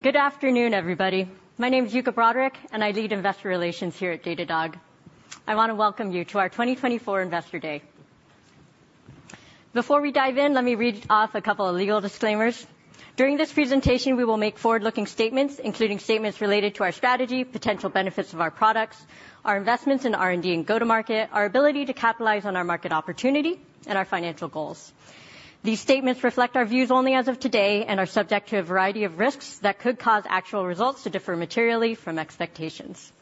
Good afternoon, everybody. My name is Yuka Broderick, and I lead Investor Relations here at Datadog. I want to welcome you to our 2024 Investor Day. Before we dive in, let me read off a couple of legal disclaimers. During this presentation, we will make forward-looking statements, including statements related to our strategy, potential benefits of our products, our investments in R&D and go-to-market, our ability to capitalize on our market opportunity, and our financial goals. These statements reflect our views only as of today and are subject to a variety of risks that could cause actual results to differ materially from expectations.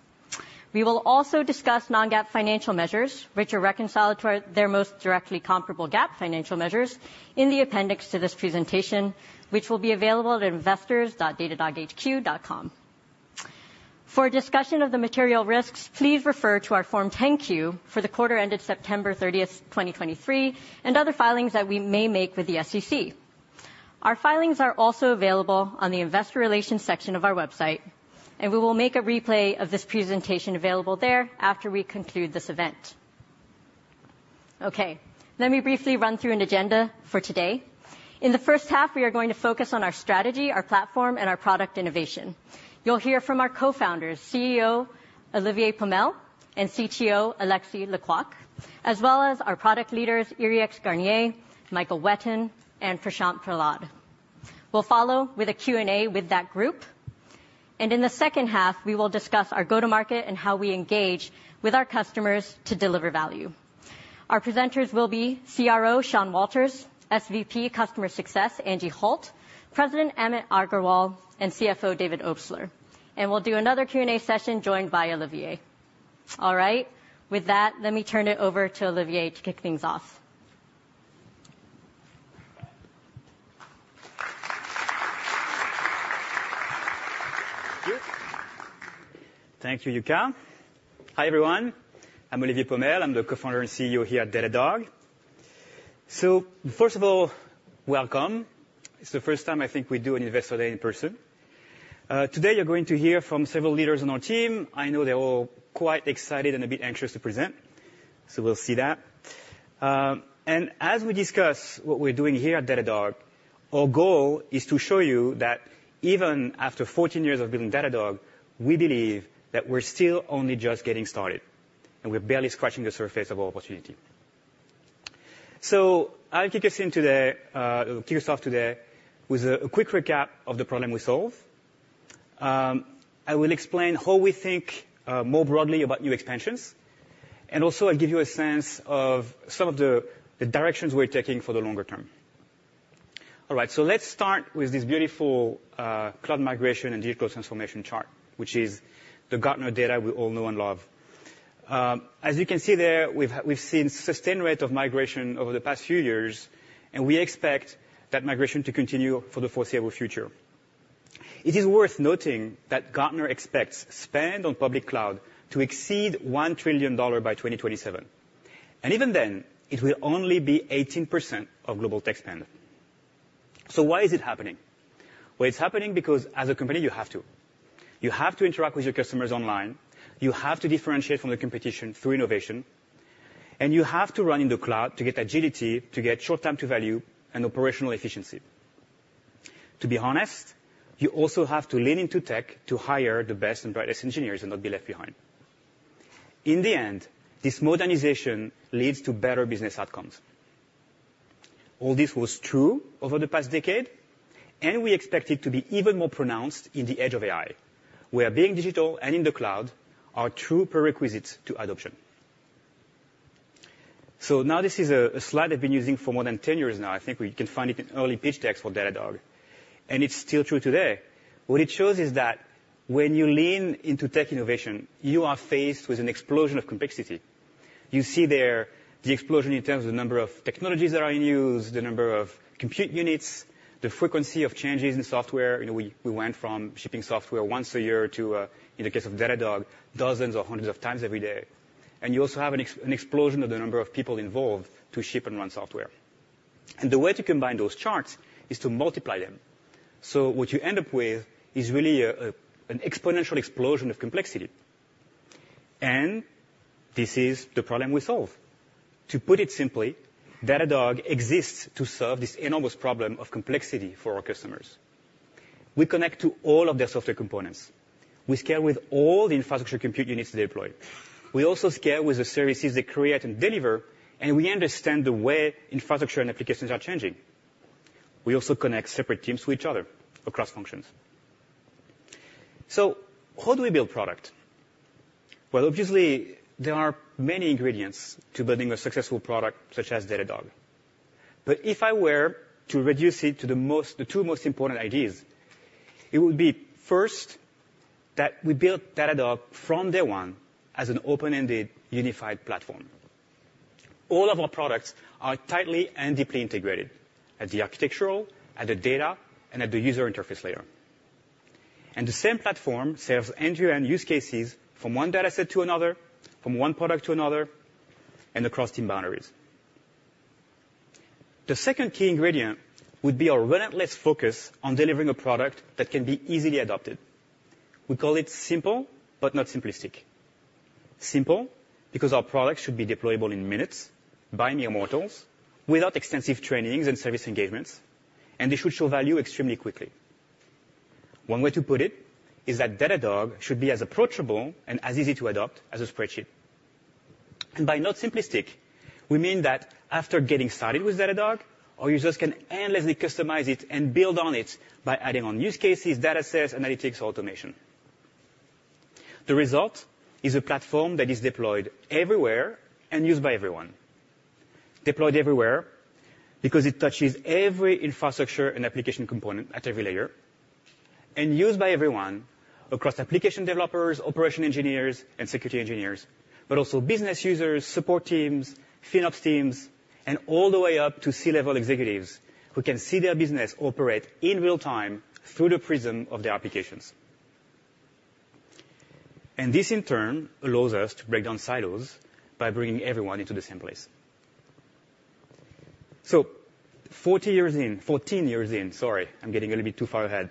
We will also discuss non-GAAP financial measures, which are reconciled to their most directly comparable GAAP financial measures, in the appendix to this presentation, which will be available at investors.datadoghq.com. For discussion of the material risks, please refer to our Form 10-Q for the quarter ended September 30, 2023, and other filings that we may make with the SEC. Our filings are also available on the Investor Relations section of our website, and we will make a replay of this presentation available there after we conclude this event. Okay, let me briefly run through an agenda for today. In the first half, we are going to focus on our strategy, our platform, and our product innovation. You'll hear from our co-founders, CEO Olivier Pomel and CTO Alexis Lê-Quôc, as well as our product leaders Yrieix Garnier, Michael Whetten, and Prashant Prahlad. We'll follow with a Q&A with that group. And in the second half, we will discuss our go-to-market and how we engage with our customers to deliver value. Our presenters will be CRO Sean Walters, SVP Customer Success Angie Holt, President Amit Agarwal, and CFO David Obstler. We'll do another Q&A session joined by Olivier. All right, with that, let me turn it over to Olivier to kick things off. Thank you, Yuka. Hi everyone. I'm Olivier Pomel, I'm the co-founder and CEO here at Datadog. So first of all, welcome. It's the first time I think we do an Investor Day in person. Today you're going to hear from several leaders on our team. I know they're all quite excited and a bit anxious to present, so we'll see that. As we discuss what we're doing here at Datadog, our goal is to show you that even after 14 years of building Datadog, we believe that we're still only just getting started, and we're barely scratching the surface of our opportunity. So I'll kick us off today with a quick recap of the problem we solve. I will explain how we think more broadly about new expansions, and also I'll give you a sense of some of the directions we're taking for the longer term. All right, so let's start with this beautiful cloud migration and digital transformation chart, which is the Gartner data we all know and love. As you can see there, we've seen sustained rate of migration over the past few years, and we expect that migration to continue for the foreseeable future. It is worth noting that Gartner expects spend on public cloud to exceed $1 trillion by 2027. And even then, it will only be 18% of global tech spend. So why is it happening? Well, it's happening because as a company, you have to. You have to interact with your customers online, you have to differentiate from the competition through innovation, and you have to run in the cloud to get agility, to get short time-to-value, and operational efficiency. To be honest, you also have to lean into tech to hire the best and brightest engineers and not be left behind. In the end, this modernization leads to better business outcomes. All this was true over the past decade, and we expect it to be even more pronounced in the age of AI, where being digital and in the cloud are true prerequisites to adoption. So now this is a slide I've been using for more than 10 years now. I think you can find it in early pitch decks for Datadog. And it's still true today. What it shows is that when you lean into tech innovation, you are faced with an explosion of complexity. You see there the explosion in terms of the number of technologies that are in use, the number of compute units, the frequency of changes in software. We went from shipping software once a year to, in the case of Datadog, dozens or hundreds of times every day. You also have an explosion of the number of people involved to ship and run software. The way to combine those charts is to multiply them. So what you end up with is really an exponential explosion of complexity. This is the problem we solve. To put it simply, Datadog exists to solve this enormous problem of complexity for our customers. We connect to all of their software components. We scale with all the infrastructure compute units they deploy. We also scale with the services they create and deliver, and we understand the way infrastructure and applications are changing. We also connect separate teams to each other across functions. So how do we build product? Well, obviously, there are many ingredients to building a successful product such as Datadog. But if I were to reduce it to the two most important ideas, it would be, first, that we build Datadog from day one as an open-ended, unified platform. All of our products are tightly and deeply integrated at the architectural, at the data, and at the user interface layer. The same platform serves end-to-end use cases from one dataset to another, from one product to another, and across team boundaries. The second key ingredient would be our relentless focus on delivering a product that can be easily adopted. We call it simple but not simplistic. Simply because our products should be deployable in minutes, by mere mortals, without extensive trainings and service engagements, and they should show value extremely quickly. One way to put it is that Datadog should be as approachable and as easy to adopt as a spreadsheet. By not simplistic, we mean that after getting started with Datadog, our users can endlessly customize it and build on it by adding on use cases, datasets, analytics, or automation. The result is a platform that is deployed everywhere and used by everyone. Deployed everywhere because it touches every infrastructure and application component at every layer, and used by everyone across application developers, operation engineers, and security engineers, but also business users, support teams, FinOps teams, and all the way up to C-level executives who can see their business operate in real time through the prism of their applications. And this, in turn, allows us to break down silos by bringing everyone into the same place. So 14 years in—sorry, I'm getting a little bit too far ahead.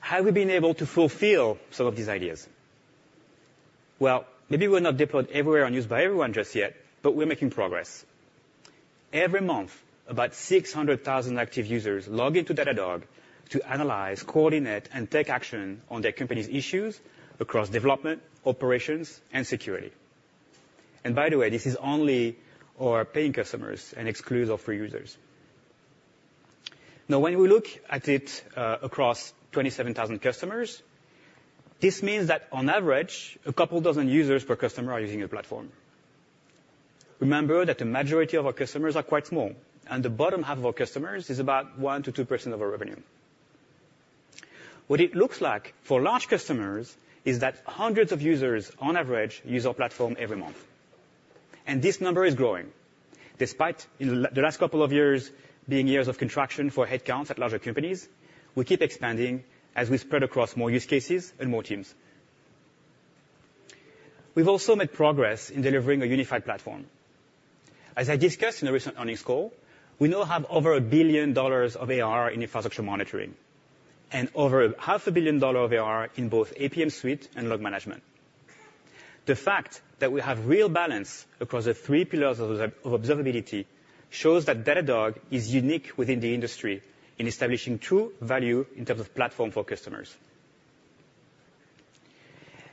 Have we been able to fulfill some of these ideas? Well, maybe we're not deployed everywhere and used by everyone just yet, but we're making progress. Every month, about 600,000 active users log into Datadog to analyze, coordinate, and take action on their company's issues across development, operations, and security. And by the way, this is only our paying customers and exclusive for users. Now, when we look at it across 27,000 customers, this means that, on average, a couple dozen users per customer are using the platform. Remember that the majority of our customers are quite small, and the bottom half of our customers is about 1%-2% of our revenue. What it looks like for large customers is that hundreds of users, on average, use our platform every month. This number is growing. Despite the last couple of years being years of contraction for headcounts at larger companies, we keep expanding as we spread across more use cases and more teams. We've also made progress in delivering a unified platform. As I discussed in a recent earnings call, we now have over $1 billion of ARR in infrastructure monitoring, and over half $1 billion of ARR in both APM suite and Log Management. The fact that we have real balance across the three pillars of observability shows that Datadog is unique within the industry in establishing true value in terms of platform for customers.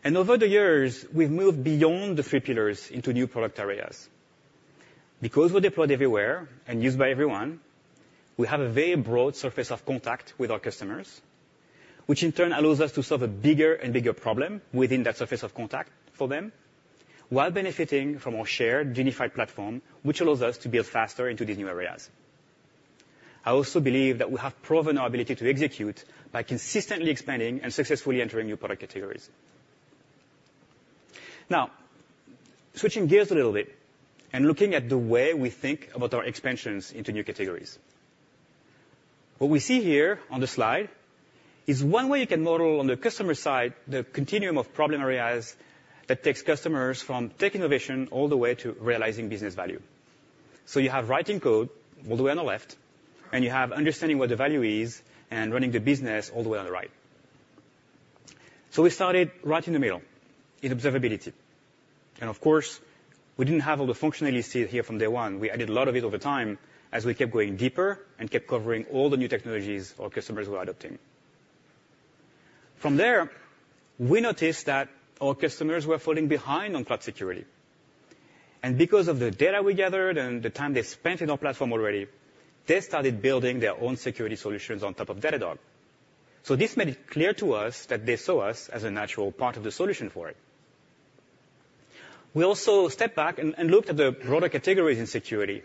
Over the years, we've moved beyond the three pillars into new product areas. Because we're deployed everywhere and used by everyone, we have a very broad surface of contact with our customers, which in turn allows us to solve a bigger and bigger problem within that surface of contact for them, while benefiting from our shared unified platform, which allows us to build faster into these new areas. I also believe that we have proven our ability to execute by consistently expanding and successfully entering new product categories. Now, switching gears a little bit and looking at the way we think about our expansions into new categories. What we see here on the slide is one way you can model on the customer side the continuum of problem areas that takes customers from tech innovation all the way to realizing business value. So you have writing code all the way on the left, and you have understanding what the value is and running the business all the way on the right. So we started right in the middle in observability. And of course, we didn't have all the functionality here from day one. We added a lot of it over time as we kept going deeper and kept covering all the new technologies our customers were adopting. From there, we noticed that our customers were falling behind on cloud security. And because of the data we gathered and the time they spent in our platform already, they started building their own security solutions on top of Datadog. So this made it clear to us that they saw us as a natural part of the solution for it. We also stepped back and looked at the broader categories in security.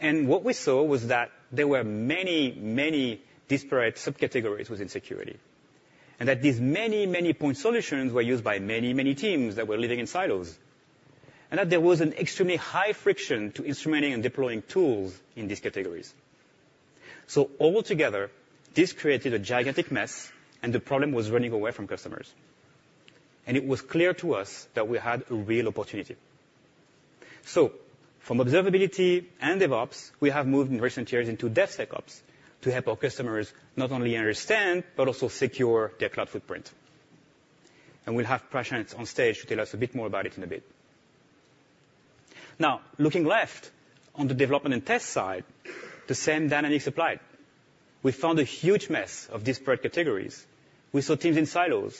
What we saw was that there were many, many disparate subcategories within security, and that these many, many point solutions were used by many, many teams that were living in silos, and that there was an extremely high friction to instrumenting and deploying tools in these categories. Altogether, this created a gigantic mess, and the problem was running away from customers. It was clear to us that we had a real opportunity. From observability and DevOps, we have moved in recent years into DevSecOps to help our customers not only understand but also secure their cloud footprint. We'll have Prashant on stage to tell us a bit more about it in a bit. Now, looking left on the development and test side, the same dynamics applied. We found a huge mess of disparate categories. We saw teams in silos.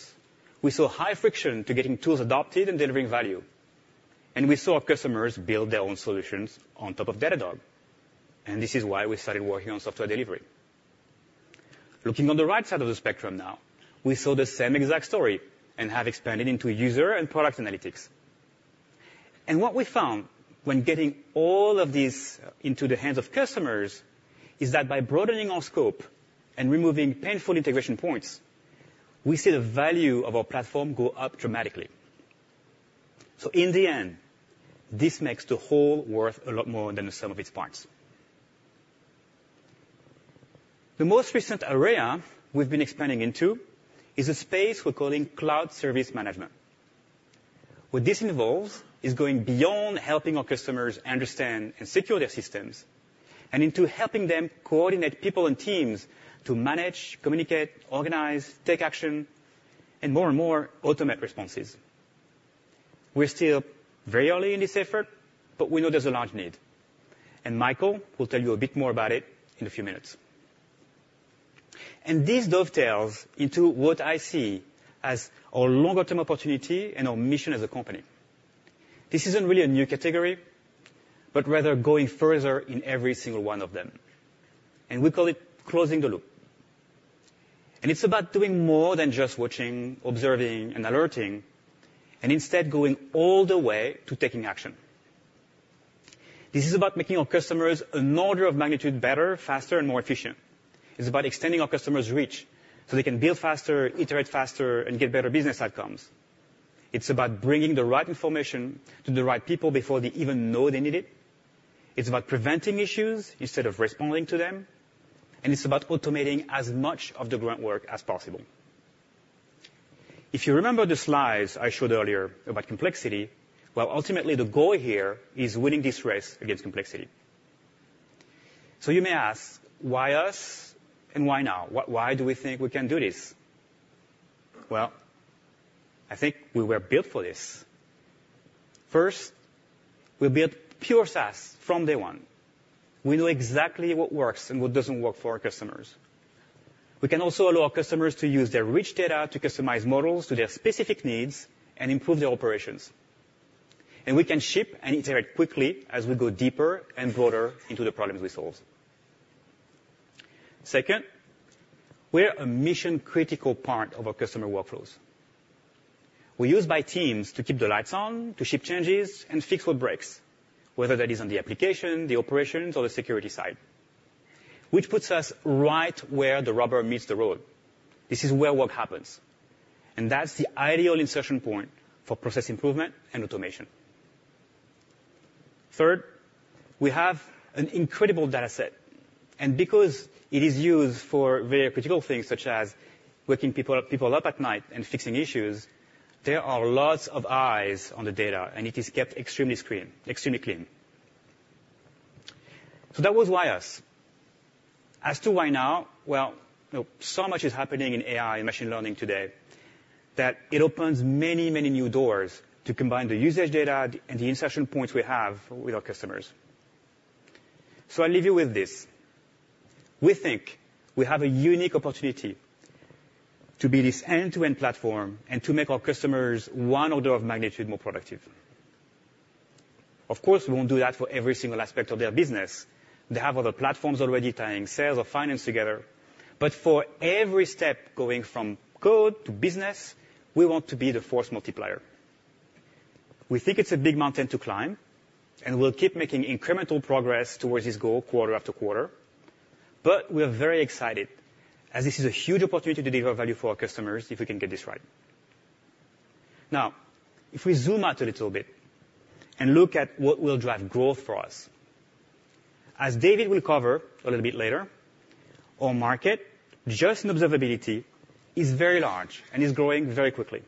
We saw high friction to getting tools adopted and delivering value. We saw our customers build their own solutions on top of Datadog. This is why we started working on software delivery. Looking on the right side of the spectrum now, we saw the same exact story and have expanded into user and product analytics. What we found when getting all of this into the hands of customers is that by broadening our scope and removing painful integration points, we see the value of our platform go up dramatically. In the end, this makes the whole worth a lot more than the sum of its parts. The most recent area we've been expanding into is a space we're calling Cloud Service Management. What this involves is going beyond helping our customers understand and secure their systems and into helping them coordinate people and teams to manage, communicate, organize, take action, and more and more automate responses. We're still very early in this effort, but we know there's a large need. Michael will tell you a bit more about it in a few minutes. This dovetails into what I see as our longer-term opportunity and our mission as a company. This isn't really a new category, but rather going further in every single one of them. We call it closing the loop. It's about doing more than just watching, observing, and alerting, and instead going all the way to taking action. This is about making our customers an order of magnitude better, faster, and more efficient. It's about extending our customers' reach so they can build faster, iterate faster, and get better business outcomes. It's about bringing the right information to the right people before they even know they need it. It's about preventing issues instead of responding to them. And it's about automating as much of the grunt work as possible. If you remember the slides I showed earlier about complexity, well, ultimately, the goal here is winning this race against complexity. So you may ask, why us and why now? Why do we think we can do this? Well, I think we were built for this. First, we built pure SaaS from day one. We know exactly what works and what doesn't work for our customers. We can also allow our customers to use their rich data to customize models to their specific needs and improve their operations. We can ship and iterate quickly as we go deeper and broader into the problems we solve. Second, we're a mission-critical part of our customer workflows. We're used by teams to keep the lights on, to ship changes, and fix what breaks, whether that is on the application, the operations, or the security side, which puts us right where the rubber meets the road. This is where work happens. And that's the ideal insertion point for process improvement and automation. Third, we have an incredible dataset. And because it is used for very critical things such as waking people up at night and fixing issues, there are lots of eyes on the data, and it is kept extremely clean. So that was why us. As to why now, well, so much is happening in AI and machine learning today that it opens many, many new doors to combine the usage data and the insertion points we have with our customers. So I'll leave you with this. We think we have a unique opportunity to be this end-to-end platform and to make our customers one order of magnitude more productive. Of course, we won't do that for every single aspect of their business. They have other platforms already tying sales or finance together. But for every step going from code to business, we want to be the force multiplier. We think it's a big mountain to climb, and we'll keep making incremental progress towards this goal quarter after quarter. But we are very excited as this is a huge opportunity to deliver value for our customers if we can get this right. Now, if we zoom out a little bit and look at what will drive growth for us, as David will cover a little bit later, our market just in observability is very large and is growing very quickly.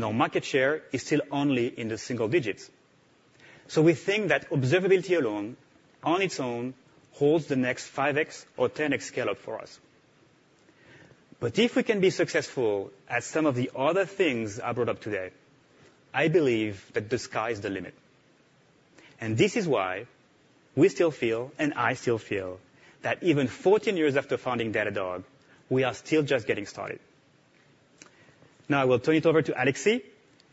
Our market share is still only in the single digits. We think that observability alone, on its own, holds the next 5x or 10x scale-up for us. But if we can be successful at some of the other things I brought up today, I believe that the sky is the limit. This is why we still feel, and I still feel, that even 14 years after founding Datadog, we are still just getting started. Now, I will turn it over to Alexis,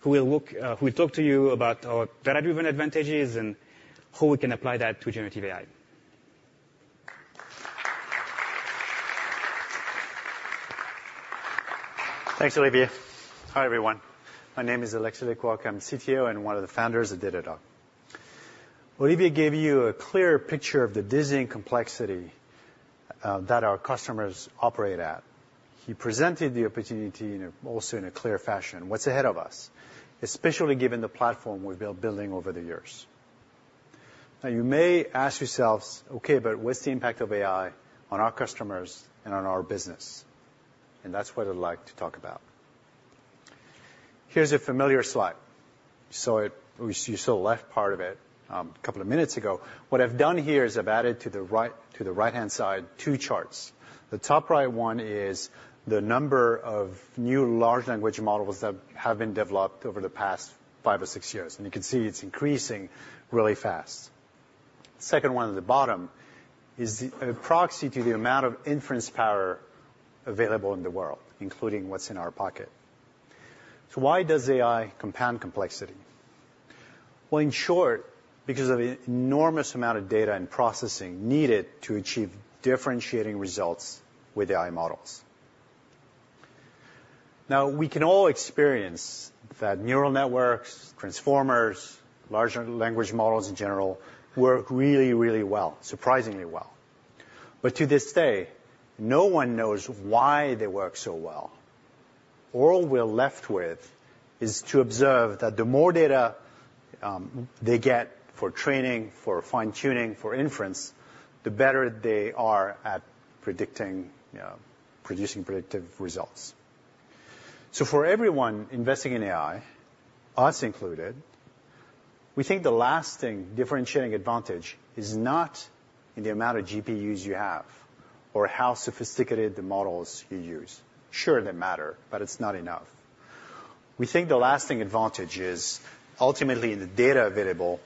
who will talk to you about our data-driven advantages and how we can apply that to generative AI. Thanks, Olivier. Hi, everyone. My name is Alexis Lê-Quôc. I'm CTO and one of the founders of Datadog. Olivier gave you a clear picture of the dizzying complexity that our customers operate at. He presented the opportunity also in a clear fashion. What's ahead of us, especially given the platform we've been building over the years? Now, you may ask yourselves, OK, but what's the impact of AI on our customers and on our business? And that's what I'd like to talk about. Here's a familiar slide. So you saw the left part of it a couple of minutes ago. What I've done here is I've added to the right-hand side two charts. The top right one is the number of new large language models that have been developed over the past five or six years. And you can see it's increasing really fast. The second one at the bottom is a proxy to the amount of inference power available in the world, including what's in our pocket. So why does AI compound complexity? Well, in short, because of the enormous amount of data and processing needed to achieve differentiating results with AI models. Now, we can all experience that neural networks, transformers, large language models in general work really, really well, surprisingly well. But to this day, no one knows why they work so well. All we're left with is to observe that the more data they get for training, for fine-tuning, for inference, the better they are at producing predictive results. So for everyone investing in AI, us included, we think the lasting differentiating advantage is not in the amount of GPUs you have or how sophisticated the models you use. Sure, they matter, but it's not enough. We think the lasting advantage is ultimately in the data available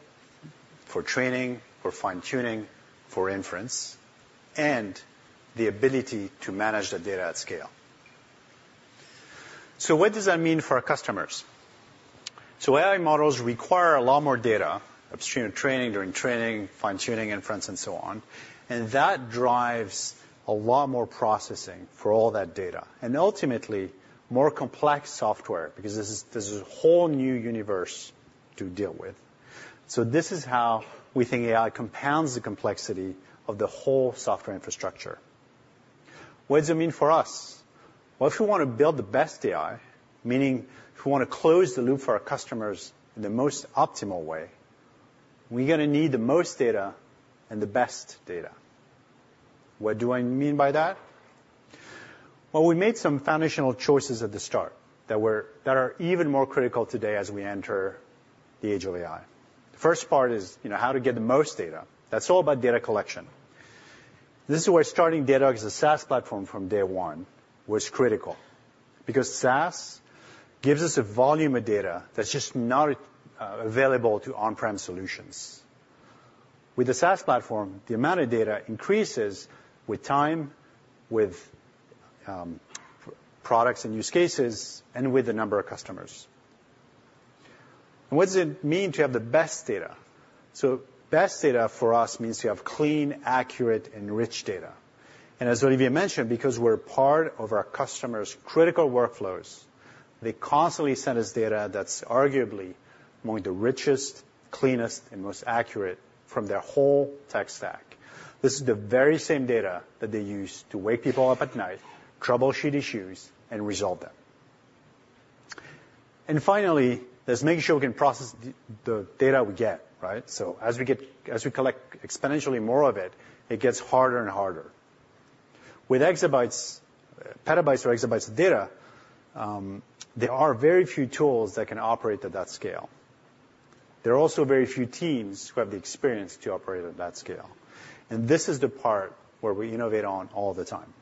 for training, for fine-tuning, for inference, and the ability to manage the data at scale. So what does that mean for our customers? So AI models require a lot more data upstream of training, during training, fine-tuning, inference, and so on. And that drives a lot more processing for all that data and ultimately more complex software because this is a whole new universe to deal with. So this is how we think AI compounds the complexity of the whole software infrastructure. What does it mean for us? Well, if we want to build the best AI, meaning if we want to close the loop for our customers in the most optimal way, we're going to need the most data and the best data. What do I mean by that? Well, we made some foundational choices at the start that are even more critical today as we enter the age of AI. The first part is how to get the most data. That's all about data collection. This is where starting Datadog as a SaaS platform from day one was critical because SaaS gives us a volume of data that's just not available to on-prem solutions. With the SaaS platform, the amount of data increases with time, with products and use cases, and with the number of customers. And what does it mean to have the best data? So best data for us means you have clean, accurate, and rich data. And as Olivier mentioned, because we're part of our customers' critical workflows, they constantly send us data that's arguably among the richest, cleanest, and most accurate from their whole tech stack. This is the very same data that they use to wake people up at night, troubleshoot issues, and resolve them. And finally, there's making sure we can process the data we get. So as we collect exponentially more of it, it gets harder and harder. With petabytes or exabytes of data, there are very few tools that can operate at that scale. There are also very few teams who have the experience to operate at that scale. And this is the part where we innovate on all the time.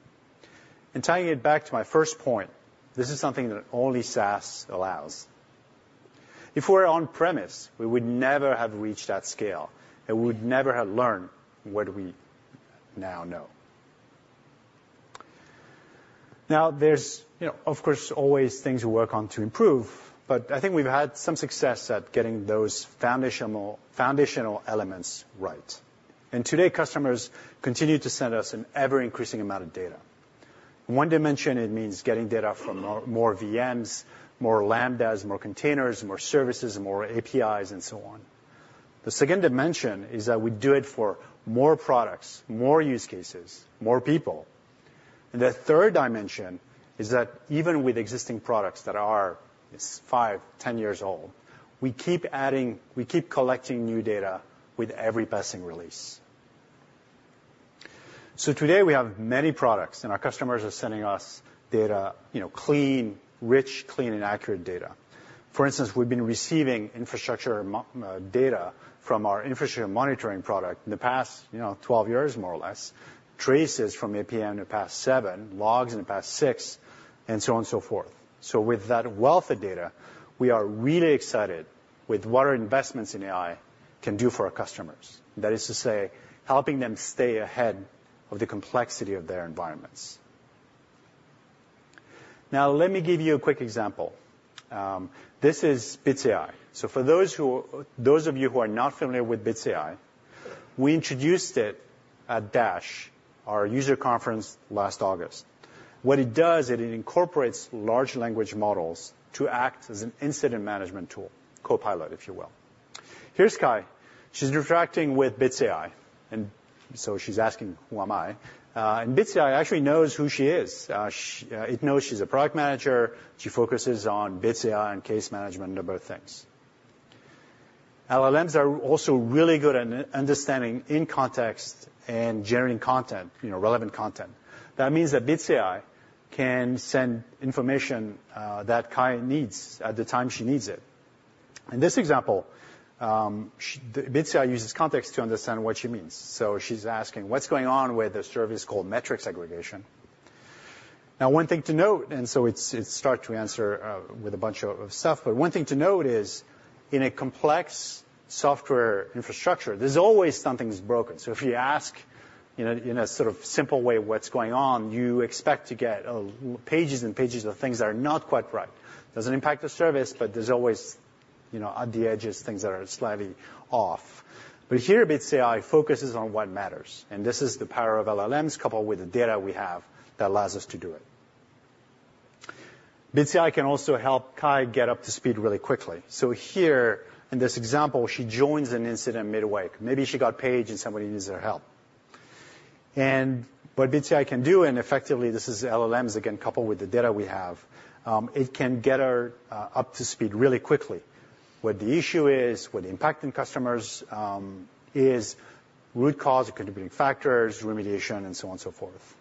And tying it back to my first point, this is something that only SaaS allows. If we were on-premise, we would never have reached that scale, and we would never have learned what we now know. Now, there's, of course, always things to work on to improve. But I think we've had some success at getting those foundational elements right. Today, customers continue to send us an ever-increasing amount of data. One dimension, it means getting data from more VMs, more Lambdas, more containers, more services, more APIs, and so on. The second dimension is that we do it for more products, more use cases, more people. The third dimension is that even with existing products that are 5, 10 years old, we keep adding we keep collecting new data with every passing release. Today, we have many products. Our customers are sending us clean, rich, clean, and accurate data. For instance, we've been receiving infrastructure data from our infrastructure monitoring product in the past 12 years, more or less, traces from APM in the past 7, logs in the past 6, and so on and so forth. So with that wealth of data, we are really excited with what our investments in AI can do for our customers. That is to say, helping them stay ahead of the complexity of their environments. Now, let me give you a quick example. This is Bits AI. So for those of you who are not familiar with Bits AI, we introduced it at DASH, our user conference last August. What it does, it incorporates large language models to act as an incident management tool, Copilot, if you will. Here's Kai. She's interacting with Bits AI. And so she's asking, who am I? And Bits AI actually knows who she is. It knows she's a product manager. She focuses on Bits AI and case management and other things. LLMs are also really good at understanding in-context and generating relevant content. That means that Bits AI can send information that Kai needs at the time she needs it. In this example, Bits AI uses context to understand what she means. So she's asking, what's going on with a service called metrics aggregation? Now, one thing to note, and so it starts to answer with a bunch of stuff. But one thing to note is, in a complex software infrastructure, there's always something that's broken. So if you ask in a sort of simple way what's going on, you expect to get pages and pages of things that are not quite right. Doesn't impact the service, but there's always at the edges things that are slightly off. But here, Bits AI focuses on what matters. And this is the power of LLMs coupled with the data we have that allows us to do it. Bits AI can also help Kai get up to speed really quickly. So here, in this example, she joins an incident midway. Maybe she got paged, and somebody needs her help. But Bits AI can do and effectively, this is LLMs, again, coupled with the data we have. It can get her up to speed really quickly. What the issue is, what the impact on customers is, root cause, contributing factors, remediation, and so on and so forth.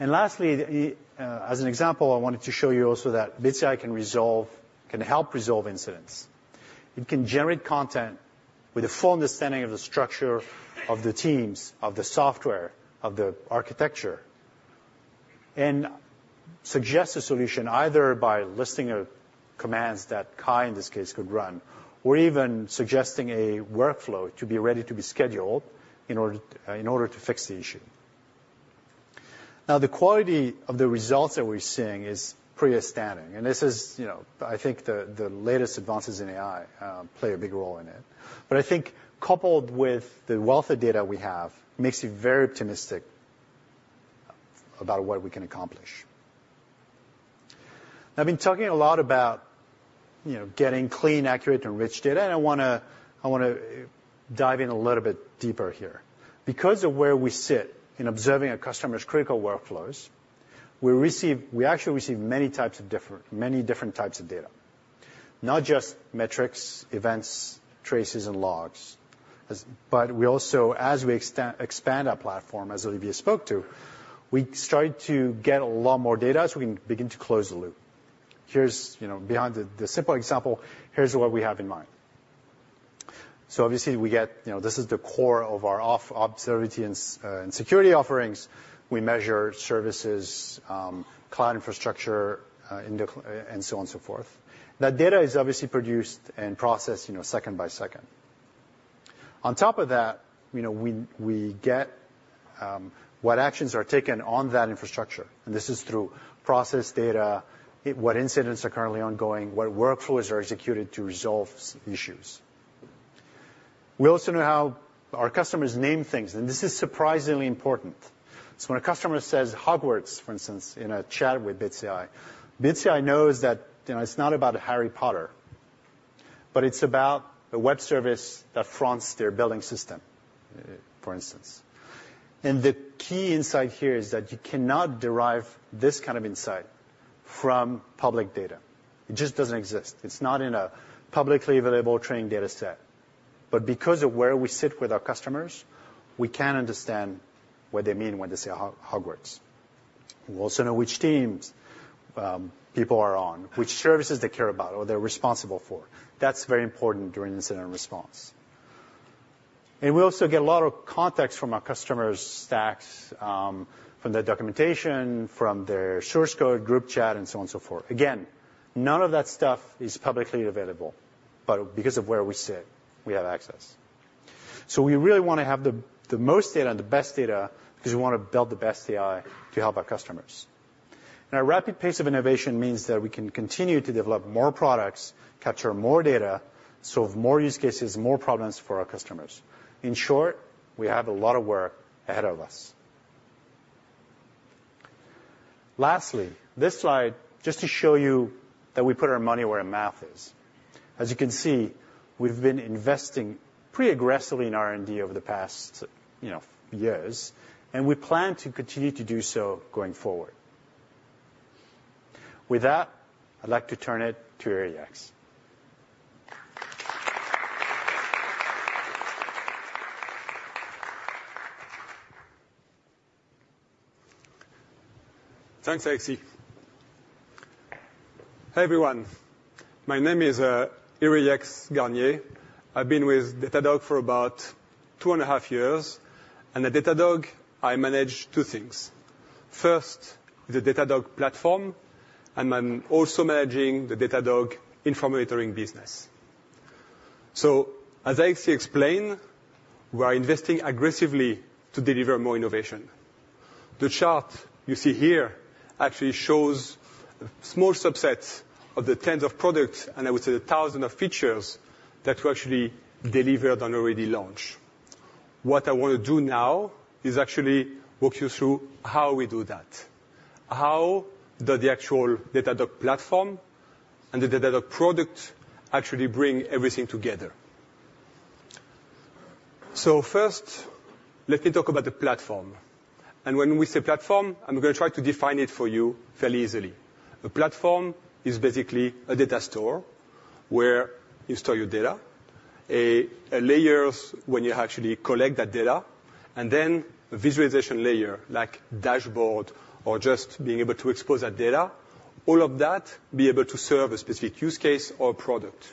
And lastly, as an example, I wanted to show you also that Bits AI can help resolve incidents. It can generate content with a full understanding of the structure of the teams, of the software, of the architecture, and suggest a solution either by listing commands that Kai, in this case, could run or even suggesting a workflow to be ready to be scheduled in order to fix the issue. Now, the quality of the results that we're seeing is pretty outstanding. This is, I think, the latest advances in AI play a big role in it. I think coupled with the wealth of data we have, it makes you very optimistic about what we can accomplish. I've been talking a lot about getting clean, accurate, and rich data. I want to dive in a little bit deeper here. Because of where we sit in observing our customers' critical workflows, we actually receive many types of different types of data, not just metrics, events, traces, and logs. But also, as we expand our platform, as Olivier spoke to, we started to get a lot more data so we can begin to close the loop. Behind the simple example, here's what we have in mind. Obviously, we get this is the core of our observability and security offerings. We measure services, cloud infrastructure, and so on and so forth. That data is obviously produced and processed second by second. On top of that, we get what actions are taken on that infrastructure. This is through processed data, what incidents are currently ongoing, what workflows are executed to resolve issues. We also know how our customers name things. This is surprisingly important. So when a customer says Hogwarts, for instance, in a chat with Bits AI, Bits AI knows that it's not about Harry Potter, but it's about a web service that fronts their building system, for instance. The key insight here is that you cannot derive this kind of insight from public data. It just doesn't exist. It's not in a publicly available training data set. But because of where we sit with our customers, we can understand what they mean when they say Hogwarts. We also know which teams people are on, which services they care about or they're responsible for. That's very important during incident response. We also get a lot of context from our customers' stacks, from their documentation, from their source code, group chat, and so on and so forth. Again, none of that stuff is publicly available. Because of where we sit, we have access. We really want to have the most data and the best data because we want to build the best AI to help our customers. Our rapid pace of innovation means that we can continue to develop more products, capture more data, solve more use cases, more problems for our customers. In short, we have a lot of work ahead of us. Lastly, this slide just to show you that we put our money where our math is. As you can see, we've been investing pretty aggressively in R&D over the past years. We plan to continue to do so going forward. With that, I'd like to turn it to Yrieix. Thanks, Alexis. Hey, everyone. My name is Yrieix Garnier. I've been with Datadog for about 2.5 years. At Datadog, I manage two things. First, the Datadog platform. I'm also managing the Datadog Infrastructure Monitoring business. As Alexis explained, we are investing aggressively to deliver more innovation. The chart you see here actually shows a small subset of the tens of products and, I would say, the thousands of features that were actually delivered on already launched. What I want to do now is actually walk you through how we do that, how the actual Datadog platform and the Datadog product actually bring everything together. First, let me talk about the platform. When we say platform, I'm going to try to define it for you fairly easily. A platform is basically a data store where you store your data, layers when you actually collect that data, and then a visualization layer like dashboard or just being able to expose that data, all of that be able to serve a specific use case or a product.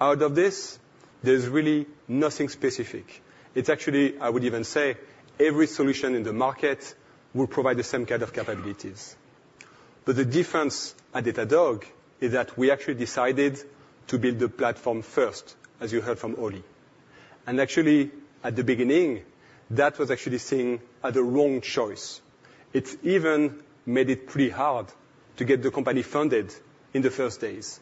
Out of this, there's really nothing specific. It's actually, I would even say, every solution in the market will provide the same kind of capabilities. But the difference at Datadog is that we actually decided to build the platform first, as you heard from Oli. And actually, at the beginning, that was actually seen as a wrong choice. It even made it pretty hard to get the company funded in the first days.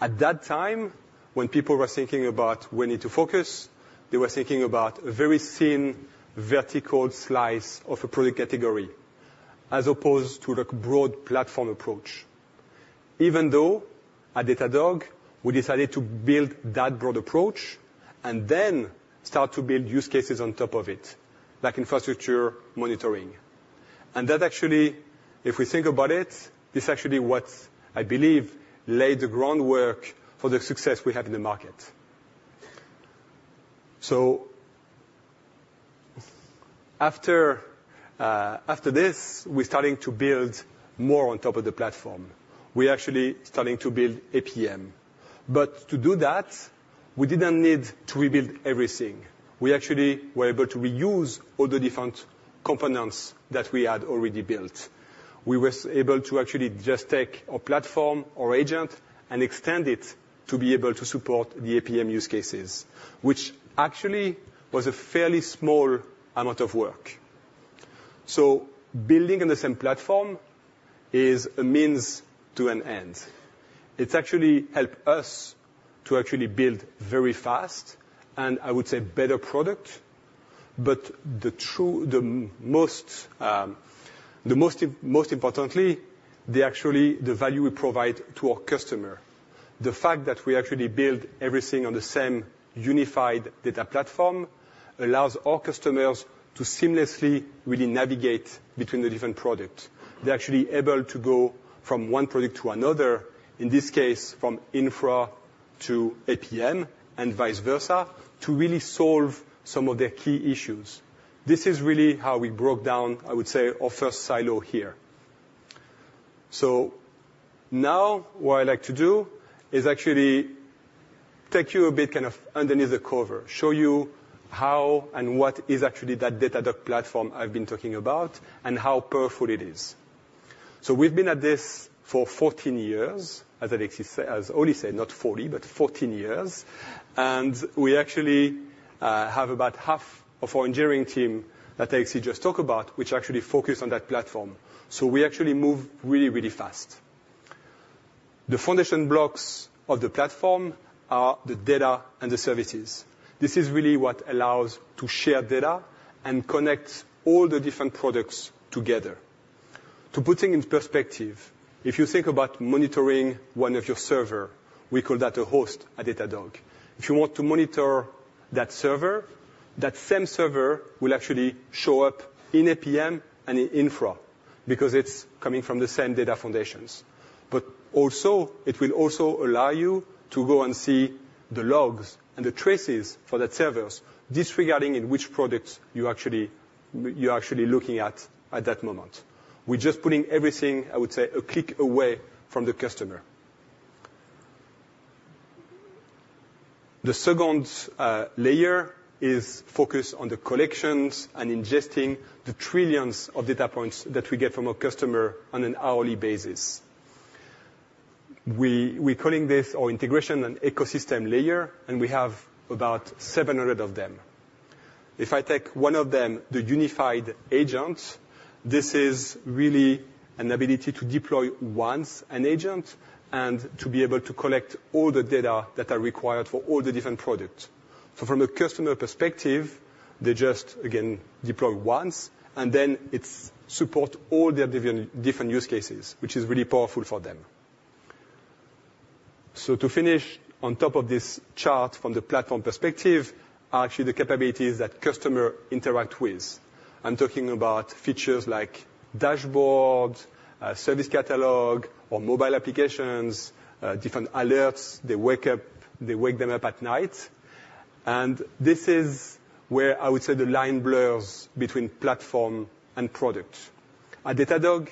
At that time, when people were thinking about where to focus, they were thinking about a very thin, vertical slice of a product category as opposed to a broad platform approach. Even though at Datadog, we decided to build that broad approach and then start to build use cases on top of it, like Infrastructure Monitoring. That actually, if we think about it, is actually what I believe laid the groundwork for the success we have in the market. After this, we're starting to build more on top of the platform. We're actually starting to build APM. But to do that, we didn't need to rebuild everything. We actually were able to reuse all the different components that we had already built. We were able to actually just take our platform, our agent, and extend it to be able to support the APM use cases, which actually was a fairly small amount of work. So building on the same platform is a means to an end. It actually helps us to actually build very fast and, I would say, better products. But most importantly, actually, the value we provide to our customer, the fact that we actually build everything on the same unified data platform, allows our customers to seamlessly really navigate between the different products. They're actually able to go from one product to another, in this case, from infra to APM and vice versa, to really solve some of their key issues. This is really how we broke down, I would say, our first silo here. So now, what I'd like to do is actually take you a bit kind of underneath the cover, show you how and what is actually that Datadog platform I've been talking about and how powerful it is. We've been at this for 14 years, as Oli said, not 40, but 14 years. We actually have about half of our engineering team that Alexis just talked about, which actually focused on that platform. We actually move really, really fast. The foundation blocks of the platform are the data and the services. This is really what allows us to share data and connect all the different products together. To put things in perspective, if you think about monitoring one of your servers, we call that a host at Datadog. If you want to monitor that server, that same server will actually show up in APM and in infra because it's coming from the same data foundations. But also, it will also allow you to go and see the logs and the traces for that server disregarding which products you're actually looking at at that moment. We're just putting everything, I would say, a click away from the customer. The second layer is focused on the collections and ingesting the trillions of data points that we get from our customer on an hourly basis. We're calling this our integration and ecosystem layer. And we have about 700 of them. If I take one of them, the unified agent, this is really an ability to deploy once an agent and to be able to collect all the data that are required for all the different products. So from a customer perspective, they just, again, deploy once. And then it supports all their different use cases, which is really powerful for them. So to finish, on top of this chart from the platform perspective are actually the capabilities that customers interact with. I'm talking about features like dashboards, service catalog, or mobile applications, different alerts they wake them up at night. And this is where, I would say, the line blurs between platform and product. At Datadog,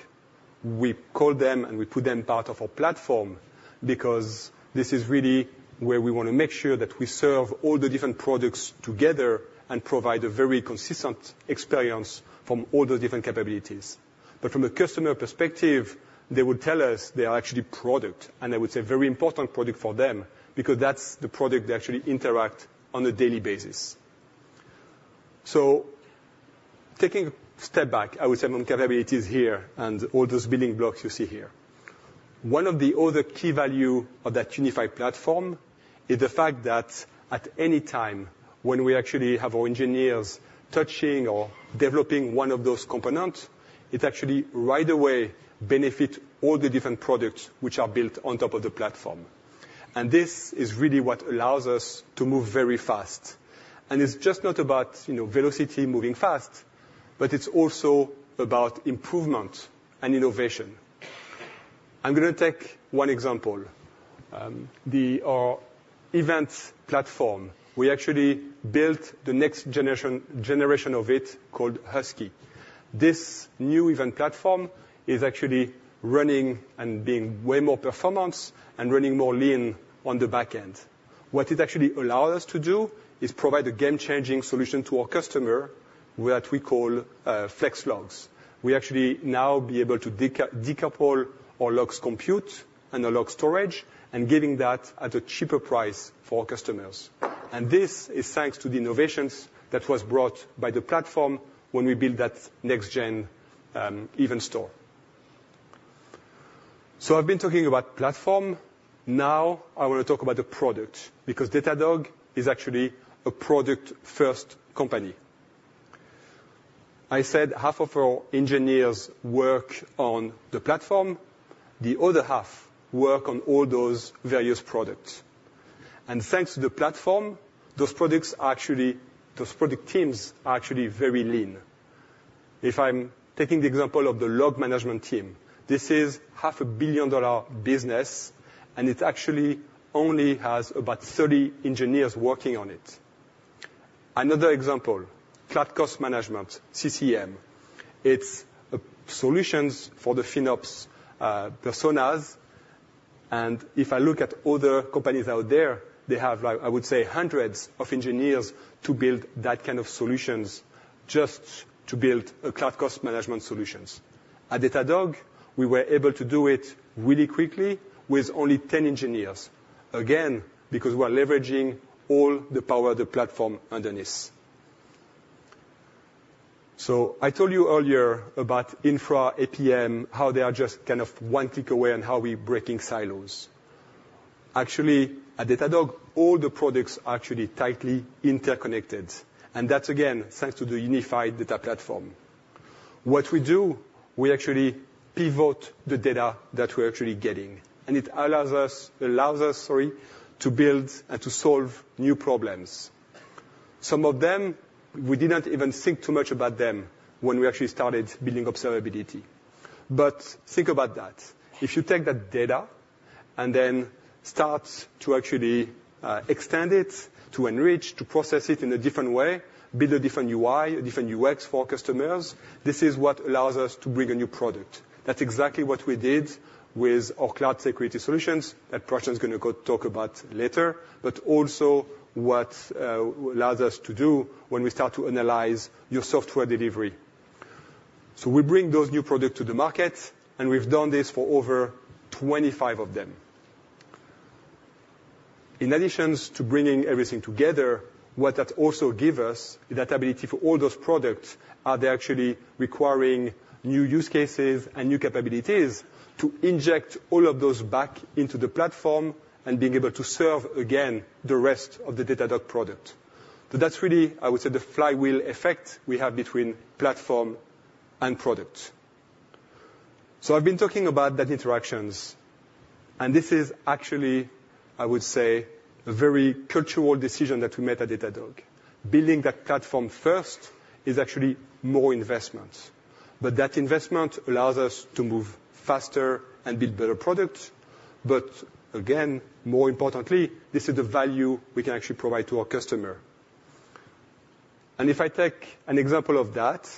we call them and we put them part of our platform because this is really where we want to make sure that we serve all the different products together and provide a very consistent experience from all the different capabilities. But from a customer perspective, they would tell us they are actually product, and I would say very important product for them because that's the product they actually interact on a daily basis. So taking a step back, I would say, from capabilities here and all those building blocks you see here, one of the other key values of that unified platform is the fact that at any time when we actually have our engineers touching or developing one of those components, it actually right away benefits all the different products which are built on top of the platform. And this is really what allows us to move very fast. And it's just not about velocity moving fast. But it's also about improvement and innovation. I'm going to take one example, our event platform. We actually built the next generation of it called Husky. This new event platform is actually running and being way more performant and running more lean on the back end. What it actually allows us to do is provide a game-changing solution to our customer that we call Flex Logs. We actually now be able to decouple our logs compute and our log storage and give that at a cheaper price for our customers. This is thanks to the innovations that were brought by the platform when we built that next-gen event store. I've been talking about platform. Now, I want to talk about the product because Datadog is actually a product-first company. I said half of our engineers work on the platform. The other half work on all those various products. And thanks to the platform, those products are actually those product teams are actually very lean. If I'm taking the example of the Log Management team, this is a $500 million business. It actually only has about 30 engineers working on it. Another example, Cloud Cost Management, CCM. It's solutions for the FinOps personas. If I look at other companies out there, they have, I would say, hundreds of engineers to build that kind of solutions just to build Cloud Cost Management solutions. At Datadog, we were able to do it really quickly with only 10 engineers, again, because we are leveraging all the power of the platform underneath. So I told you earlier about infra, APM, how they are just kind of one click away and how we're breaking silos. Actually, at Datadog, all the products are actually tightly interconnected. And that's, again, thanks to the unified data platform. What we do, we actually pivot the data that we're actually getting. It allows us to build and to solve new problems. Some of them, we didn't even think too much about them when we actually started building observability. But think about that. If you take that data and then start to actually extend it, to enrich, to process it in a different way, build a different UI, a different UX for our customers, this is what allows us to bring a new product. That's exactly what we did with our cloud security solutions that Prashant is going to talk about later, but also what allows us to do when we start to analyze your software delivery. We bring those new products to the market. We've done this for over 25 of them. In addition to bringing everything together, what that also gives us is that ability for all those products, are they actually requiring new use cases and new capabilities to inject all of those back into the platform and being able to serve, again, the rest of the Datadog product? That's really, I would say, the flywheel effect we have between platform and product. I've been talking about that interactions. And this is actually, I would say, a very cultural decision that we made at Datadog. Building that platform first is actually more investment. But that investment allows us to move faster and build better products. But again, more importantly, this is the value we can actually provide to our customer. And if I take an example of that,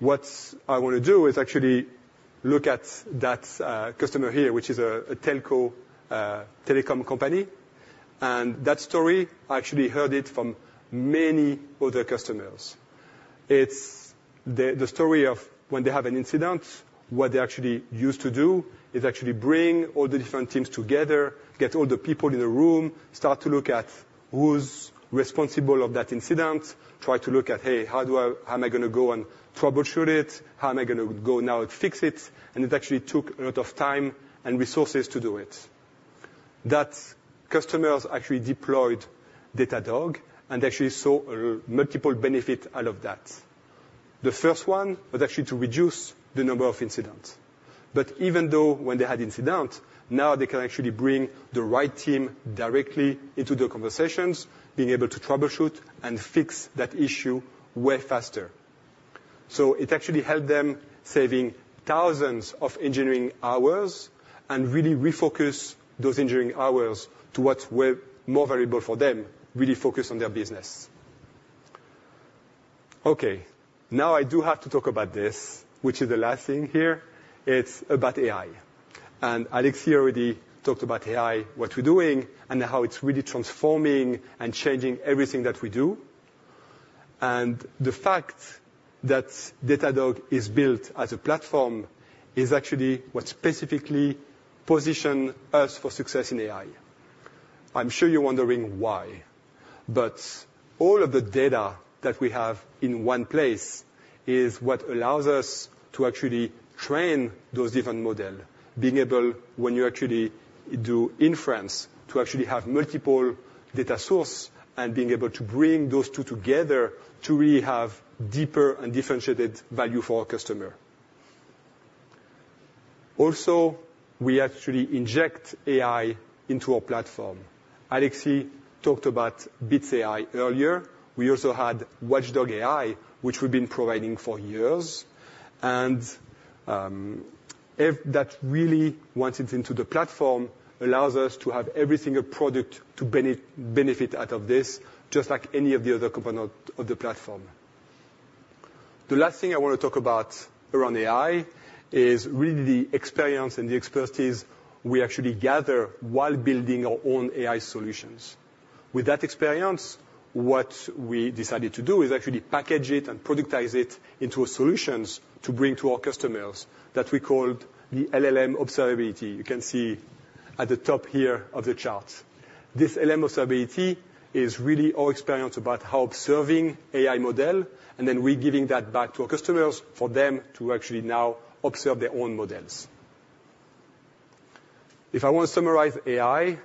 what I want to do is actually look at that customer here, which is a telco telecom company. That story, I actually heard it from many other customers. It's the story of when they have an incident, what they actually used to do is actually bring all the different teams together, get all the people in the room, start to look at who's responsible for that incident, try to look at, hey, how am I going to go and troubleshoot it? How am I going to go now and fix it? It actually took a lot of time and resources to do it. That customers actually deployed Datadog. They actually saw multiple benefits out of that. The first one was actually to reduce the number of incidents. But even though when they had incidents, now they can actually bring the right team directly into the conversations, being able to troubleshoot and fix that issue way faster. So it actually helped them save thousands of engineering hours and really refocus those engineering hours to what's more valuable for them, really focus on their business. OK. Now, I do have to talk about this, which is the last thing here. It's about AI. Alexis already talked about AI, what we're doing, and how it's really transforming and changing everything that we do. The fact that Datadog is built as a platform is actually what specifically positions us for success in AI. I'm sure you're wondering why. But all of the data that we have in one place is what allows us to actually train those different models, being able, when you actually do inference, to actually have multiple data sources and being able to bring those two together to really have deeper and differentiated value for our customer. Also, we actually inject AI into our platform. Alexis talked about Bits AI earlier. We also had Watchdog AI, which we've been providing for years. And that really once it's into the platform allows us to have every single product to benefit out of this, just like any of the other components of the platform. The last thing I want to talk about around AI is really the experience and the expertise we actually gather while building our own AI solutions. With that experience, what we decided to do is actually package it and productize it into solutions to bring to our customers that we call the LLM Observability. You can see at the top here of the chart. This LLM Observability is really our experience about how observing an AI model and then re-giving that back to our customers for them to actually now observe their own models. If I want to summarize AI,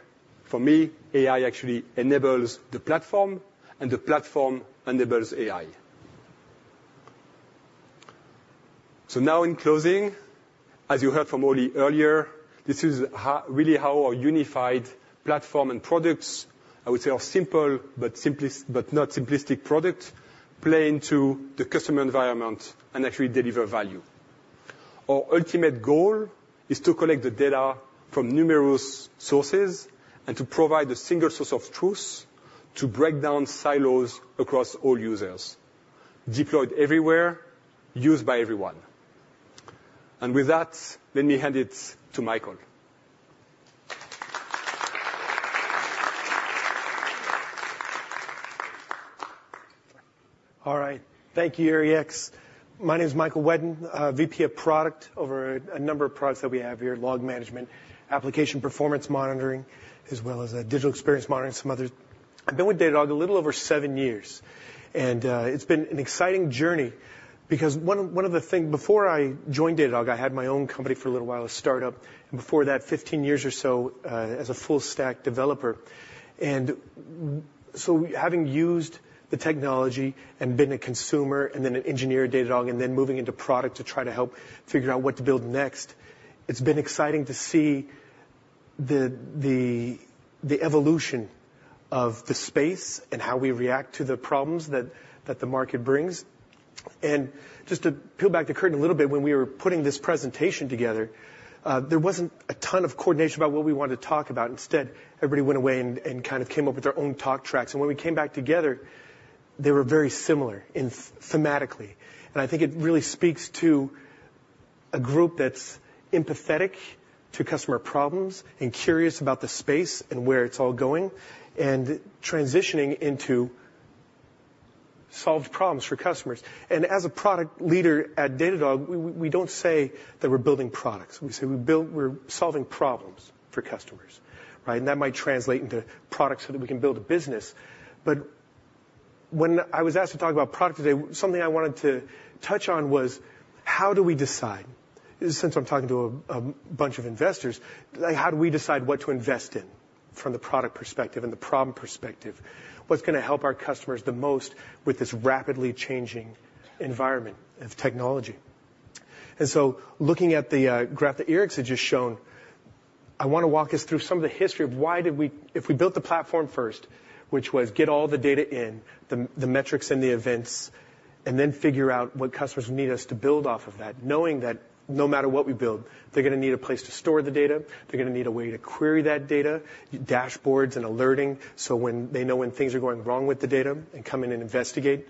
for me, AI actually enables the platform. And the platform enables AI. So now, in closing, as you heard from Oli earlier, this is really how our unified platform and products, I would say, our simple but not simplistic products play into the customer environment and actually deliver value. Our ultimate goal is to collect the data from numerous sources and to provide a single source of truth to break down silos across all users, deployed everywhere, used by everyone. And with that, let me hand it to Michael. All right. Thank you, Yrieix. My name is Michael Whetten, VP of Product over a number of products that we have here, Log Management, Application Performance Monitoring, as well as Digital Experience Monitoring, some other. I've been with Datadog a little over seven years. And it's been an exciting journey because one of the things before I joined Datadog, I had my own company for a little while, a startup. And before that, 15 years or so as a full-stack developer. And so having used the technology and been a consumer and then an engineer at Datadog and then moving into product to try to help figure out what to build next, it's been exciting to see the evolution of the space and how we react to the problems that the market brings. Just to peel back the curtain a little bit, when we were putting this presentation together, there wasn't a ton of coordination about what we wanted to talk about. Instead, everybody went away and kind of came up with their own talk tracks. When we came back together, they were very similar thematically. I think it really speaks to a group that's empathetic to customer problems and curious about the space and where it's all going and transitioning into solved problems for customers. As a product leader at Datadog, we don't say that we're building products. We say we're solving problems for customers. That might translate into products so that we can build a business. But when I was asked to talk about product today, something I wanted to touch on was how do we decide? Since I'm talking to a bunch of investors, how do we decide what to invest in from the product perspective and the problem perspective, what's going to help our customers the most with this rapidly changing environment of technology? And so looking at the graph that Yrieix had just shown, I want to walk us through some of the history of why did we if we built the platform first, which was get all the data in, the metrics and the events, and then figure out what customers need us to build off of that, knowing that no matter what we build, they're going to need a place to store the data. They're going to need a way to query that data, dashboards, and alerting so when they know when things are going wrong with the data and come in and investigate.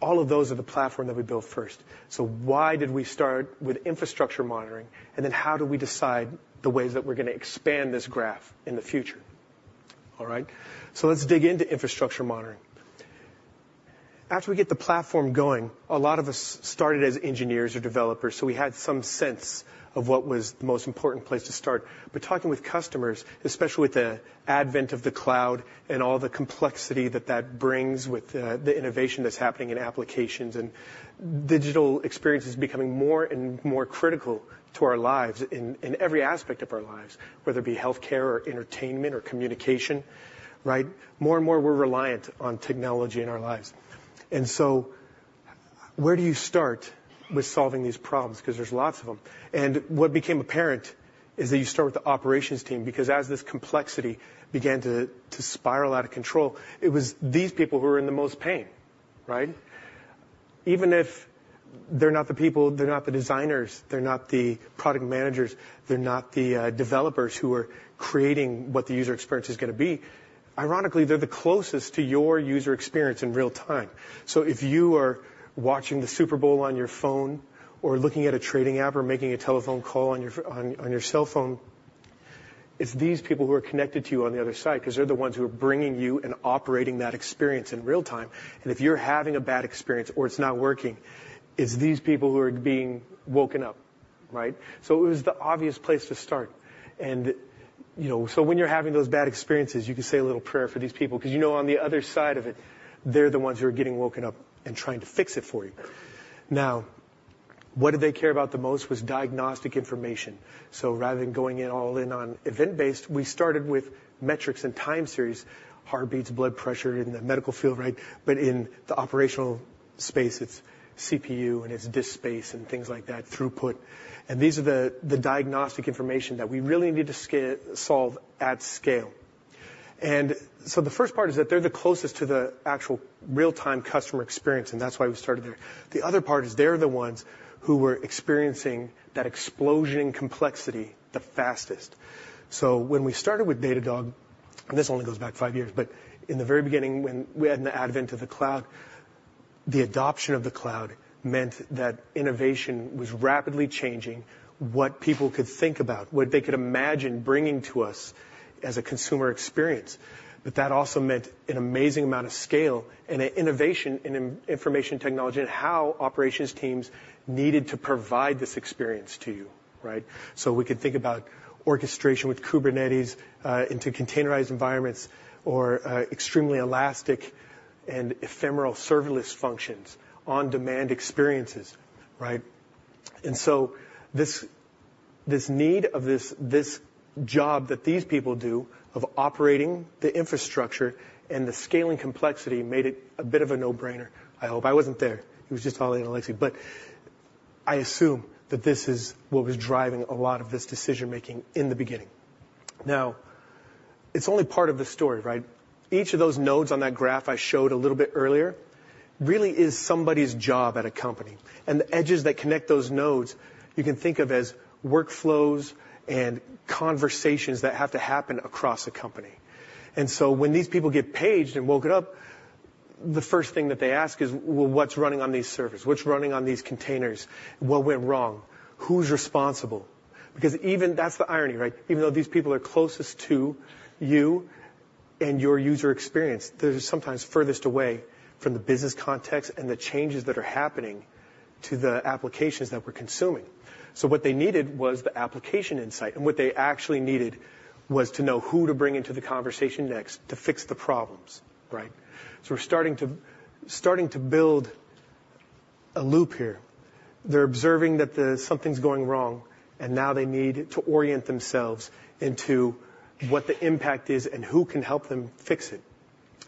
All of those are the platform that we built first. So why did we start with Infrastructure Monitoring? And then how do we decide the ways that we're going to expand this graph in the future? All right. So let's dig into Infrastructure Monitoring. After we get the platform going, a lot of us started as engineers or developers. So we had some sense of what was the most important place to start. But talking with customers, especially with the advent of the cloud and all the complexity that that brings with the innovation that's happening in applications and digital experience is becoming more and more critical to our lives in every aspect of our lives, whether it be health care or entertainment or communication, more and more we're reliant on technology in our lives. And so where do you start with solving these problems? Because there's lots of them. And what became apparent is that you start with the operations team because as this complexity began to spiral out of control, it was these people who were in the most pain. Even if they're not the people, they're not the designers, they're not the product managers, they're not the developers who are creating what the user experience is going to be, ironically, they're the closest to your user experience in real time. So if you are watching the Super Bowl on your phone or looking at a trading app or making a telephone call on your cell phone, it's these people who are connected to you on the other side because they're the ones who are bringing you and operating that experience in real time. And if you're having a bad experience or it's not working, it's these people who are being woken up. So it was the obvious place to start. And so when you're having those bad experiences, you can say a little prayer for these people because you know on the other side of it, they're the ones who are getting woken up and trying to fix it for you. Now, what did they care about the most was diagnostic information. So rather than going all in on event-based, we started with metrics and time series, heartbeats, blood pressure in the medical field, but in the operational space, it's CPU and it's disk space and things like that, throughput. And these are the diagnostic information that we really need to solve at scale. And so the first part is that they're the closest to the actual real-time customer experience. And that's why we started there. The other part is they're the ones who were experiencing that explosion in complexity the fastest. So when we started with Datadog, and this only goes back five years, but in the very beginning when we had the advent of the cloud, the adoption of the cloud meant that innovation was rapidly changing what people could think about, what they could imagine bringing to us as a consumer experience. But that also meant an amazing amount of scale and innovation in information technology and how operations teams needed to provide this experience to you. So we could think about orchestration with Kubernetes into containerized environments or extremely elastic and ephemeral serverless functions, on-demand experiences. And so this need of this job that these people do of operating the infrastructure and the scaling complexity made it a bit of a no-brainer. I hope. I wasn't there. It was just Ollie and Alexis. But I assume that this is what was driving a lot of this decision-making in the beginning. Now, it's only part of the story. Each of those nodes on that graph I showed a little bit earlier really is somebody's job at a company. And the edges that connect those nodes, you can think of as workflows and conversations that have to happen across a company. When these people get paged and woken up, the first thing that they ask is, well, what's running on these servers? What's running on these containers? What went wrong? Who's responsible? Because even that's the irony. Even though these people are closest to you and your user experience, they're sometimes furthest away from the business context and the changes that are happening to the applications that we're consuming. What they needed was the application insight. What they actually needed was to know who to bring into the conversation next to fix the problems. We're starting to build a loop here. They're observing that something's going wrong. Now they need to orient themselves into what the impact is and who can help them fix it.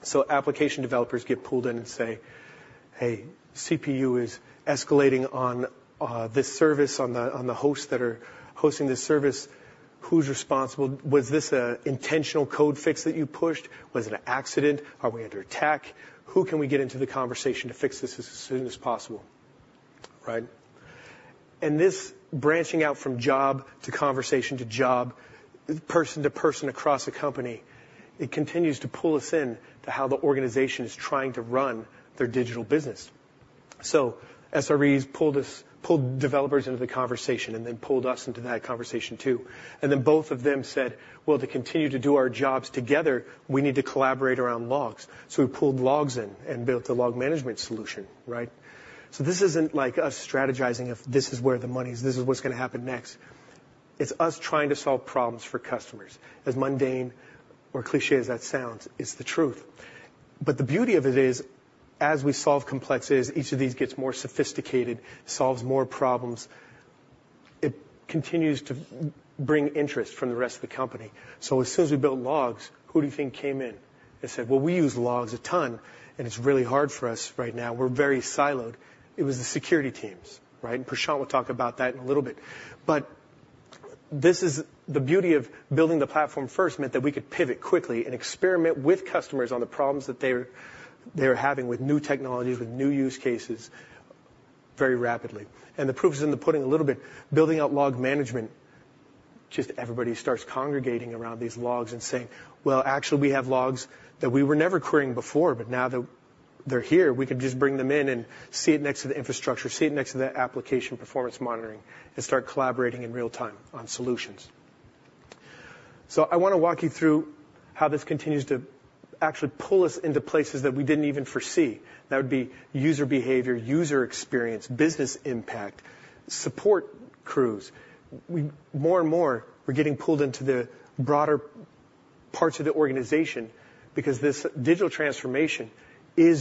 So application developers get pulled in and say, hey, CPU is escalating on this service, on the hosts that are hosting this service. Who's responsible? Was this an intentional code fix that you pushed? Was it an accident? Are we under attack? Who can we get into the conversation to fix this as soon as possible? And this branching out from job to conversation to job, person to person across a company, it continues to pull us into how the organization is trying to run their digital business. So SREs pulled developers into the conversation and then pulled us into that conversation too. And then both of them said, well, to continue to do our jobs together, we need to collaborate around logs. So we pulled logs in and built a Log Management solution. So this isn't like us strategizing if this is where the money is, this is what's going to happen next. It's us trying to solve problems for customers. As mundane or cliché as that sounds, it's the truth. But the beauty of it is, as we solve complexities, each of these gets more sophisticated, solves more problems. It continues to bring interest from the rest of the company. So as soon as we built logs, who do you think came in and said, well, we use logs a ton. And it's really hard for us right now. We're very siloed. It was the security teams. And Prashant will talk about that in a little bit. But the beauty of building the platform first meant that we could pivot quickly and experiment with customers on the problems that they were having with new technologies, with new use cases very rapidly. The proof is in the pudding a little bit. Building out Log Management, just everybody starts congregating around these logs and saying, well, actually, we have logs that we were never querying before. But now that they're here, we can just bring them in and see it next to the infrastructure, see it next to the Application Performance Monitoring, and start collaborating in real time on solutions. So I want to walk you through how this continues to actually pull us into places that we didn't even foresee. That would be user behavior, user experience, business impact, support crews. More and more, we're getting pulled into the broader parts of the organization because this digital transformation is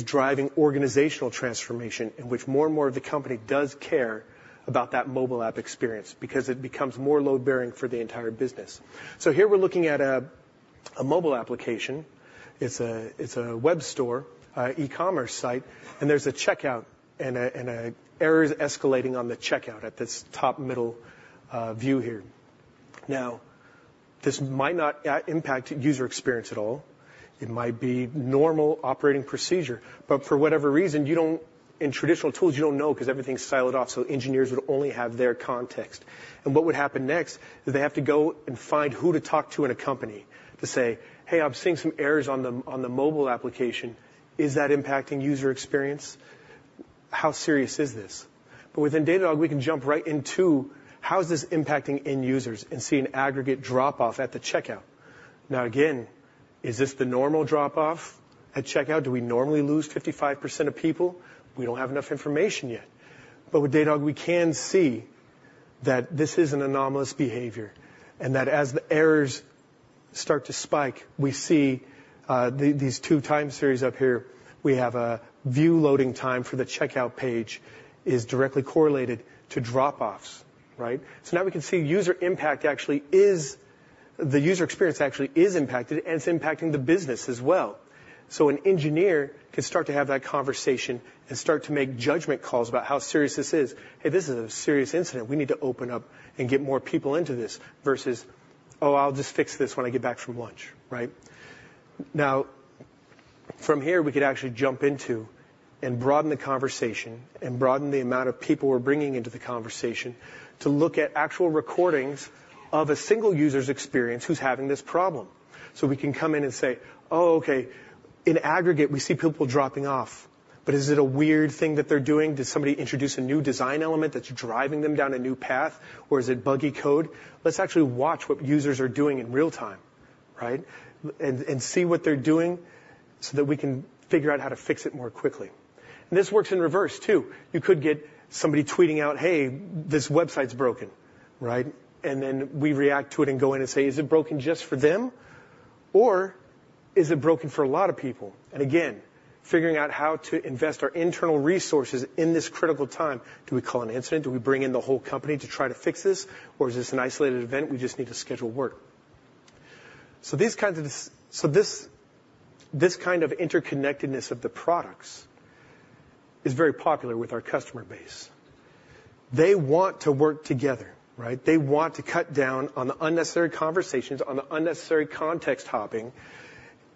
driving organizational transformation in which more and more of the company does care about that mobile app experience because it becomes more load-bearing for the entire business. Here we're looking at a mobile application. It's a web store, e-commerce site. There's a checkout and errors escalating on the checkout at this top middle view here. Now, this might not impact user experience at all. It might be normal operating procedure. For whatever reason, in traditional tools, you don't know because everything's siloed off. Engineers would only have their context. What would happen next is they have to go and find who to talk to in a company to say, hey, I'm seeing some errors on the mobile application. Is that impacting user experience? How serious is this? Within Datadog, we can jump right into how is this impacting end users and see an aggregate drop-off at the checkout. Now, again, is this the normal drop-off at checkout? Do we normally lose 55% of people? We don't have enough information yet. But with Datadog, we can see that this is an anomalous behavior and that as the errors start to spike, we see these two time series up here. We have a view loading time for the checkout page is directly correlated to drop-offs. So now we can see user impact actually is the user experience actually is impacted. And it's impacting the business as well. So an engineer can start to have that conversation and start to make judgment calls about how serious this is. Hey, this is a serious incident. We need to open up and get more people into this versus, oh, I'll just fix this when I get back from lunch. Now, from here, we could actually jump into and broaden the conversation and broaden the amount of people we're bringing into the conversation to look at actual recordings of a single user's experience who's having this problem. So we can come in and say, oh, OK, in aggregate, we see people dropping off. But is it a weird thing that they're doing? Did somebody introduce a new design element that's driving them down a new path? Or is it buggy code? Let's actually watch what users are doing in real time and see what they're doing so that we can figure out how to fix it more quickly. And this works in reverse too. You could get somebody tweeting out, hey, this website's broken. And then we react to it and go in and say, is it broken just for them? Or is it broken for a lot of people? Again, figuring out how to invest our internal resources in this critical time. Do we call an incident? Do we bring in the whole company to try to fix this? Or is this an isolated event? We just need to schedule work. This kind of interconnectedness of the products is very popular with our customer base. They want to work together. They want to cut down on the unnecessary conversations, on the unnecessary context hopping,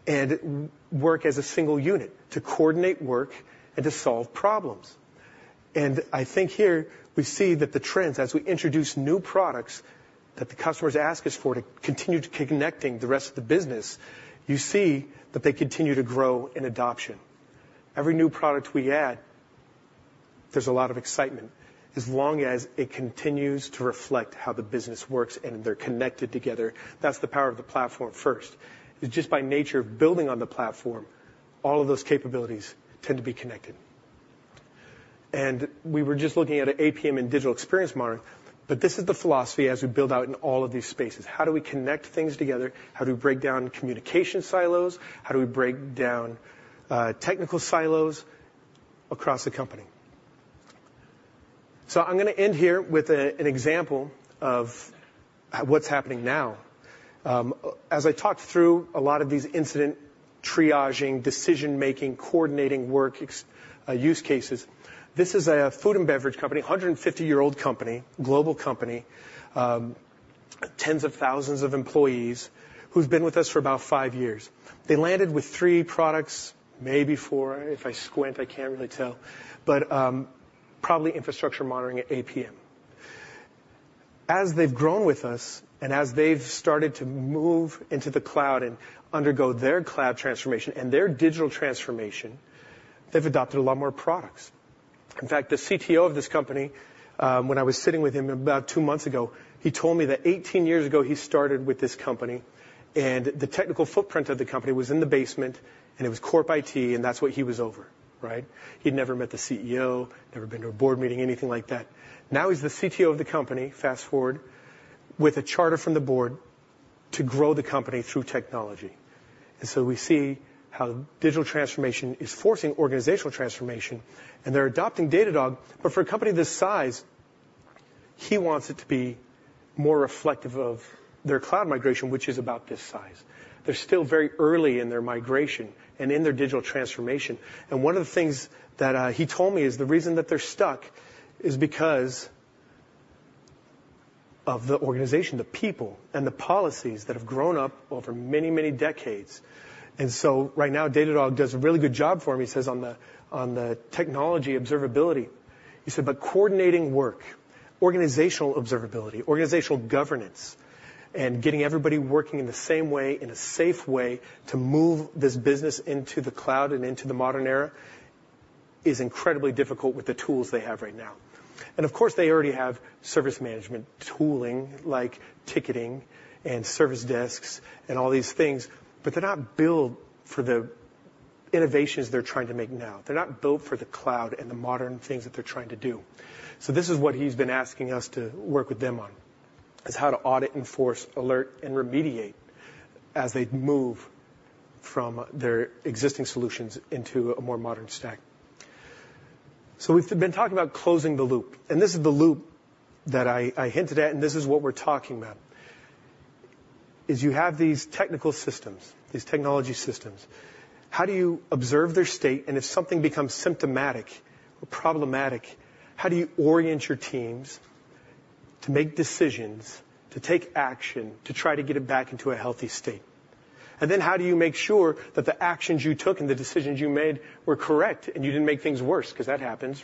and work as a single unit to coordinate work and to solve problems. I think here we see that the trends, as we introduce new products that the customers ask us for to continue connecting the rest of the business, you see that they continue to grow in adoption. Every new product we add, there's a lot of excitement as long as it continues to reflect how the business works and they're connected together. That's the power of the platform first. Just by nature of building on the platform, all of those capabilities tend to be connected. And we were just looking at an APM and Digital Experience Monitoring. But this is the philosophy as we build out in all of these spaces. How do we connect things together? How do we break down communication silos? How do we break down technical silos across the company? So I'm going to end here with an example of what's happening now. As I talked through a lot of these incident triaging, decision-making, coordinating work use cases, this is a food and beverage company, 150-year-old company, global company, tens of thousands of employees who've been with us for about five years. They landed with 3 products, maybe 4. If I squint, I can't really tell. But probably Infrastructure Monitoring at APM. As they've grown with us and as they've started to move into the cloud and undergo their cloud transformation and their digital transformation, they've adopted a lot more products. In fact, the CTO of this company, when I was sitting with him about 2 months ago, he told me that 18 years ago, he started with this company. And the technical footprint of the company was in the basement. And it was corporate IT. And that's what he was over. He'd never met the CEO, never been to a board meeting, anything like that. Now he's the CTO of the company, fast forward, with a charter from the board to grow the company through technology. And so we see how digital transformation is forcing organizational transformation. And they're adopting Datadog. But for a company this size, he wants it to be more reflective of their cloud migration, which is about this size. They're still very early in their migration and in their digital transformation. And one of the things that he told me is the reason that they're stuck is because of the organization, the people, and the policies that have grown up over many, many decades. And so right now, Datadog does a really good job for him, he says, on the technology observability. He said, but coordinating work, organizational observability, organizational governance, and getting everybody working in the same way, in a safe way to move this business into the cloud and into the modern era is incredibly difficult with the tools they have right now. And of course, they already have service management tooling like ticketing and service desks and all these things. But they're not built for the innovations they're trying to make now. They're not built for the cloud and the modern things that they're trying to do. So this is what he's been asking us to work with them on, is how to audit, enforce, alert, and remediate as they move from their existing solutions into a more modern stack. So we've been talking about closing the loop. And this is the loop that I hinted at. And this is what we're talking about, is you have these technical systems, these technology systems. How do you observe their state? And if something becomes symptomatic or problematic, how do you orient your teams to make decisions, to take action, to try to get it back into a healthy state? Then how do you make sure that the actions you took and the decisions you made were correct and you didn't make things worse? Because that happens.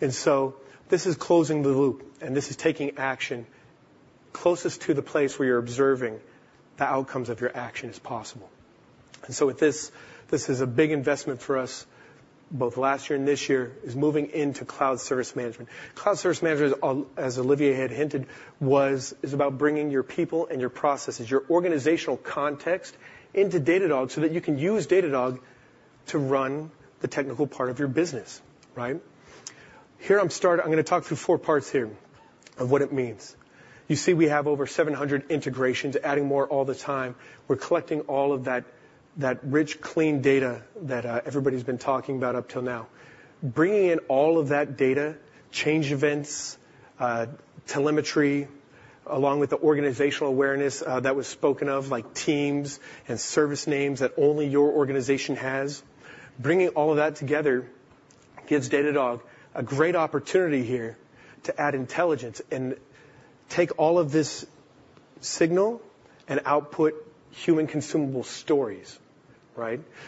This is closing the loop. This is taking action closest to the place where you're observing the outcomes of your action as possible. This is a big investment for us both last year and this year: moving into Cloud Service Management. Cloud Service Management, as Olivier had hinted, is about bringing your people and your processes, your organizational context, into Datadog so that you can use Datadog to run the technical part of your business. Here, I'm going to talk through four parts here of what it means. You see, we have over 700 integrations, adding more all the time. We're collecting all of that rich, clean data that everybody's been talking about up till now. Bringing in all of that data, change events, telemetry, along with the organizational awareness that was spoken of, like teams and service names that only your organization has, bringing all of that together gives Datadog a great opportunity here to add intelligence and take all of this signal and output human-consumable stories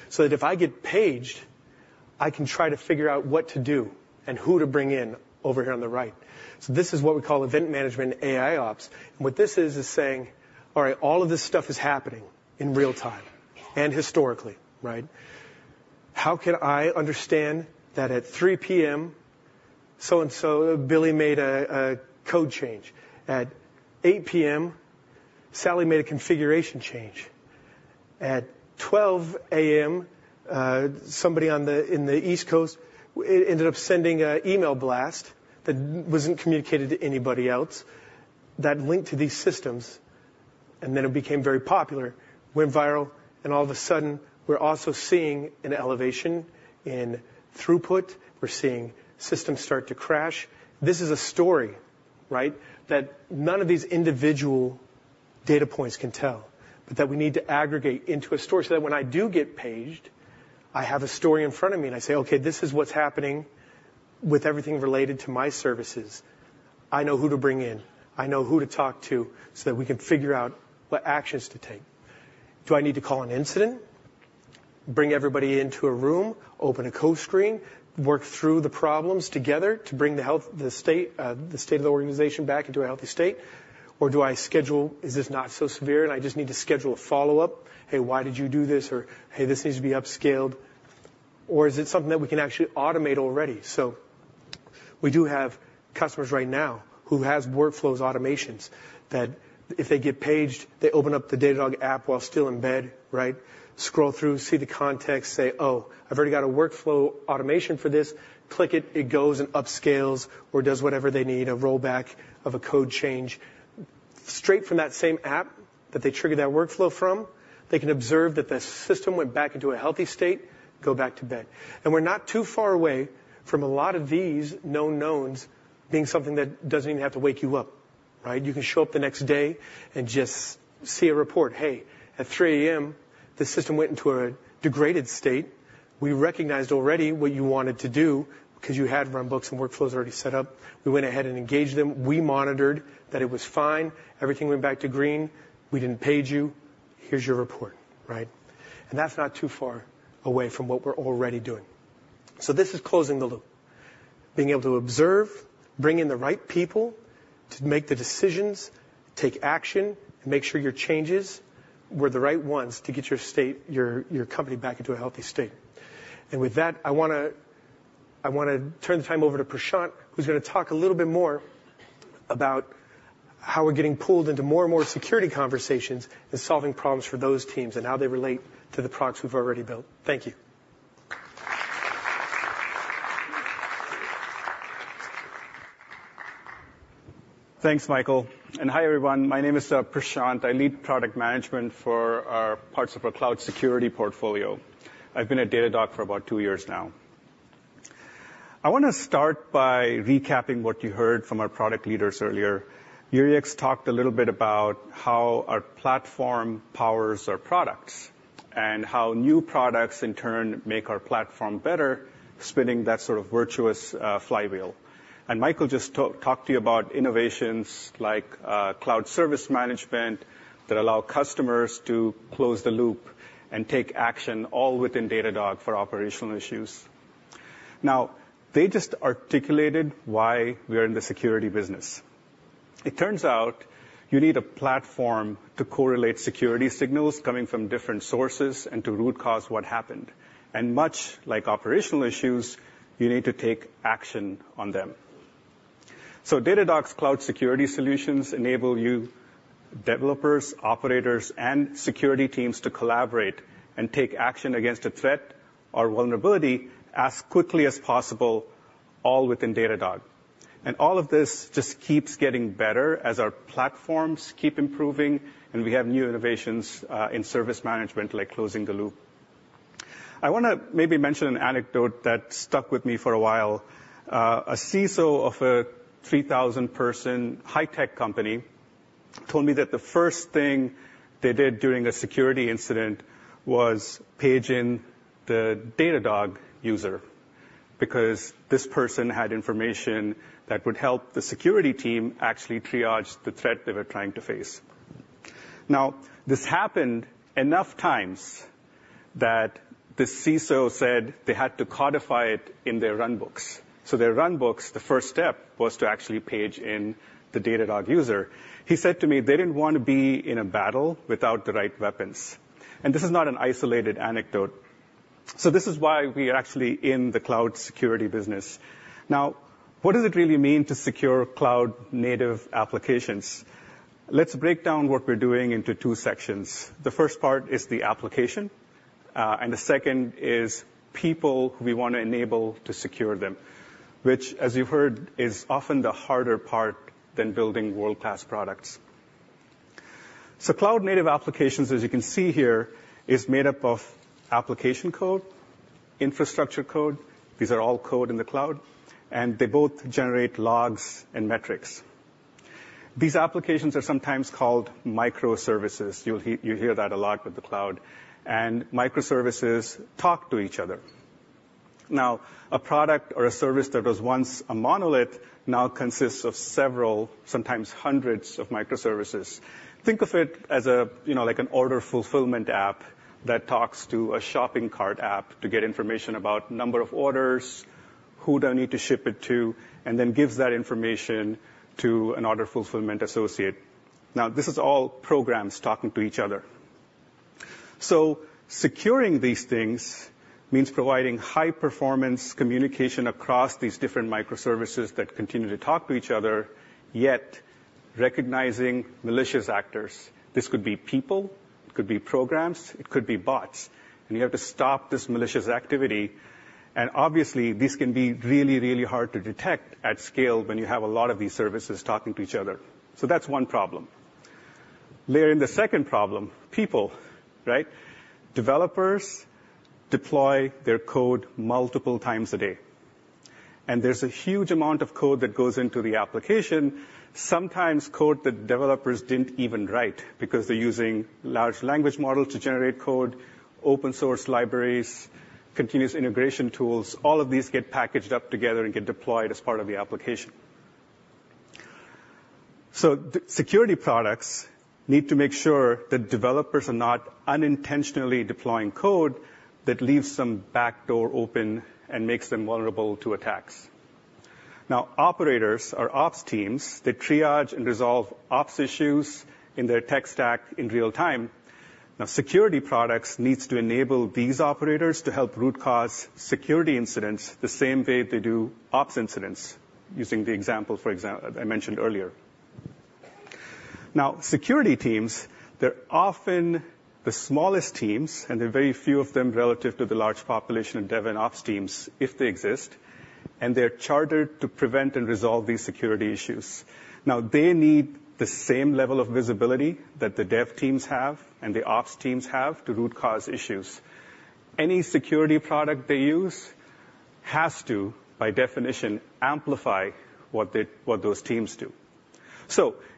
so that if I get paged, I can try to figure out what to do and who to bring in over here on the right. So this is what we call event management AIOps. And what this is, is saying, all right, all of this stuff is happening in real time and historically. How can I understand that at 3:00 P.M., so-and-so, Billy made a code change? At 8:00 P.M., Sally made a configuration change. At 12:00 A.M., somebody in the East Coast ended up sending an email blast that wasn't communicated to anybody else that linked to these systems. And then it became very popular, went viral. And all of a sudden, we're also seeing an elevation in throughput. We're seeing systems start to crash. This is a story that none of these individual data points can tell, but that we need to aggregate into a story so that when I do get paged, I have a story in front of me. And I say, OK, this is what's happening with everything related to my services. I know who to bring in. I know who to talk to so that we can figure out what actions to take. Do I need to call an incident, bring everybody into a room, open a CoScreen, work through the problems together to bring the state of the organization back into a healthy state? Or do I schedule? Is this not so severe? I just need to schedule a follow-up. Hey, why did you do this? Or hey, this needs to be upscaled. Or is it something that we can actually automate already? So we do have customers right now who have workflows automations that if they get paged, they open up the Datadog app while still in bed, scroll through, see the context, say, oh, I've already got a workflow automation for this. Click it. It goes and upscales or does whatever they need, a rollback of a code change. Straight from that same app that they triggered that workflow from, they can observe that the system went back into a healthy state, go back to bed. We're not too far away from a lot of these known knowns being something that doesn't even have to wake you up. You can show up the next day and just see a report. Hey, at 3:00 A.M., the system went into a degraded state. We recognized already what you wanted to do because you had runbooks and workflows already set up. We went ahead and engaged them. We monitored that it was fine. Everything went back to green. We didn't page you. Here's your report. That's not too far away from what we're already doing. This is closing the loop, being able to observe, bring in the right people to make the decisions, take action, and make sure your changes were the right ones to get your company back into a healthy state. With that, I want to turn the time over to Prashant, who's going to talk a little bit more about how we're getting pulled into more and more security conversations and solving problems for those teams and how they relate to the products we've already built. Thank you. Thanks, Michael. And hi, everyone. My name is Prashant. I lead product management for parts of our cloud security portfolio. I've been at Datadog for about two years now. I want to start by recapping what you heard from our product leaders earlier. Yrieix talked a little bit about how our platform powers our products and how new products, in turn, make our platform better, spinning that sort of virtuous flywheel. And Michael just talked to you about innovations like Cloud Cost Management that allow customers to close the loop and take action, all within Datadog, for operational issues. Now, they just articulated why we are in the security business. It turns out you need a platform to correlate security signals coming from different sources and to root cause what happened. And much like operational issues, you need to take action on them. Datadog's cloud security solutions enable you, developers, operators, and security teams to collaborate and take action against a threat or vulnerability as quickly as possible, all within Datadog. All of this just keeps getting better as our platforms keep improving. We have new innovations in service management, like closing the loop. I want to maybe mention an anecdote that stuck with me for a while. A CISO of a 3,000-person high-tech company told me that the first thing they did during a security incident was page in the Datadog user because this person had information that would help the security team actually triage the threat they were trying to face. Now, this happened enough times that this CISO said they had to codify it in their runbooks. So their runbooks, the first step, was to actually page in the Datadog user. He said to me, they didn't want to be in a battle without the right weapons. And this is not an isolated anecdote. So this is why we are actually in the cloud security business. Now, what does it really mean to secure cloud-native applications? Let's break down what we're doing into two sections. The first part is the application. And the second is people who we want to enable to secure them, which, as you've heard, is often the harder part than building world-class products. So cloud-native applications, as you can see here, are made up of application code, infrastructure code, these are all code in the cloud. And they both generate logs and metrics. These applications are sometimes called microservices. You hear that a lot with the cloud. And microservices talk to each other. Now, a product or a service that was once a monolith now consists of several, sometimes hundreds, of microservices. Think of it as an order fulfillment app that talks to a shopping cart app to get information about the number of orders, who they need to ship it to, and then gives that information to an order fulfillment associate. Now, this is all programs talking to each other. So securing these things means providing high-performance communication across these different microservices that continue to talk to each other, yet recognizing malicious actors. This could be people. It could be programs. It could be bots. And you have to stop this malicious activity. And obviously, these can be really, really hard to detect at scale when you have a lot of these services talking to each other. So that's one problem. Layer in the second problem, people. Developers deploy their code multiple times a day. There's a huge amount of code that goes into the application, sometimes code that developers didn't even write because they're using large language models to generate code, open-source libraries, continuous integration tools. All of these get packaged up together and get deployed as part of the application. Security products need to make sure that developers are not unintentionally deploying code that leaves some backdoor open and makes them vulnerable to attacks. Now, operators are ops teams. They triage and resolve ops issues in their tech stack in real time. Now, security products need to enable these operators to help root cause security incidents the same way they do ops incidents, using the example I mentioned earlier. Now, security teams, they're often the smallest teams. There are very few of them relative to the large population of dev and ops teams, if they exist. They're chartered to prevent and resolve these security issues. Now, they need the same level of visibility that the dev teams have and the ops teams have to root cause issues. Any security product they use has to, by definition, amplify what those teams do.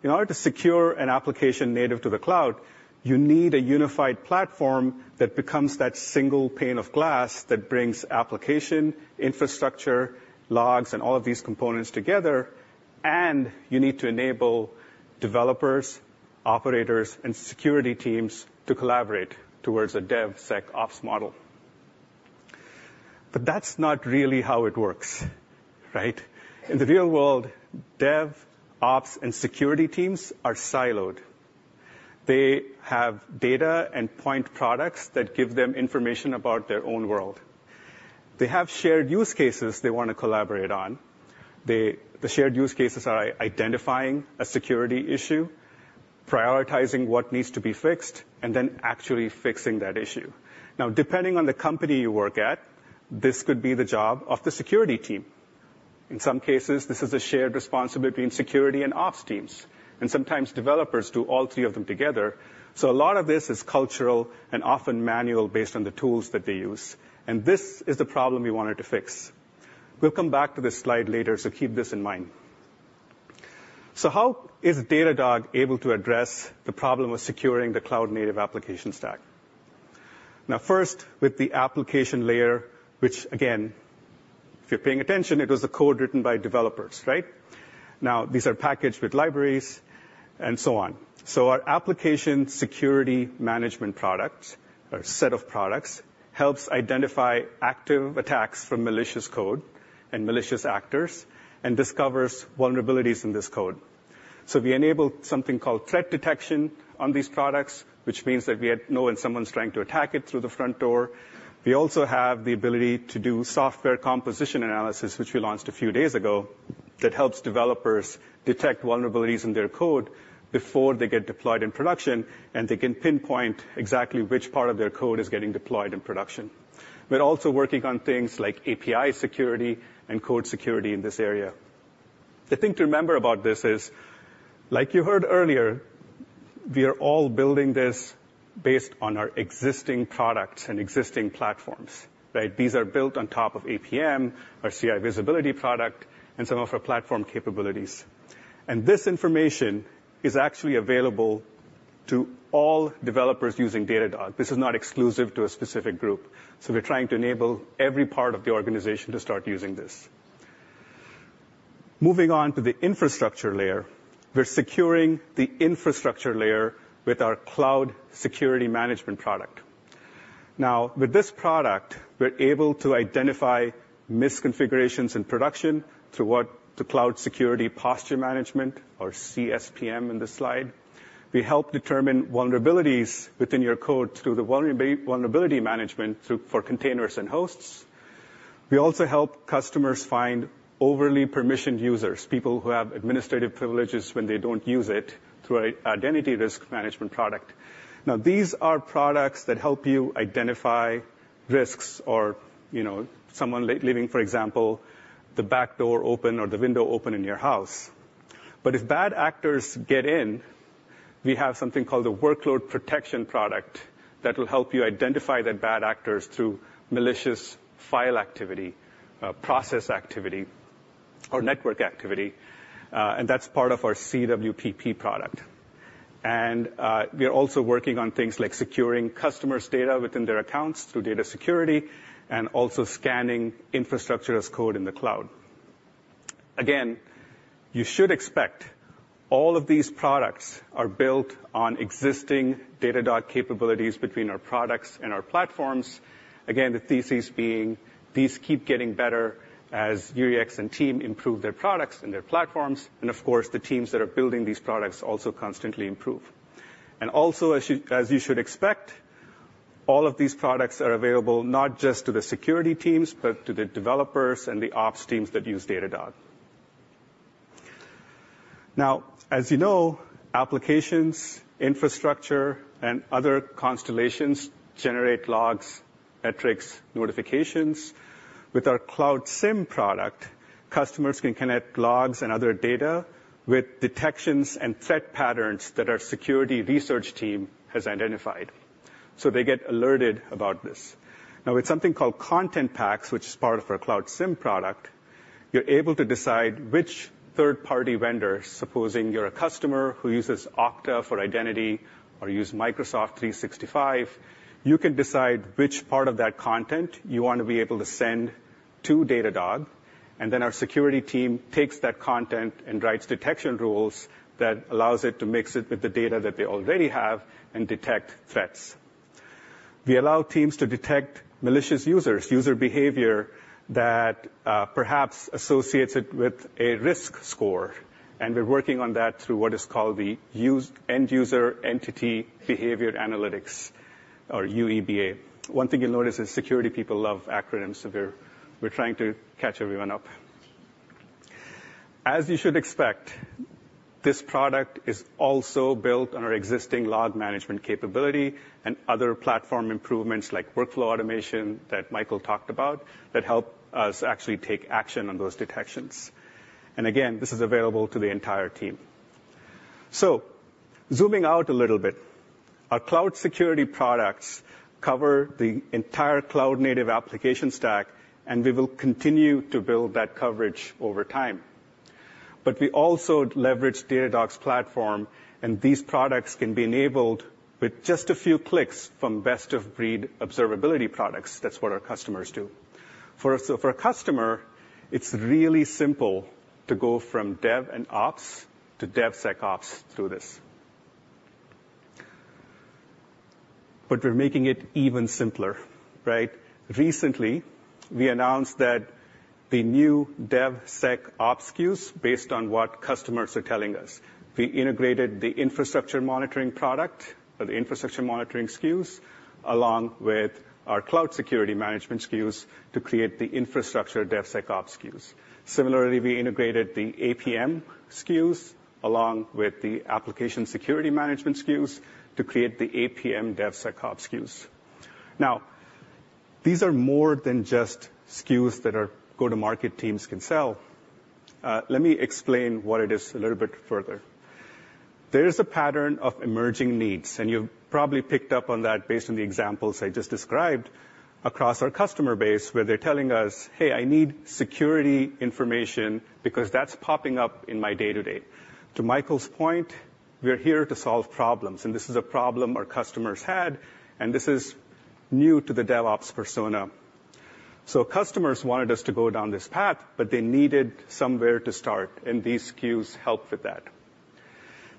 In order to secure an application native to the cloud, you need a unified platform that becomes that single pane of glass that brings application, infrastructure, logs, and all of these components together. You need to enable developers, operators, and security teams to collaborate towards a DevSecOps model. That's not really how it works. In the real world, dev, ops, and security teams are siloed. They have data and point products that give them information about their own world. They have shared use cases they want to collaborate on. The shared use cases are identifying a security issue, prioritizing what needs to be fixed, and then actually fixing that issue. Now, depending on the company you work at, this could be the job of the security team. In some cases, this is a shared responsibility between security and ops teams. Sometimes, developers do all three of them together. A lot of this is cultural and often manual, based on the tools that they use. This is the problem we wanted to fix. We'll come back to this slide later. Keep this in mind. How is Datadog able to address the problem of securing the cloud-native application stack? Now, first, with the application layer, which, again, if you're paying attention, it was the code written by developers. Now, these are packaged with libraries and so on. So our Application Security Management products, or set of products, helps identify active attacks from malicious code and malicious actors and discovers vulnerabilities in this code. So we enable something called threat detection on these products, which means that we know when someone's trying to attack it through the front door. We also have the ability to do Software Composition Analysis, which we launched a few days ago, that helps developers detect vulnerabilities in their code before they get deployed in production. And they can pinpoint exactly which part of their code is getting deployed in production. We're also working on things like API security and code security in this area. The thing to remember about this is, like you heard earlier, we are all building this based on our existing products and existing platforms. These are built on top of APM, our CI Visibility product, and some of our platform capabilities. This information is actually available to all developers using Datadog. This is not exclusive to a specific group. We're trying to enable every part of the organization to start using this. Moving on to the infrastructure layer, we're securing the infrastructure layer with our Cloud Security Management product. Now, with this product, we're able to identify misconfigurations in production through what the Cloud Security Posture Management, or CSPM, is in this slide. We help determine vulnerabilities within your code through the Vulnerability Management for containers and hosts. We also help customers find overly permissioned users, people who have administrative privileges when they don't use it, through our Identity Risk Management product. Now, these are products that help you identify risks, or someone leaving, for example, the backdoor open or the window open in your house. But if bad actors get in, we have something called the workload protection product that will help you identify that bad actor through malicious file activity, process activity, or network activity. And that's part of our CWPP product. And we are also working on things like securing customers' data within their accounts through data security and also scanning infrastructure as code in the cloud. Again, you should expect all of these products are built on existing Datadog capabilities between our products and our platforms, again, the thesis being these keep getting better as Urix and team improve their products and their platforms. And of course, the teams that are building these products also constantly improve. Also, as you should expect, all of these products are available not just to the security teams, but to the developers and the ops teams that use Datadog. Now, as you know, applications, infrastructure, and other constellations generate logs, metrics, notifications. With our Cloud SIEM product, customers can connect logs and other data with detections and threat patterns that our security research team has identified. So they get alerted about this. Now, with something called content packs, which is part of our Cloud SIEM product, you're able to decide which third-party vendor, supposing you're a customer who uses Okta for identity or uses Microsoft 365, you can decide which part of that content you want to be able to send to Datadog. Then our security team takes that content and writes detection rules that allow it to mix it with the data that they already have and detect threats. We allow teams to detect malicious users, user behavior that perhaps associates it with a risk score. We're working on that through what is called User and Entity Behavior Analytics, or UEBA. One thing you'll notice is security people love acronyms. So we're trying to catch everyone up. As you should expect, this product is also built on our existing Log Management capability and other platform improvements, like workflow automation that Michael talked about, that help us actually take action on those detections. Again, this is available to the entire team. Zooming out a little bit, our cloud security products cover the entire cloud-native application stack. We will continue to build that coverage over time. But we also leverage Datadog's platform. These products can be enabled with just a few clicks from best-of-breed observability products. That's what our customers do. For a customer, it's really simple to go from dev and ops to DevSecOps through this. But we're making it even simpler. Recently, we announced that the new DevSecOps SKUs, based on what customers are telling us, we integrated the Infrastructure Monitoring product or the Infrastructure Monitoring SKUs along with our Cloud Security Management SKUs to create the Infrastructure DevSecOps SKUs. Similarly, we integrated the APM SKUs along with the Application Security Management SKUs to create the APM DevSecOps SKUs. Now, these are more than just SKUs that go-to-market teams can sell. Let me explain what it is a little bit further. There is a pattern of emerging needs. You've probably picked up on that based on the examples I just described across our customer base, where they're telling us, hey, I need security information because that's popping up in my day-to-day. To Michael's point, we are here to solve problems. This is a problem our customers had. This is new to the DevOps persona. Customers wanted us to go down this path. But they needed somewhere to start. These SKUs help with that.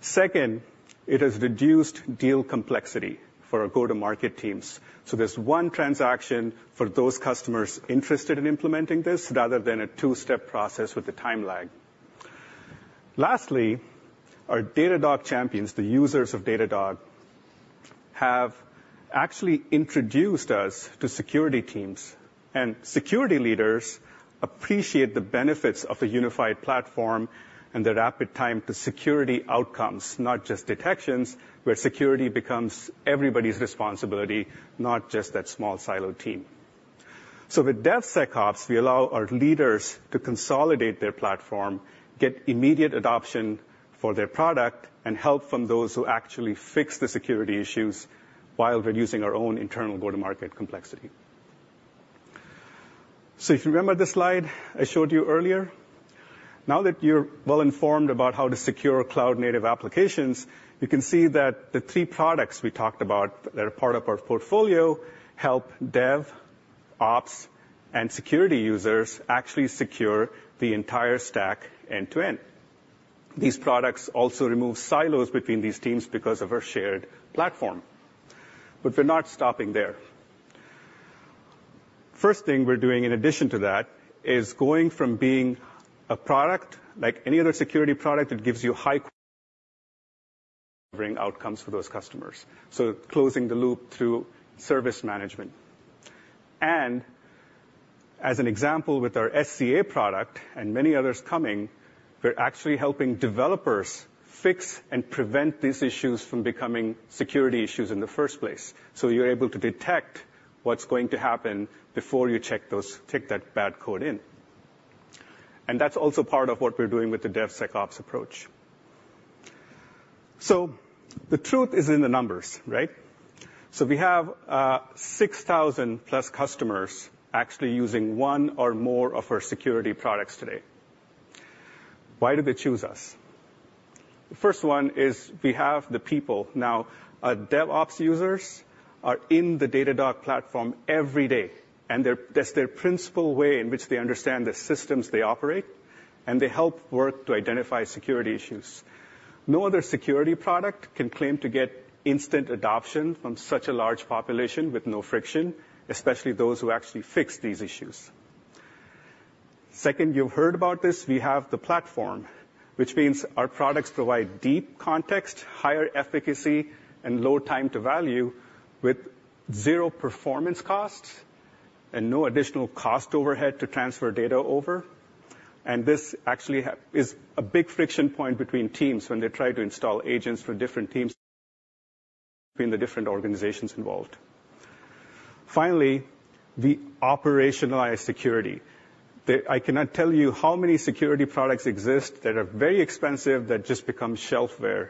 Second, it has reduced deal complexity for our go-to-market teams. There's one transaction for those customers interested in implementing this, rather than a two-step process with a time lag. Lastly, our Datadog champions, the users of Datadog, have actually introduced us to security teams. Security leaders appreciate the benefits of a unified platform and the rapid time to security outcomes, not just detections, where security becomes everybody's responsibility, not just that small, siloed team. With DevSecOps, we allow our leaders to consolidate their platform, get immediate adoption for their product, and help from those who actually fix the security issues while reducing our own internal go-to-market complexity. If you remember this slide I showed you earlier, now that you're well-informed about how to secure cloud-native applications, you can see that the three products we talked about that are part of our portfolio help dev, ops, and security users actually secure the entire stack end-to-end. These products also remove silos between these teams because of our shared platform. We're not stopping there. The first thing we're doing in addition to that is going from being a product, like any other security product, that gives you high-quality outcomes for those customers, so closing the loop through service management. As an example, with our SCA product and many others coming, we're actually helping developers fix and prevent these issues from becoming security issues in the first place. You're able to detect what's going to happen before you check that bad code in. That's also part of what we're doing with the DevSecOps approach. The truth is in the numbers. We have 6,000+ customers actually using one or more of our security products today. Why do they choose us? The first one is we have the people. Now, our DevOps users are in the Datadog platform every day. That's their principal way in which they understand the systems they operate. They help work to identify security issues. No other security product can claim to get instant adoption from such a large population with no friction, especially those who actually fix these issues. Second, you've heard about this. We have the platform, which means our products provide deep context, higher efficacy, and low time to value with zero performance costs and no additional cost overhead to transfer data over. And this actually is a big friction point between teams when they try to install agents for different teams between the different organizations involved. Finally, we operationalize security. I cannot tell you how many security products exist that are very expensive, that just become shelfware.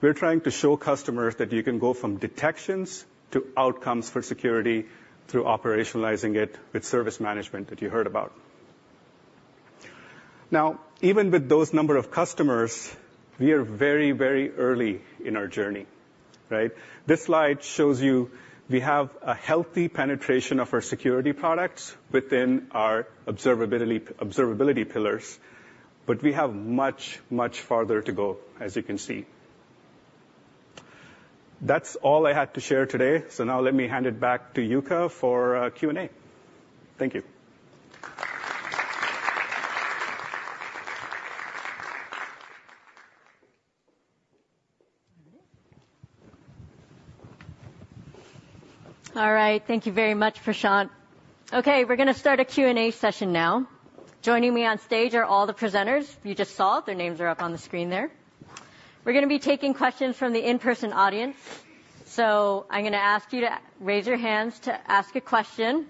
We're trying to show customers that you can go from detections to outcomes for security through operationalizing it with service management that you heard about. Now, even with those number of customers, we are very, very early in our journey. This slide shows you we have a healthy penetration of our security products within our observability pillars. But we have much, much farther to go, as you can see. That's all I had to share today. So now, let me hand it back to Yuka for Q&A. Thank you. All right. Thank you very much, Prashant. OK, we're going to start a Q&A session now. Joining me on stage are all the presenters you just saw. Their names are up on the screen there. We're going to be taking questions from the in-person audience. So I'm going to ask you to raise your hands to ask a question.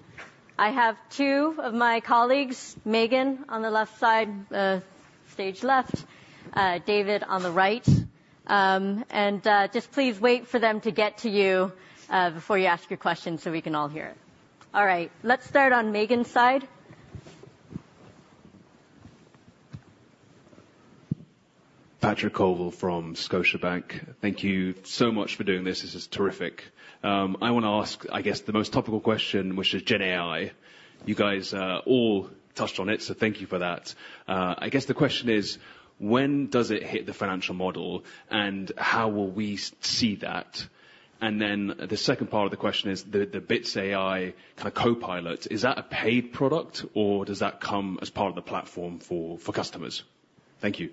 I have two of my colleagues, Megan on the left side, stage left, David on the right. And just please wait for them to get to you before you ask your question, so we can all hear it. All right, let's start on Megan's side. Patrick Colville from Scotiabank, thank you so much for doing this. This is terrific. I want to ask, I guess, the most topical question, which is Gen AI. You guys all touched on it. So thank you for that. I guess the question is, when does it hit the financial model? And how will we see that? And then the second part of the question is the Bits AI kind of copilot. Is that a paid product? Or does that come as part of the platform for customers? Thank you.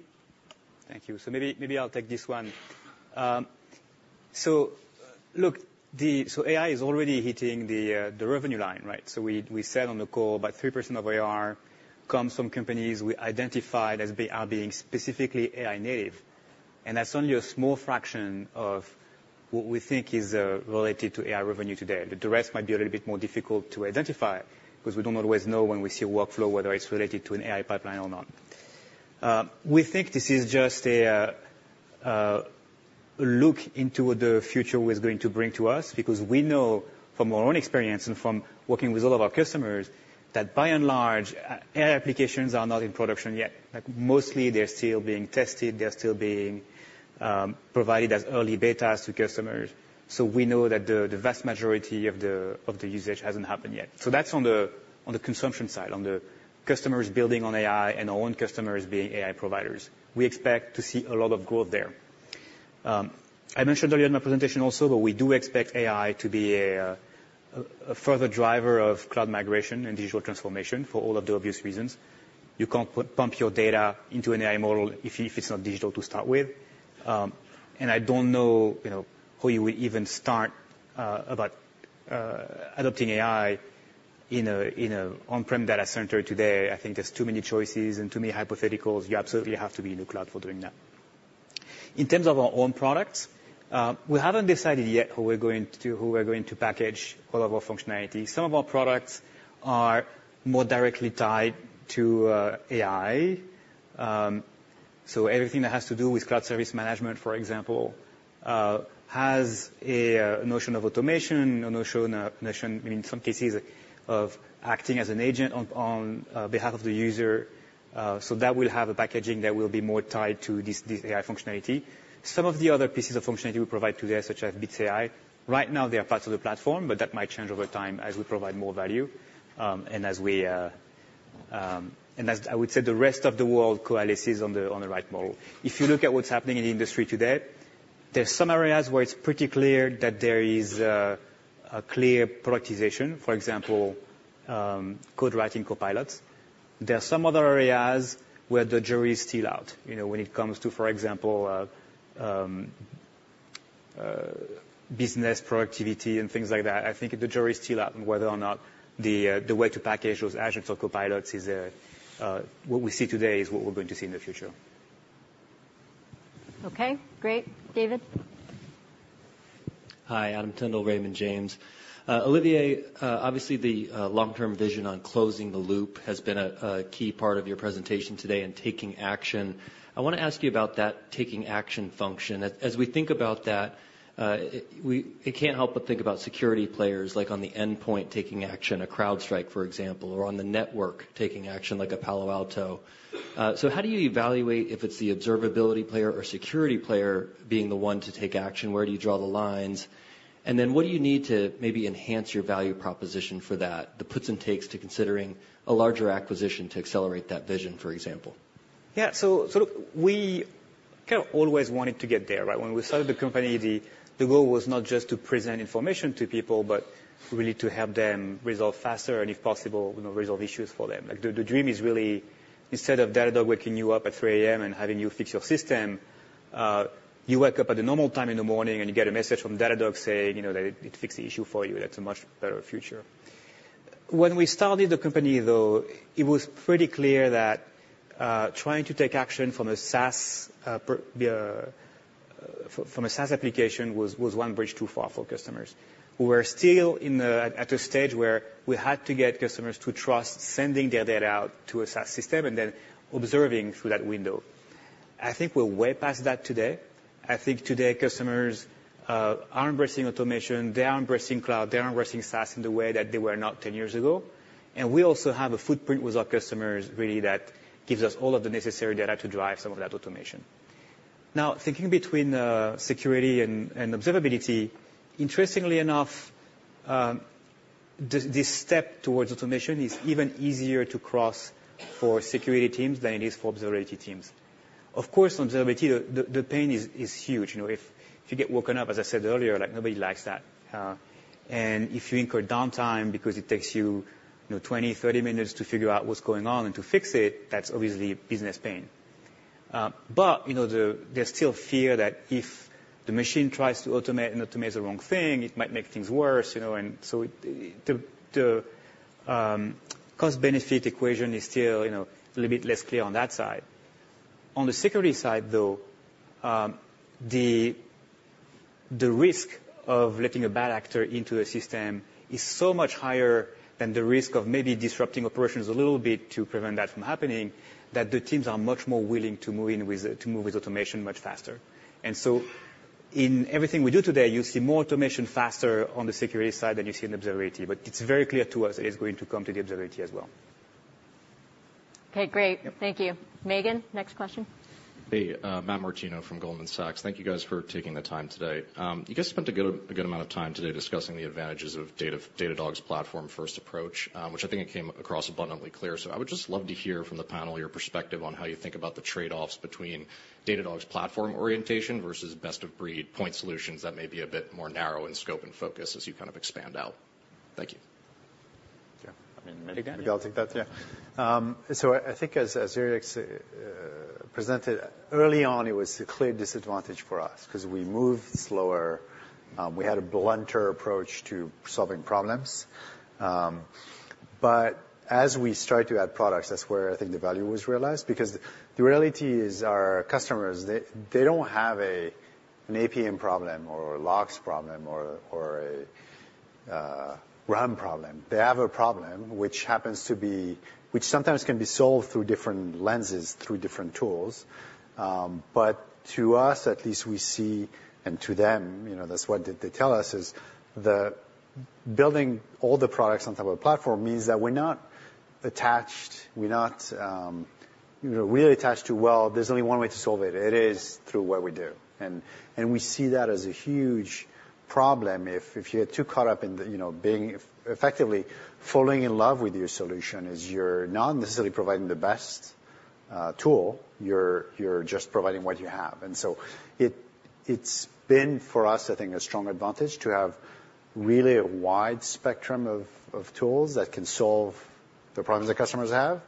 Thank you. So maybe I'll take this one. So look, AI is already hitting the revenue line. So we said on the call about 3% of ARR comes from companies we identified as being specifically AI native. And that's only a small fraction of what we think is related to AI revenue today. The rest might be a little bit more difficult to identify, because we don't always know when we see a workflow, whether it's related to an AI pipeline or not. We think this is just a look into what the future is going to bring to us, because we know from our own experience and from working with all of our customers that, by and large, AI applications are not in production yet. Mostly, they're still being tested. They're still being provided as early betas to customers. So we know that the vast majority of the usage hasn't happened yet. That's on the consumption side, on the customers building on AI and our own customers being AI providers. We expect to see a lot of growth there. I mentioned earlier in my presentation also, but we do expect AI to be a further driver of cloud migration and digital transformation for all of the obvious reasons. You can't pump your data into an AI model if it's not digital to start with. And I don't know how you would even start about adopting AI in an on-prem data center today. I think there's too many choices and too many hypotheticals. You absolutely have to be in the cloud for doing that. In terms of our own products, we haven't decided yet how we're going to package all of our functionality. Some of our products are more directly tied to AI. So everything that has to do with Cloud Service Management, for example, has a notion of automation, a notion in some cases of acting as an agent on behalf of the user. So that will have a packaging that will be more tied to this AI functionality. Some of the other pieces of functionality we provide today, such as Bits AI, right now, they are part of the platform. But that might change over time as we provide more value and as we and I would say the rest of the world coalesces on the right model. If you look at what's happening in the industry today, there are some areas where it's pretty clear that there is a clear productization, for example, code writing copilots. There are some other areas where the jury is still out when it comes to, for example, business productivity and things like that. I think the jury is still out on whether or not the way to package those agents or copilots is what we see today is what we're going to see in the future. OK, great. David? Hi, Adam Tindle, Raymond James. Olivier, obviously, the long-term vision on closing the loop has been a key part of your presentation today and taking action. I want to ask you about that taking action function. As we think about that, we can't help but think about security players, like on the endpoint taking action, CrowdStrike, for example, or on the network taking action, like a Palo Alto. So how do you evaluate if it's the observability player or security player being the one to take action? Where do you draw the lines? And then what do you need to maybe enhance your value proposition for that, the puts and takes to considering a larger acquisition to accelerate that vision, for example? Yeah, so we kind of always wanted to get there. When we started the company, the goal was not just to present information to people, but really to help them resolve faster and, if possible, resolve issues for them. The dream is really, instead of Datadog waking you up at 3:00 A.M. and having you fix your system, you wake up at a normal time in the morning, and you get a message from Datadog saying that it fixed the issue for you. That's a much better future. When we started the company, though, it was pretty clear that trying to take action from a SaaS application was one bridge too far for customers. We were still at a stage where we had to get customers to trust sending their data out to a SaaS system and then observing through that window. I think we're way past that today. I think today, customers are embracing automation. They are embracing cloud. They are embracing SaaS in the way that they were not 10 years ago. We also have a footprint with our customers, really, that gives us all of the necessary data to drive some of that automation. Now, thinking between security and observability, interestingly enough, this step towards automation is even easier to cross for security teams than it is for observability teams. Of course, observability, the pain is huge. If you get woken up, as I said earlier, nobody likes that. If you incur downtime because it takes you 20-30 minutes to figure out what's going on and to fix it, that's obviously business pain. But there's still fear that if the machine tries to automate and automates the wrong thing, it might make things worse. And so the cost-benefit equation is still a little bit less clear on that side. On the security side, though, the risk of letting a bad actor into a system is so much higher than the risk of maybe disrupting operations a little bit to prevent that from happening, that the teams are much more willing to move with automation much faster. And so in everything we do today, you see more automation faster on the security side than you see in observability. But it's very clear to us that it's going to come to the observability as well. OK, great. Thank you. Megan, next question. Hey, Matt Martino from Goldman Sachs. Thank you guys for taking the time today. You guys spent a good amount of time today discussing the advantages of Datadog's platform-first approach, which I think it came across abundantly clear. So I would just love to hear from the panel your perspective on how you think about the trade-offs between Datadog's platform orientation versus best-of-breed point solutions that may be a bit more narrow in scope and focus as you kind of expand out. Thank you. Yeah, I mean, maybe I'll take that. Yeah. So I think, as Yrieix presented, early on, it was a clear disadvantage for us, because we moved slower. We had a blunter approach to solving problems. But as we started to add products, that's where, I think, the value was realized, because the reality is our customers, they don't have an APM problem or a logs problem or a RUM problem. They have a problem, which happens to be, sometimes can be solved through different lenses, through different tools. But to us, at least, we see, and to them, that's what they tell us, is that building all the products on top of a platform means that we're not attached. We're not really attached to, well, there's only one way to solve it. It is through what we do. And we see that as a huge problem. If you get too caught up in being effectively falling in love with your solution, you're not necessarily providing the best tool. You're just providing what you have. And so it's been, for us, I think, a strong advantage to have really a wide spectrum of tools that can solve the problems that customers have.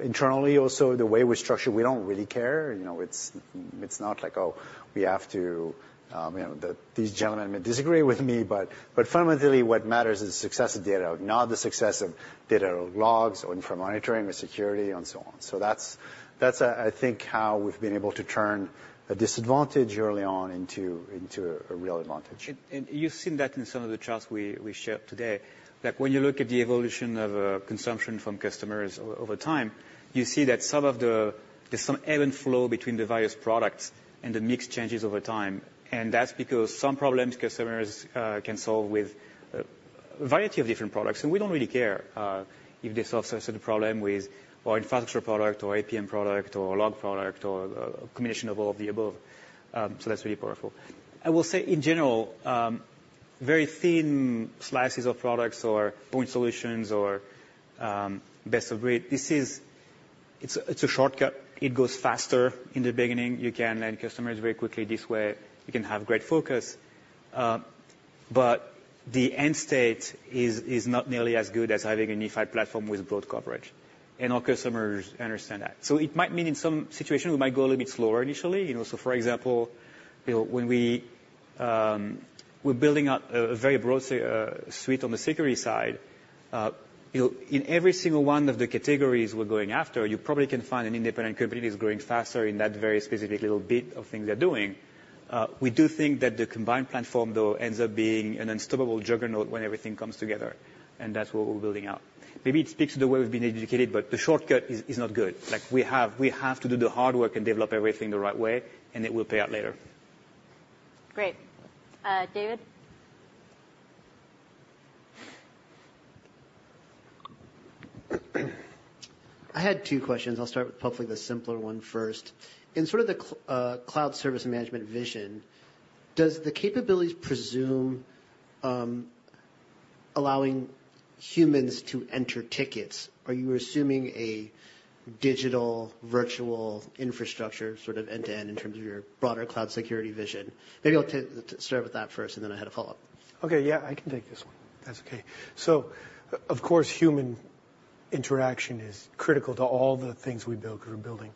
Internally, also, the way we structure, we don't really care. It's not like, oh, we have to—these gentlemen may disagree with me. But fundamentally, what matters is the success of Datadog, not the success of Datadog's or Infrastructure Monitoring or security and so on. So that's, I think, how we've been able to turn a disadvantage early on into a real advantage. You've seen that in some of the chats we shared today. When you look at the evolution of consumption from customers over time, you see that there's some ebb and flow between the various products and the mix changes over time. That's because some problems customers can solve with a variety of different products. We don't really care if they solve such a problem with our infrastructure product or APM product or log product or a combination of all of the above. That's really powerful. I will say, in general, very thin slices of products or point solutions or best-of-breed, it's a shortcut. It goes faster in the beginning. You can land customers very quickly this way. You can have great focus. The end state is not nearly as good as having a unified platform with broad coverage. Our customers understand that. So it might mean, in some situation, we might go a little bit slower initially. So, for example, when we were building up a very broad suite on the security side, in every single one of the categories we're going after, you probably can find an independent company that's growing faster in that very specific little bit of things they're doing. We do think that the combined platform, though, ends up being an unstoppable juggernaut when everything comes together. And that's what we're building out. Maybe it speaks to the way we've been educated. But the shortcut is not good. We have to do the hard work and develop everything the right way. And it will pay out later. Great. David? I had two questions. I'll start with probably the simpler one first. In sort of the Cloud Service Management vision, does the capabilities presume allowing humans to enter tickets? Are you assuming a digital, virtual infrastructure sort of end-to-end in terms of your broader cloud security vision? Maybe I'll start with that first, and then I had a follow-up. OK, yeah, I can take this one. That's OK. So, of course, human interaction is critical to all the things we build, because we're building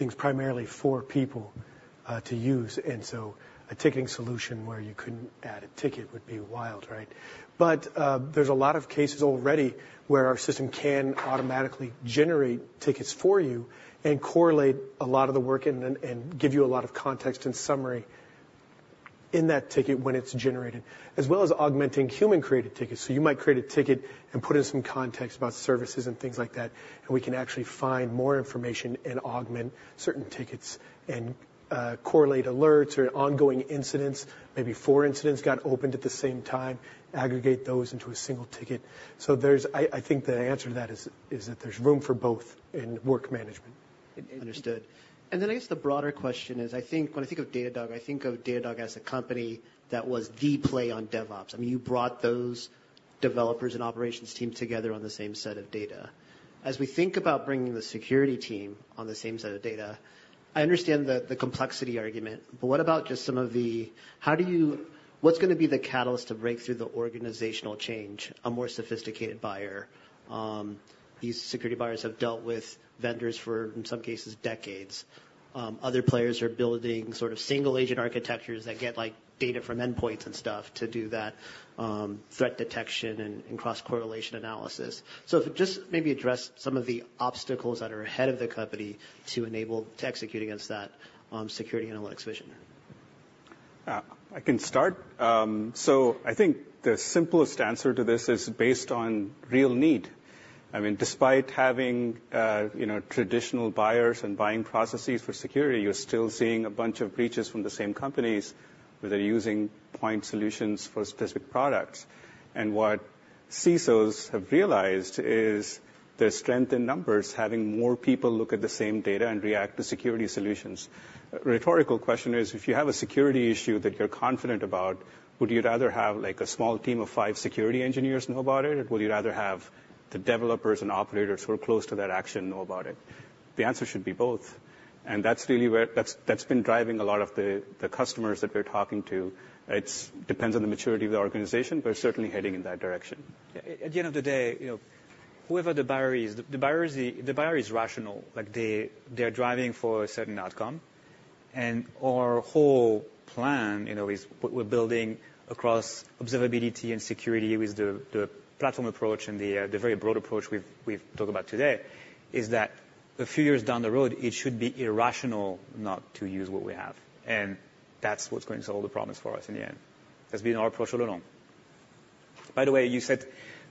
things primarily for people to use. And so a ticketing solution where you couldn't add a ticket would be wild, right? But there's a lot of cases already where our system can automatically generate tickets for you and correlate a lot of the work and give you a lot of context and summary in that ticket when it's generated, as well as augmenting human-created tickets. So you might create a ticket and put in some context about services and things like that. And we can actually find more information and augment certain tickets and correlate alerts or ongoing incidents. Maybe four incidents got opened at the same time. Aggregate those into a single ticket. I think the answer to that is that there's room for both in work management. Understood. And then I guess the broader question is, I think when I think of Datadog, I think of Datadog as a company that was the play on DevOps. I mean, you brought those developers and operations teams together on the same set of data. As we think about bringing the security team on the same set of data, I understand the complexity argument. But what about just some of the how do you what's going to be the catalyst to break through the organizational change, a more sophisticated buyer? These security buyers have dealt with vendors for, in some cases, decades. Other players are building sort of single-agent architectures that get data from endpoints and stuff to do that threat detection and cross-correlation analysis. So if it just maybe addressed some of the obstacles that are ahead of the company to enable to execute against that security analytics vision. I can start. So I think the simplest answer to this is based on real need. I mean, despite having traditional buyers and buying processes for security, you're still seeing a bunch of breaches from the same companies where they're using point solutions for specific products. And what CISOs have realized is their strength in numbers, having more people look at the same data and react to security solutions. Rhetorical question is, if you have a security issue that you're confident about, would you rather have a small team of five security engineers know about it, or would you rather have the developers and operators who are close to that action know about it? The answer should be both. And that's really where that's been driving a lot of the customers that we're talking to. It depends on the maturity of the organization. But it's certainly heading in that direction. At the end of the day, whoever the buyer is, the buyer is rational. They're driving for a certain outcome. Our whole plan is what we're building across observability and security with the platform approach and the very broad approach we've talked about today is that a few years down the road, it should be irrational not to use what we have. That's what's going to solve the problems for us in the end. That's been our approach all along. By the way, you said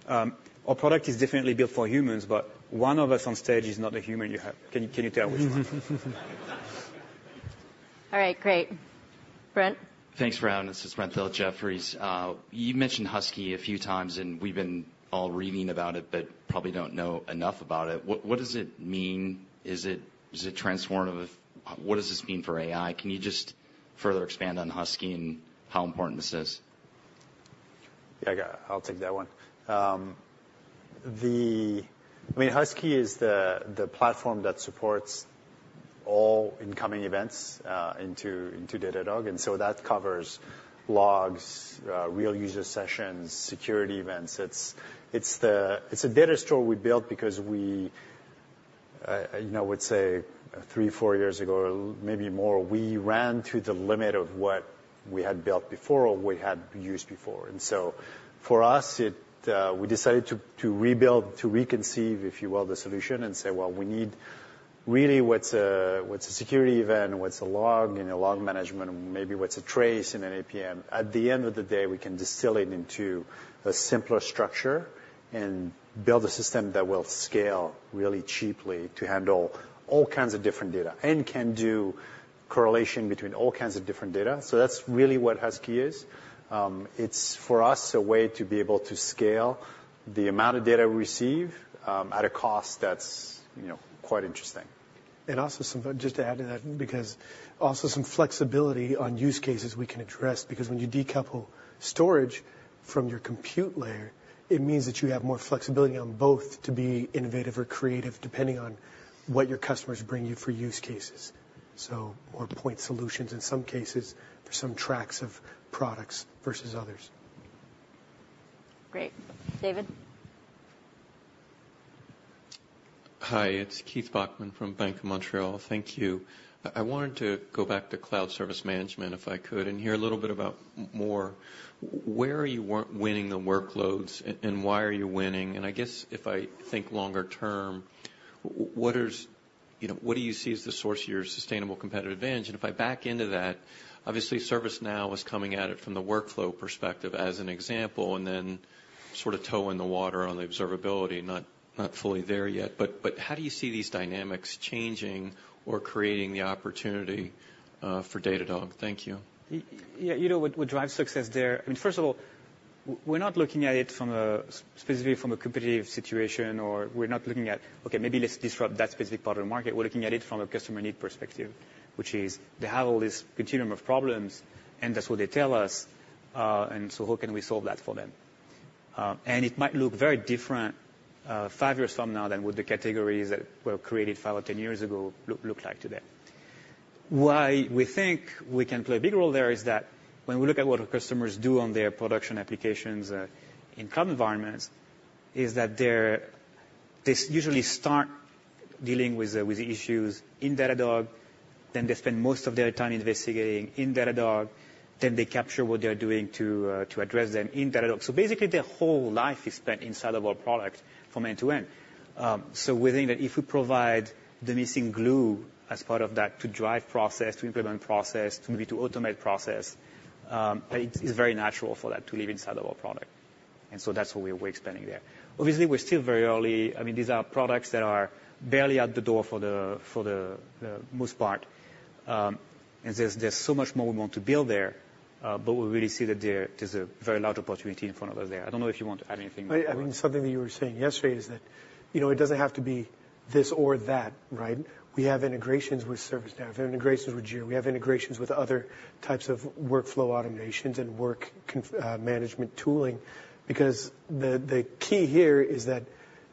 our product is definitely built for humans. One of us on stage is not a human you have. Can you tell which one? All right, great. Brent? Thanks for having us. It's Brent Thill, Jefferies. You mentioned Husky a few times. We've been all reading about it but probably don't know enough about it. What does it mean? Is it transformative? What does this mean for AI? Can you just further expand on Husky and how important this is? Yeah, I'll take that one. I mean, Husky is the platform that supports all incoming events into Datadog. And so that covers logs, real user sessions, security events. It's a data store we built because we, I would say, 3, 4 years ago, maybe more, we ran to the limit of what we had built before or what we had used before. And so for us, we decided to rebuild, to reconceive, if you will, the solution and say, well, we need really what's a security event, what's a log in a Log Management, maybe what's a trace in an APM. At the end of the day, we can distill it into a simpler structure and build a system that will scale really cheaply to handle all kinds of different data and can do correlation between all kinds of different data. So that's really what Husky is. It's, for us, a way to be able to scale the amount of data we receive at a cost that's quite interesting. And also just to add to that, because also some flexibility on use cases we can address, because when you decouple storage from your compute layer, it means that you have more flexibility on both to be innovative or creative, depending on what your customers bring you for use cases, so more point solutions in some cases for some tracks of products versus others. Great. David? Hi, it's Keith Bachman from Bank of Montreal. Thank you. I wanted to go back to Cloud Service Management, if I could, and hear a little bit about more. Where are you winning the workloads, and why are you winning? And I guess, if I think longer term, what do you see as the source of your sustainable competitive advantage? And if I back into that, obviously, ServiceNow was coming at it from the workflow perspective as an example and then sort of toe in the water on the observability, not fully there yet. But how do you see these dynamics changing or creating the opportunity for Datadog? Thank you. Yeah, you know what drives success there? I mean, first of all, we're not looking at it specifically from a competitive situation, or we're not looking at, OK, maybe let's disrupt that specific part of the market. We're looking at it from a customer need perspective, which is they have all this continuum of problems. And that's what they tell us. And so how can we solve that for them? And it might look very different five years from now than what the categories that were created five or 10 years ago look like today. Why we think we can play a big role there is that when we look at what our customers do on their production applications in cloud environments, is that they usually start dealing with the issues in Datadog. Then they spend most of their time investigating in Datadog. Then they capture what they're doing to address them in Datadog. So basically, their whole life is spent inside of our product from end to end. So we think that if we provide the missing glue as part of that to drive process, to implement process, to maybe automate process, it's very natural for that to live inside of our product. And so that's what we're expanding there. Obviously, we're still very early. I mean, these are products that are barely out the door for the most part. And there's so much more we want to build there. But we really see that there's a very large opportunity in front of us there. I don't know if you want to add anything more. I mean, something that you were saying yesterday is that it doesn't have to be this or that, right? We have integrations with ServiceNow. We have integrations with Jira. We have integrations with other types of workflow automations and work management tooling. Because the key here is that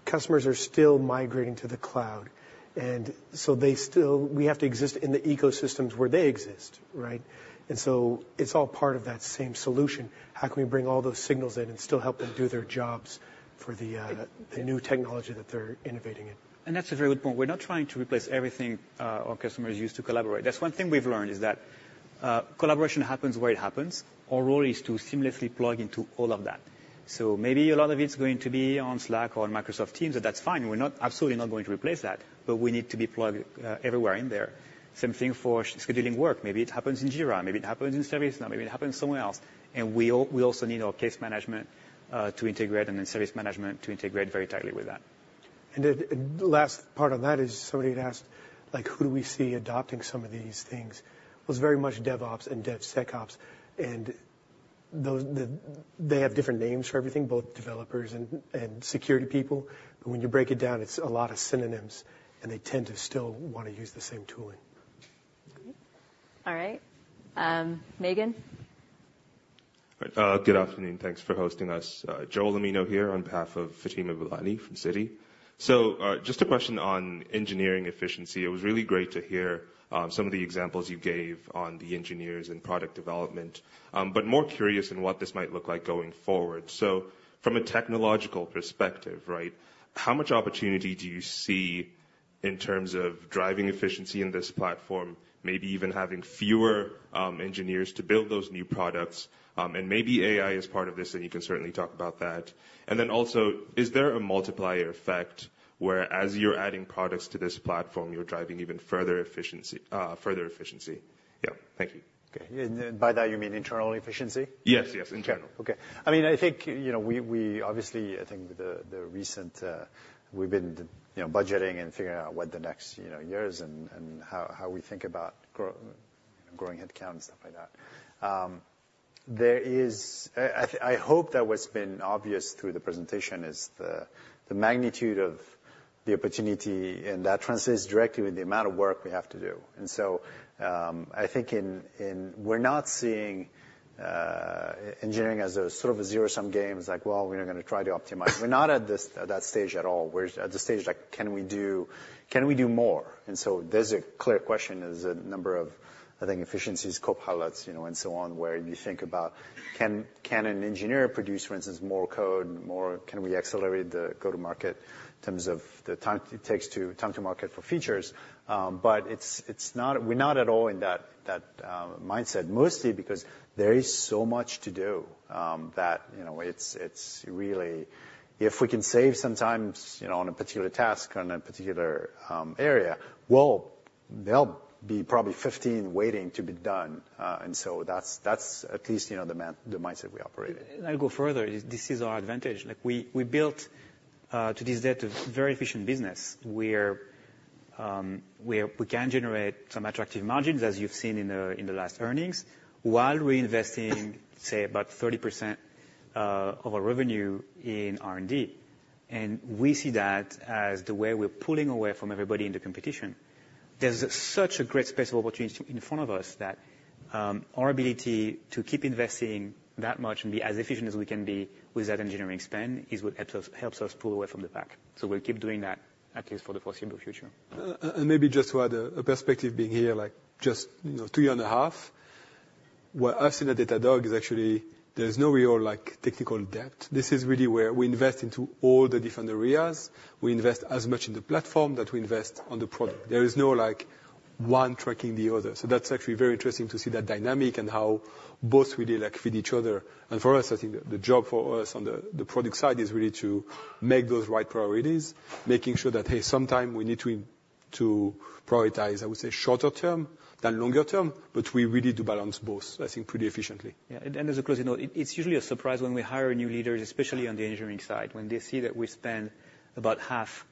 customers are still migrating to the cloud. And so we have to exist in the ecosystems where they exist, right? And so it's all part of that same solution. How can we bring all those signals in and still help them do their jobs for the new technology that they're innovating in? And that's a very good point. We're not trying to replace everything our customers use to collaborate. That's one thing we've learned, is that collaboration happens where it happens. Our role is to seamlessly plug into all of that. So maybe a lot of it's going to be on Slack or on Microsoft Teams. And that's fine. We're absolutely not going to replace that. But we need to be plugged everywhere in there. Same thing for scheduling work. Maybe it happens in Jira. Maybe it happens in ServiceNow. Maybe it happens somewhere else. And we also need our case management to integrate and then service management to integrate very tightly with that. The last part on that is somebody had asked, who do we see adopting some of these things? Well, it's very much DevOps and DevSecOps. They have different names for everything, both developers and security people. But when you break it down, it's a lot of synonyms. They tend to still want to use the same tooling. All right. Megan? Good afternoon. Thanks for hosting us. Joel Amino here on behalf of Fatima Boolani from Citi. Just a question on engineering efficiency. It was really great to hear some of the examples you gave on the engineers and product development. More curious in what this might look like going forward. From a technological perspective, how much opportunity do you see in terms of driving efficiency in this platform, maybe even having fewer engineers to build those new products? Maybe AI is part of this. You can certainly talk about that. Then also, is there a multiplier effect where, as you're adding products to this platform, you're driving even further efficiency? Yeah, thank you. OK, and by that, you mean internal efficiency? Yes, yes, internal. OK, I mean, I think we obviously, I think recently we've been budgeting and figuring out what the next year is and how we think about growing headcount and stuff like that. I hope that what's been obvious through the presentation is the magnitude of the opportunity. That translates directly with the amount of work we have to do. So I think we're not seeing engineering as sort of a zero-sum game, like, well, we're going to try to optimize. We're not at that stage at all. We're at the stage like, can we do more? So there's a clear question. There's a number of, I think, efficiencies, Copilots, and so on, where you think about, can an engineer produce, for instance, more code? Can we accelerate the go-to-market in terms of the time it takes to time to market for features? But we're not at all in that mindset, mostly because there is so much to do that it's really if we can save some time on a particular task or in a particular area, well, there'll be probably 15 waiting to be done. And so that's at least the mindset we operate in. And I'll go further. This is our advantage. We built to this day a very efficient business where we can generate some attractive margins, as you've seen in the last earnings, while reinvesting, say, about 30% of our revenue in R&D. And we see that as the way we're pulling away from everybody in the competition. There's such a great space of opportunity in front of us that our ability to keep investing that much and be as efficient as we can be with that engineering spend is what helps us pull away from the pack. So we'll keep doing that, at least for the foreseeable future. And maybe just to add a perspective: being here just 2.5 years, what I've seen at Datadog is actually there's no real technical depth. This is really where we invest into all the different areas. We invest as much in the platform that we invest on the product. There is no one tracking the other. So that's actually very interesting to see that dynamic and how both really feed each other. And for us, I think the job for us on the product side is really to make those right priorities, making sure that, hey, sometimes we need to prioritize, I would say, shorter term than longer term. But we really do balance both, I think, pretty efficiently. Yeah, and as a closing, it's usually a surprise when we hire new leaders, especially on the engineering side, when they see that we spend about half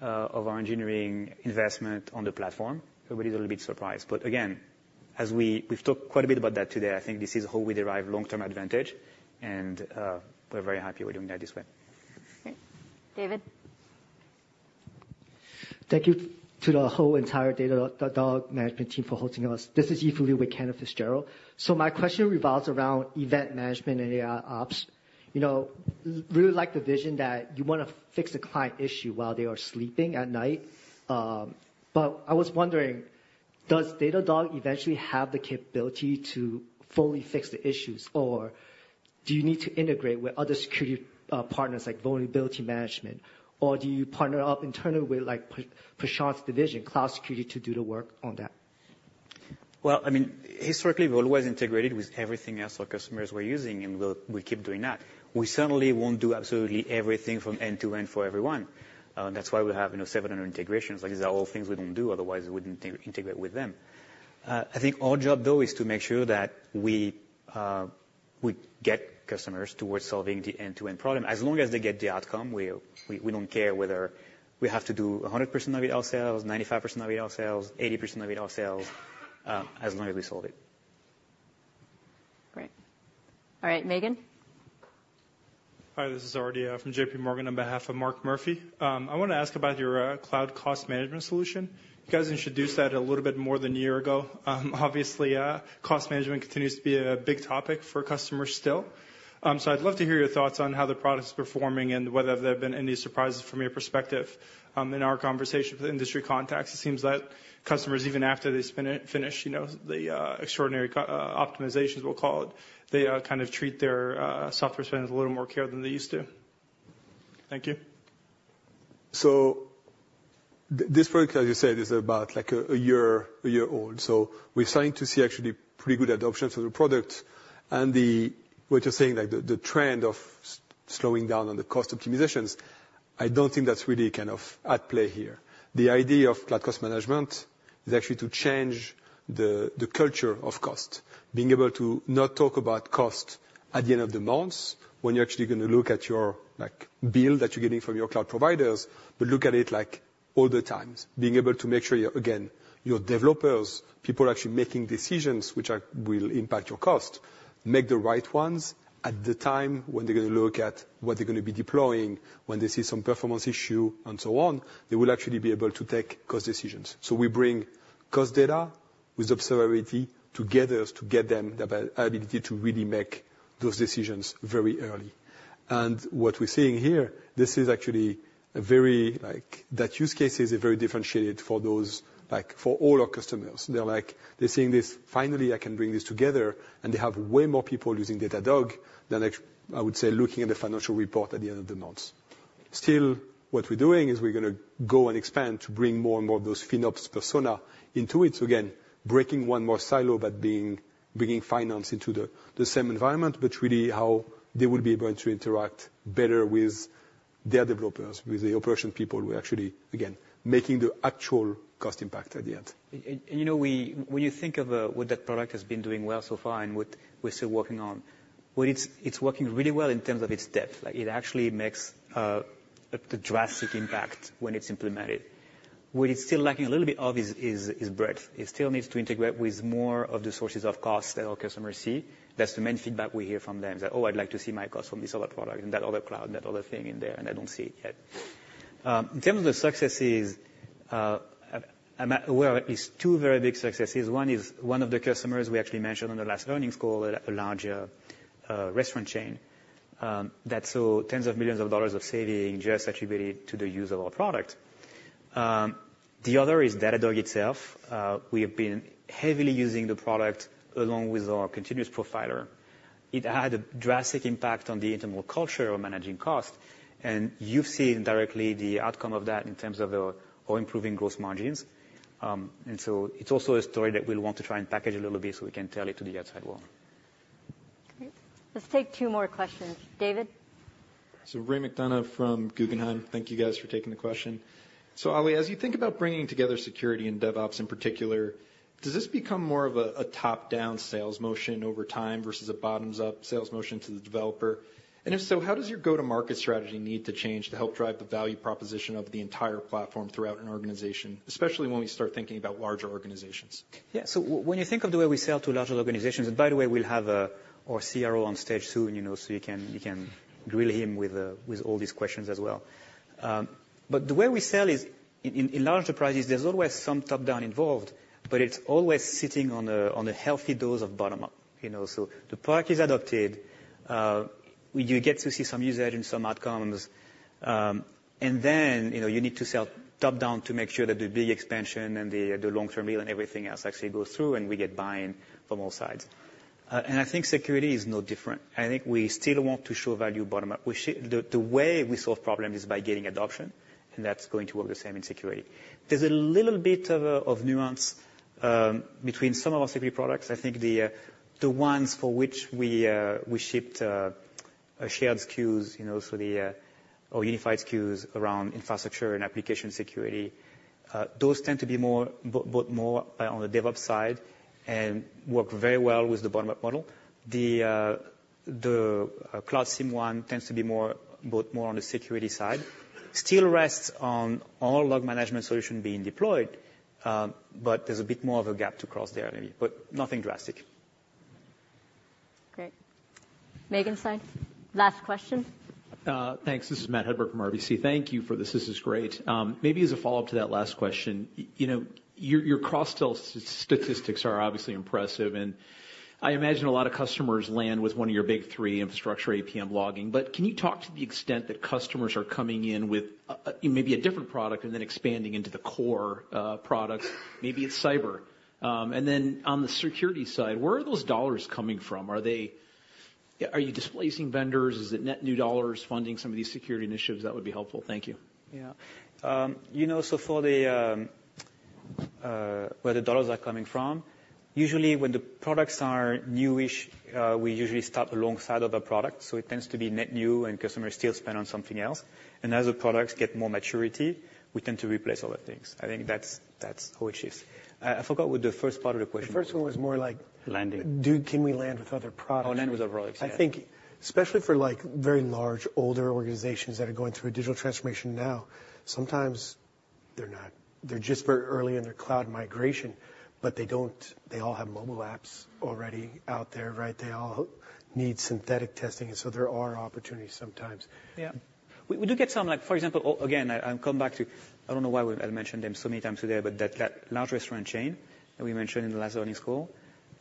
of our engineering investment on the platform. Everybody's a little bit surprised. But again, as we've talked quite a bit about that today, I think this is how we derive long-term advantage. And we're very happy we're doing that this way. David? Thank you to the whole entire Datadog management team for hosting us. This is Yi Fu Lee with Cantor Fitzgerald. So my question revolves around event management and AIOps. I really like the vision that you want to fix a client issue while they are sleeping at night. But I was wondering, does Datadog eventually have the capability to fully fix the issues? Or do you need to integrate with other security partners, like vulnerability management? Or do you partner up internally with Prashant's division, Cloud Security, to do the work on that? Well, I mean, historically, we've always integrated with everything else our customers were using. We'll keep doing that. We certainly won't do absolutely everything from end to end for everyone. That's why we have 700 integrations. These are all things we don't do. Otherwise, we wouldn't integrate with them. I think our job, though, is to make sure that we get customers towards solving the end-to-end problem. As long as they get the outcome, we don't care whether we have to do 100% of it ourselves, 95% of it ourselves, 80% of it ourselves, as long as we solve it. Great. All right, Megan? Hi, this is Arti from JPMorgan on behalf of Mark Murphy. I want to ask about your Cloud Cost Management solution. You guys introduced that a little bit more than a year ago. Obviously, cost management continues to be a big topic for customers still. So I'd love to hear your thoughts on how the product is performing and whether there have been any surprises from your perspective. In our conversation with industry contacts, it seems that customers, even after they finish the extraordinary optimizations, we'll call it, they kind of treat their software spend with a little more care than they used to. Thank you. So this product, as you said, is about a year old. So we're starting to see, actually, pretty good adoption for the product. And what you're saying, the trend of slowing down on the cost optimizations, I don't think that's really kind of at play here. The idea of cloud cost management is actually to change the culture of cost, being able to not talk about cost at the end of the months when you're actually going to look at your bill that you're getting from your cloud providers, but look at it all the times, being able to make sure, again, your developers, people actually making decisions which will impact your cost, make the right ones at the time when they're going to look at what they're going to be deploying, when they see some performance issue, and so on. They will actually be able to take cost decisions. So we bring cost data with observability together to get them the ability to really make those decisions very early. And what we're seeing here, this is actually a very differentiated use case for all our customers. They're seeing this, finally, I can bring this together. And they have way more people using Datadog than, I would say, looking at the financial report at the end of the month. Still, what we're doing is we're going to go and expand to bring more and more of those FinOps personas into it, again, breaking one more silo by bringing finance into the same environment, but really how they would be able to interact better with their developers, with the operations people, actually, again, making the actual cost impact at the end. You know when you think of what that product has been doing well so far and what we're still working on, it's working really well in terms of its depth. It actually makes a drastic impact when it's implemented. What it's still lacking a little bit of is breadth. It still needs to integrate with more of the sources of cost that our customers see. That's the main feedback we hear from them, that, oh, I'd like to see my cost from this other product and that other cloud and that other thing in there. And I don't see it yet. In terms of the successes, I'm aware of at least two very big successes. One is one of the customers we actually mentioned on the last earnings call, a larger restaurant chain, that saw tens of millions of dollars of savings just attributed to the use of our product. The other is Datadog itself. We have been heavily using the product along with our Continuous Profiler. It had a drastic impact on the internal culture of managing cost. You've seen directly the outcome of that in terms of our improving gross margins. And so it's also a story that we'll want to try and package a little bit so we can tell it to the outside world. Let's take two more questions. David? So Ray McDonough from Guggenheim. Thank you, guys, for taking the question. So Ali, as you think about bringing together security and DevOps in particular, does this become more of a top-down sales motion over time versus a bottoms-up sales motion to the developer? And if so, how does your go-to-market strategy need to change to help drive the value proposition of the entire platform throughout an organization, especially when we start thinking about larger organizations? Yeah, so when you think of the way we sell to larger organizations and by the way, we'll have our CRO on stage soon. So you can grill him with all these questions as well. But the way we sell is, in large enterprises, there's always some top-down involved. But it's always sitting on a healthy dose of bottom-up. So the product is adopted. You get to see some usage and some outcomes. And then you need to sell top-down to make sure that the big expansion and the long-term deal and everything else actually goes through. And we get buy-in from all sides. And I think security is no different. I think we still want to show value bottom-up. The way we solve problems is by getting adoption. And that's going to work the same in security. There's a little bit of nuance between some of our security products. I think the ones for which we shipped shared SKUs, so our unified SKUs around infrastructure and application security, those tend to be both more on the DevOps side and work very well with the bottom-up model. The Cloud SIEM one tends to be both more on the security side, still rests on our Log Management solution being deployed. But there's a bit more of a gap to cross there, maybe, but nothing drastic. Great. Megan's side, last question. Thanks. This is Matt Hedberg from RBC. Thank you for this. This is great. Maybe as a follow-up to that last question, your cross-sell statistics are obviously impressive. And I imagine a lot of customers land with one of your big three infrastructure, APM, logging. But can you talk to the extent that customers are coming in with maybe a different product and then expanding into the core products? Maybe it's cyber. And then on the security side, where are those dollars coming from? Are you displacing vendors? Is it net new dollars funding some of these security initiatives? That would be helpful. Thank you. Yeah, you know, so for where the dollars are coming from, usually when the products are newish, we usually start alongside of a product. So it tends to be net new. And customers still spend on something else. And as the products get more maturity, we tend to replace other things. I think that's how it shifts. I forgot what the first part of the question was. The first one was more like. Landing. Can we land with other products? Oh, land with our products, yes. I think especially for very large, older organizations that are going through a digital transformation now, sometimes they're just very early in their cloud migration. But they all have mobile apps already out there, right? They all need synthetic testing. And so there are opportunities sometimes. Yeah, we do get some, for example, again, I'll come back to. I don't know why I mentioned them so many times today. But that large restaurant chain that we mentioned in the last earnings call,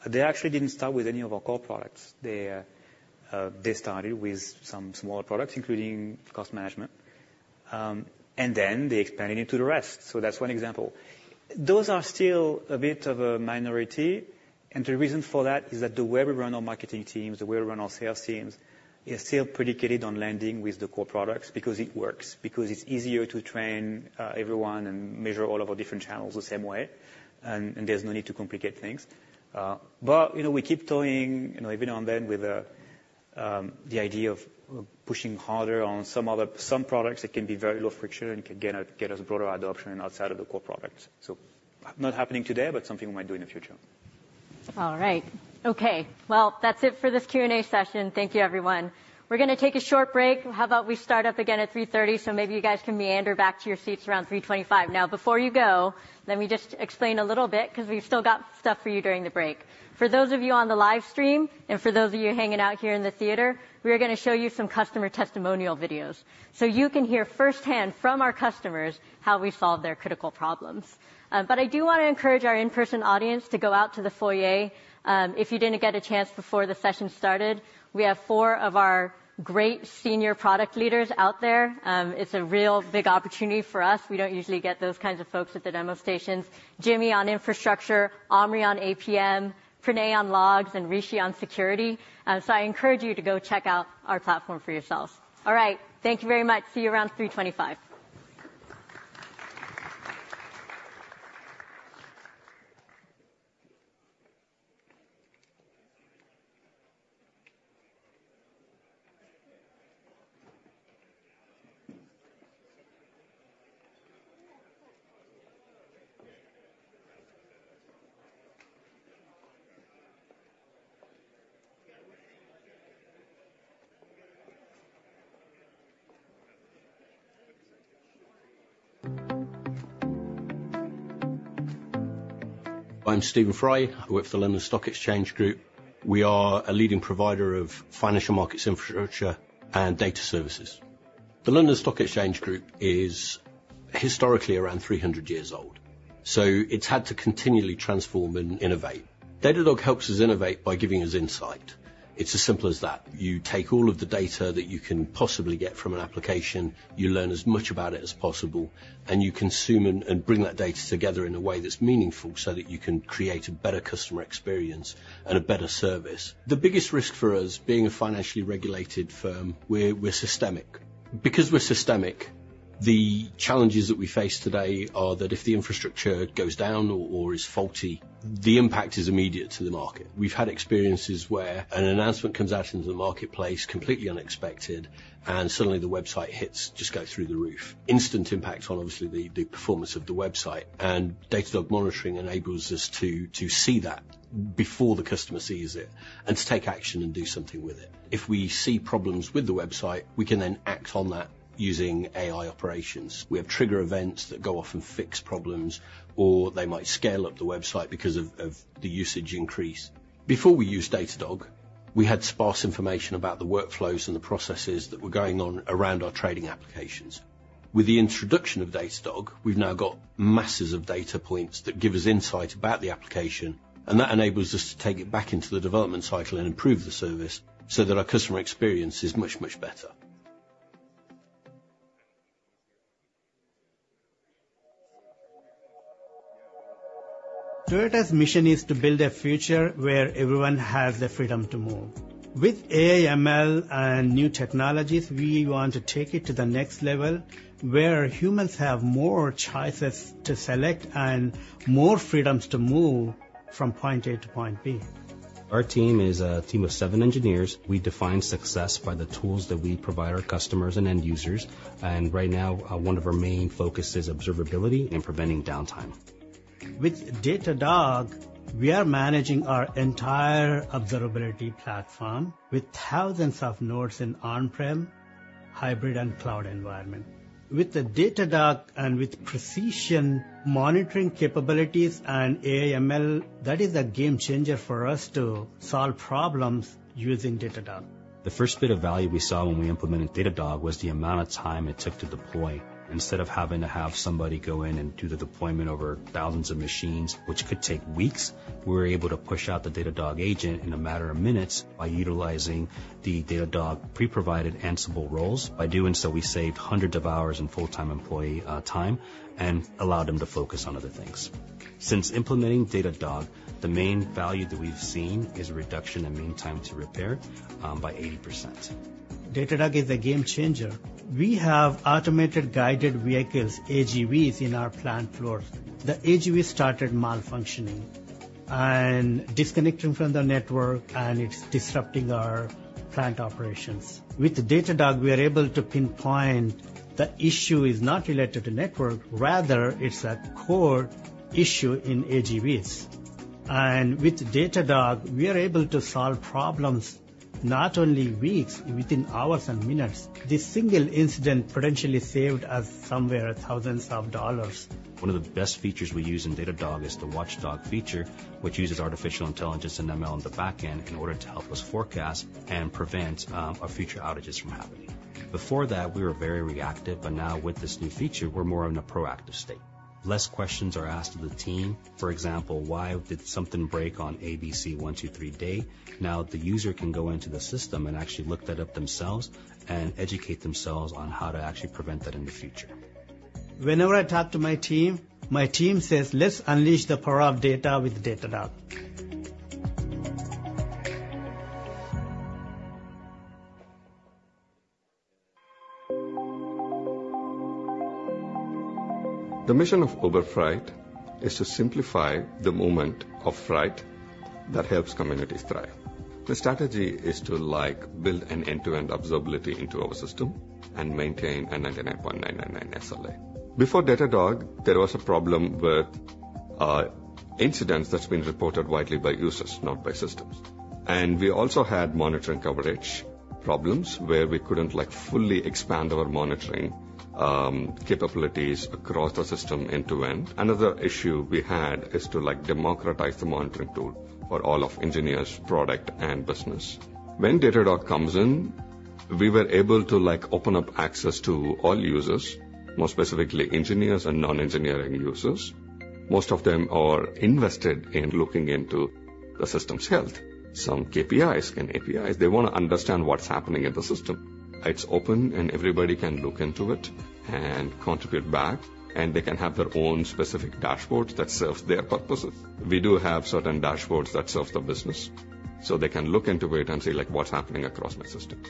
they actually didn't start with any of our core products. They started with some smaller products, including Cost Management. And then they expanded into the rest. So that's one example. Those are still a bit of a minority. And the reason for that is that the way we run our marketing teams, the way we run our sales teams, is still predicated on landing with the core products because it works, because it's easier to train everyone and measure all of our different channels the same way. And there's no need to complicate things. But we keep toying every now and then with the idea of pushing harder on some products that can be very low friction and can get us broader adoption outside of the core products. So not happening today, but something we might do in the future. All right. OK, well, that's it for this Q&A session. Thank you, everyone. We're going to take a short break. How about we start up again at 3:30 P.M.? So maybe you guys can meander back to your seats around 3:25 P.M. Now, before you go, let me just explain a little bit because we've still got stuff for you during the break. For those of you on the live stream and for those of you hanging out here in the theater, we are going to show you some customer testimonial videos. So you can hear firsthand from our customers how we solve their critical problems. But I do want to encourage our in-person audience to go out to the foyer. If you didn't get a chance before the session started, we have four of our great senior product leaders out there. It's a real big opportunity for us. We don't usually get those kinds of folks at the demo stations Jimmy on infrastructure, Omri on APM, Pranay on logs, and Rishi on security. So I encourage you to go check out our platform for yourselves. All right, thank you very much. See you around 3:25 P.M. I'm Stephen Fry. I work for the London Stock Exchange Group. We are a leading provider of financial markets infrastructure and data services. The London Stock Exchange Group is historically around 300 years old. It's had to continually transform and innovate. Datadog helps us innovate by giving us insight. It's as simple as that. You take all of the data that you can possibly get from an application. You learn as much about it as possible. You consume and bring that data together in a way that's meaningful so that you can create a better customer experience and a better service. The biggest risk for us, being a financially regulated firm, we're systemic. Because we're systemic, the challenges that we face today are that if the infrastructure goes down or is faulty, the impact is immediate to the market. We've had experiences where an announcement comes out into the marketplace completely unexpected. Suddenly the website hits just go through the roof, instant impact on, obviously, the performance of the website. Datadog monitoring enables us to see that before the customer sees it and to take action and do something with it. If we see problems with the website, we can then act on that using AI operations. We have trigger events that go off and fix problems. Or they might scale up the website because of the usage increase. Before we used Datadog, we had sparse information about the workflows and the processes that were going on around our trading applications. With the introduction of Datadog, we've now got masses of data points that give us insight about the application. That enables us to take it back into the development cycle and improve the service so that our customer experience is much, much better. Toyota's mission is to build a future where everyone has the freedom to move. With AI, ML, and new technologies, we want to take it to the next level where humans have more choices to select and more freedoms to move from point A to point B. Our team is a team of seven engineers. We define success by the tools that we provide our customers and end users. Right now, one of our main focuses is observability and preventing downtime. With Datadog, we are managing our entire observability platform with thousands of nodes in on-prem, hybrid, and cloud environment. With the Datadog and with precision monitoring capabilities and AI/ML, that is a game changer for us to solve problems using Datadog. The first bit of value we saw when we implemented Datadog was the amount of time it took to deploy. Instead of having to have somebody go in and do the deployment over thousands of machines, which could take weeks, we were able to push out the Datadog Agent in a matter of minutes by utilizing the Datadog pre-provided Ansible roles. By doing so, we saved hundreds of hours in full-time employee time and allowed them to focus on other things. Since implementing Datadog, the main value that we've seen is reduction in mean time to repair by 80%. Datadog is a game changer. We have automated guided vehicles, AGVs, in our plant floors. The AGV started malfunctioning and disconnecting from the network. It's disrupting our plant operations. With Datadog, we are able to pinpoint the issue is not related to network. Rather, it's a core issue in AGVs. With Datadog, we are able to solve problems not only weeks, within hours and minutes. This single incident potentially saved us somewhere thousands of dollars. One of the best features we use in Datadog is the Watchdog feature, which uses artificial intelligence and ML in the back end in order to help us forecast and prevent our future outages from happening. Before that, we were very reactive. But now, with this new feature, we're more in a proactive state. Less questions are asked to the team. For example, why did something break on ABC 123 day? Now, the user can go into the system and actually look that up themselves and educate themselves on how to actually prevent that in the future. Whenever I talk to my team, my team says, let's unleash the power of data with Datadog. The mission of Uber Freight is to simplify the moment of fright that helps communities thrive. The strategy is to build an end-to-end observability into our system and maintain a 99.999 SLA. Before Datadog, there was a problem with incidents that's been reported widely by users, not by systems. We also had monitoring coverage problems where we couldn't fully expand our monitoring capabilities across the system end to end. Another issue we had is to democratize the monitoring tool for all of engineers, product, and business. When Datadog comes in, we were able to open up access to all users, more specifically engineers and non-engineering users. Most of them are invested in looking into the system's health, some KPIs and APIs. They want to understand what's happening in the system. It's open. Everybody can look into it and contribute back. They can have their own specific dashboards that serve their purposes. We do have certain dashboards that serve the business. So they can look into it and see what's happening across my system.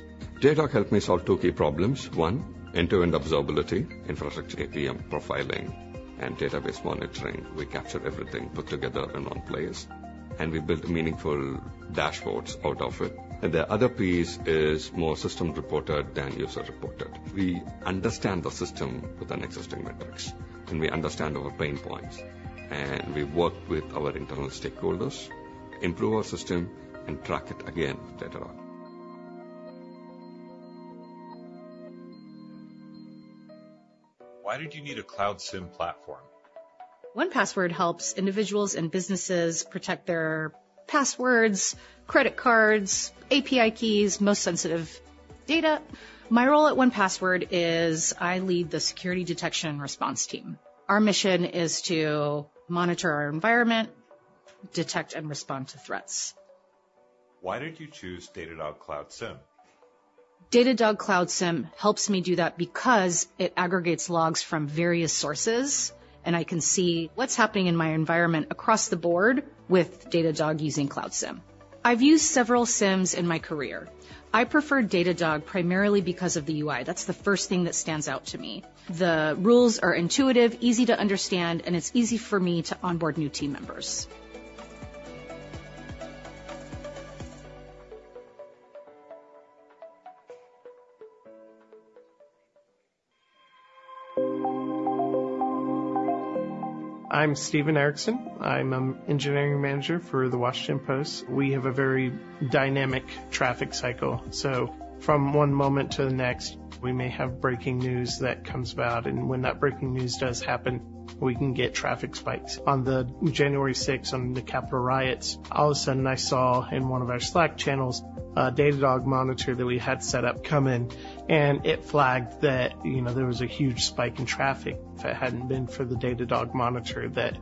Datadog helped me solve two key problems: one, end-to-end observability, infrastructure APM profiling, and database monitoring. We capture everything, put together in one place. And we built meaningful dashboards out of it. And the other piece is more system-reported than user-reported. We understand the system with an existing metrics. And we understand our pain points. And we work with our internal stakeholders, improve our system, and track it again with Datadog. Why did you need a Cloud SIEM platform? 1Password helps individuals and businesses protect their passwords, credit cards, API keys, most sensitive data. My role at 1Password is I lead the security detection response team. Our mission is to monitor our environment, detect, and respond to threats. Why did you choose Datadog Cloud SIEM? Datadog Cloud SIEM helps me do that because it aggregates logs from various sources. I can see what's happening in my environment across the board with Datadog using Cloud SIEM. I've used several SIEMs in my career. I prefer Datadog primarily because of the UI. That's the first thing that stands out to me. The rules are intuitive, easy to understand. It's easy for me to onboard new team members. I'm Stephen Erickson. I'm an engineering manager for The Washington Post. We have a very dynamic traffic cycle. So from one moment to the next, we may have breaking news that comes about. And when that breaking news does happen, we can get traffic spikes. On January 6, on the Capitol riots, all of a sudden I saw in one of our Slack channels a Datadog monitor that we had set up come in. And it flagged that there was a huge spike in traffic. If it hadn't been for the Datadog monitor that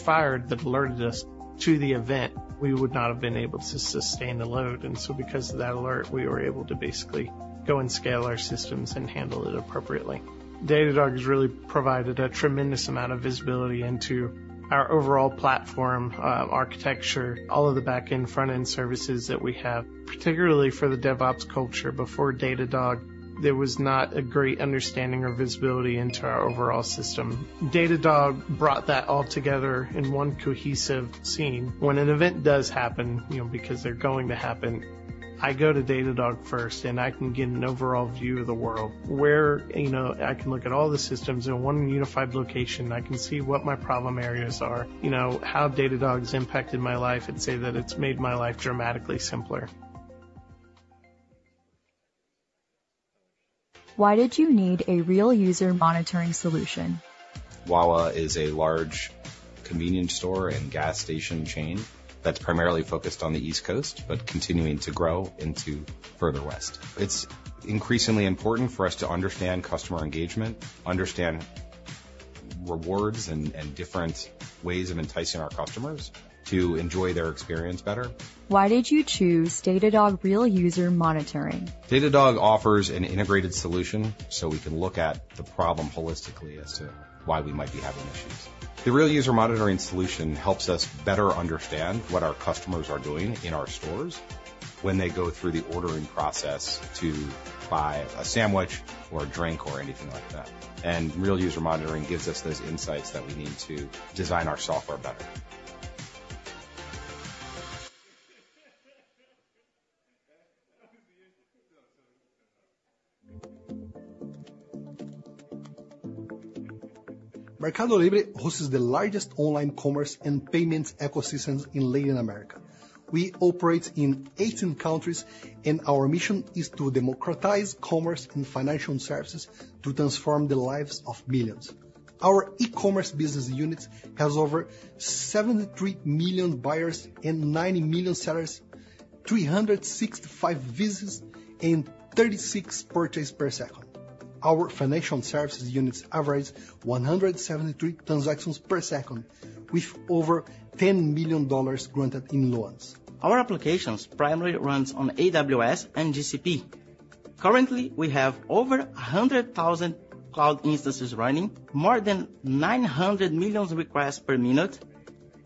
fired, that alerted us to the event, we would not have been able to sustain the load. And so because of that alert, we were able to basically go and scale our systems and handle it appropriately. Datadog has really provided a tremendous amount of visibility into our overall platform architecture, all of the back-end, front-end services that we have. Particularly for the DevOps culture, before Datadog, there was not a great understanding or visibility into our overall system. Datadog brought that all together in one cohesive scene. When an event does happen because they're going to happen, I go to Datadog first. I can get an overall view of the world where I can look at all the systems in one unified location. I can see what my problem areas are, how Datadog has impacted my life. I'd say that it's made my life dramatically simpler. Why did you need a Real User Monitoring solution? Wawa is a large convenience store and gas station chain that's primarily focused on the East Coast but continuing to grow into further west. It's increasingly important for us to understand customer engagement, understand rewards, and different ways of enticing our customers to enjoy their experience better. Why did you choose Datadog Real User Monitoring? Datadog offers an integrated solution. We can look at the problem holistically as to why we might be having issues. The Real User Monitoring solution helps us better understand what our customers are doing in our stores when they go through the ordering process to buy a sandwich or a drink or anything like that. Real User Monitoring gives us those insights that we need to design our software better. Mercado Libre hosts the largest online commerce and payments ecosystems in Latin America. We operate in 18 countries. Our mission is to democratize commerce and financial services to transform the lives of millions. Our e-commerce business unit has over 73 million buyers and 90 million sellers, 365 visits, and 36 purchases per second. Our financial services units average 173 transactions per second, with over $10 million granted in loans. Our applications primarily run on AWS and GCP. Currently, we have over 100,000 cloud instances running, more than 900 million requests per minute,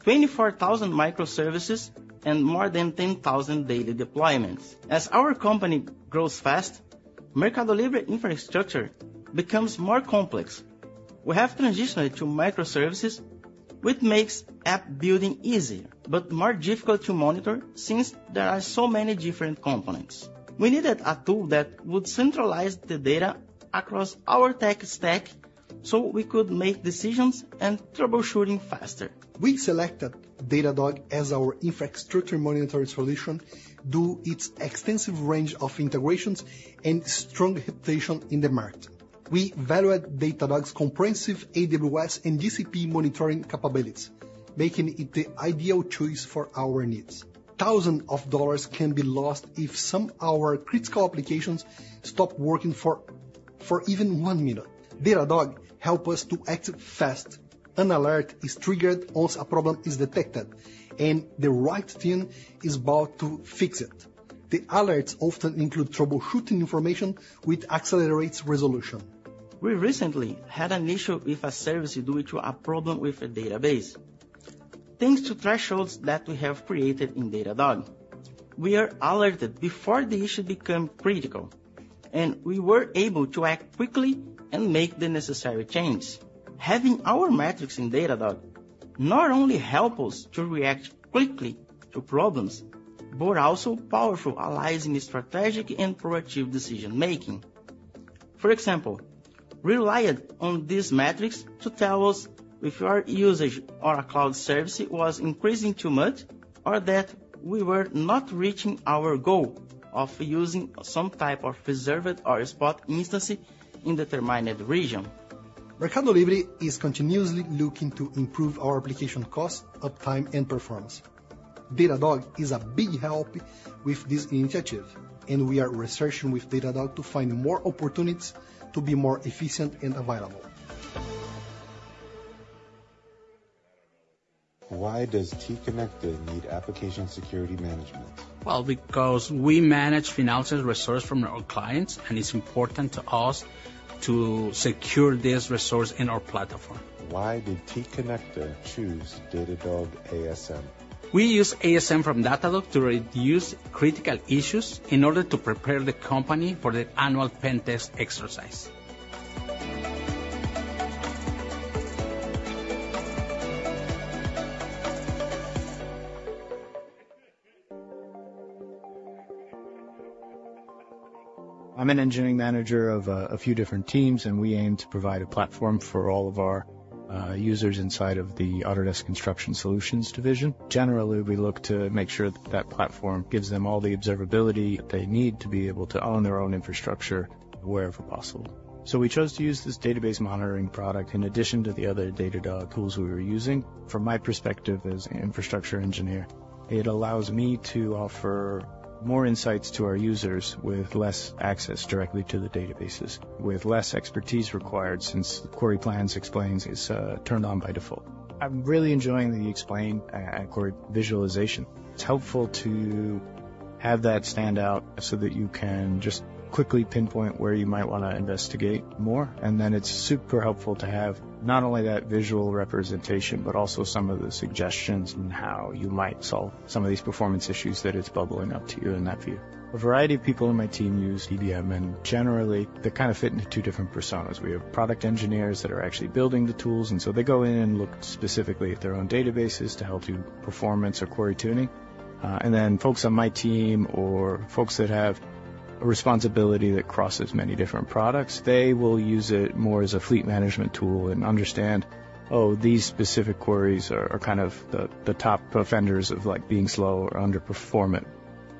24,000 microservices, and more than 10,000 daily deployments. As our company grows fast, Mercado Libre infrastructure becomes more complex. We have transitioned to microservices, which makes app building easier but more difficult to monitor since there are so many different components. We needed a tool that would centralize the data across our tech stack so we could make decisions and troubleshooting faster. We selected Datadog as our infrastructure monitoring solution due to its extensive range of integrations and strong reputation in the market. We valued Datadog's comprehensive AWS and GCP monitoring capabilities, making it the ideal choice for our needs. Thousands of dollars can be lost if some of our critical applications stop working for even one minute. Datadog helps us to act fast. An alert is triggered once a problem is detected. The right team is about to fix it. The alerts often include troubleshooting information, which accelerates resolution. We recently had an issue with a service due to a problem with a database, thanks to thresholds that we have created in Datadog. We are alerted before the issue becomes critical. We were able to act quickly and make the necessary changes. Having our metrics in Datadog not only helps us to react quickly to problems but also powerfully aligns with strategic and proactive decision-making. For example, we relied on these metrics to tell us if our usage of a cloud service was increasing too much or that we were not reaching our goal of using some type of reserved Spot Instance in the targeted region. Mercado Libre is continuously looking to improve our application costs, uptime, and performance. Datadog is a big help with this initiative. We are researching with Datadog to find more opportunities to be more efficient and available. Why does T-Conecta need Application Security Management? Well, because we manage financial resources from our clients. It's important to us to secure this resource in our platform. Why did T-Conecta choose Datadog ASM? We use ASM from Datadog to reduce critical issues in order to prepare the company for the annual pen test exercise. I'm an engineering manager of a few different teams. We aim to provide a platform for all of our users inside of the Autodesk Construction Solutions division. Generally, we look to make sure that that platform gives them all the observability that they need to be able to own their own infrastructure wherever possible. So we chose to use this Database Monitoring product in addition to the other Datadog tools we were using. From my perspective as an infrastructure engineer, it allows me to offer more insights to our users with less access directly to the databases, with less expertise required since the query plans explain is turned on by default. I'm really enjoying the explain and query visualization. It's helpful to have that stand out so that you can just quickly pinpoint where you might want to investigate more. Then it's super helpful to have not only that visual representation but also some of the suggestions on how you might solve some of these performance issues that it's bubbling up to you in that view. A variety of people in my team use DBM. Generally, they kind of fit into two different personas. We have product engineers that are actually building the tools. So they go in and look specifically at their own databases to help do performance or query tuning. Then folks on my team or folks that have a responsibility that crosses many different products, they will use it more as a fleet management tool and understand, oh, these specific queries are kind of the top offenders of being slow or underperforming.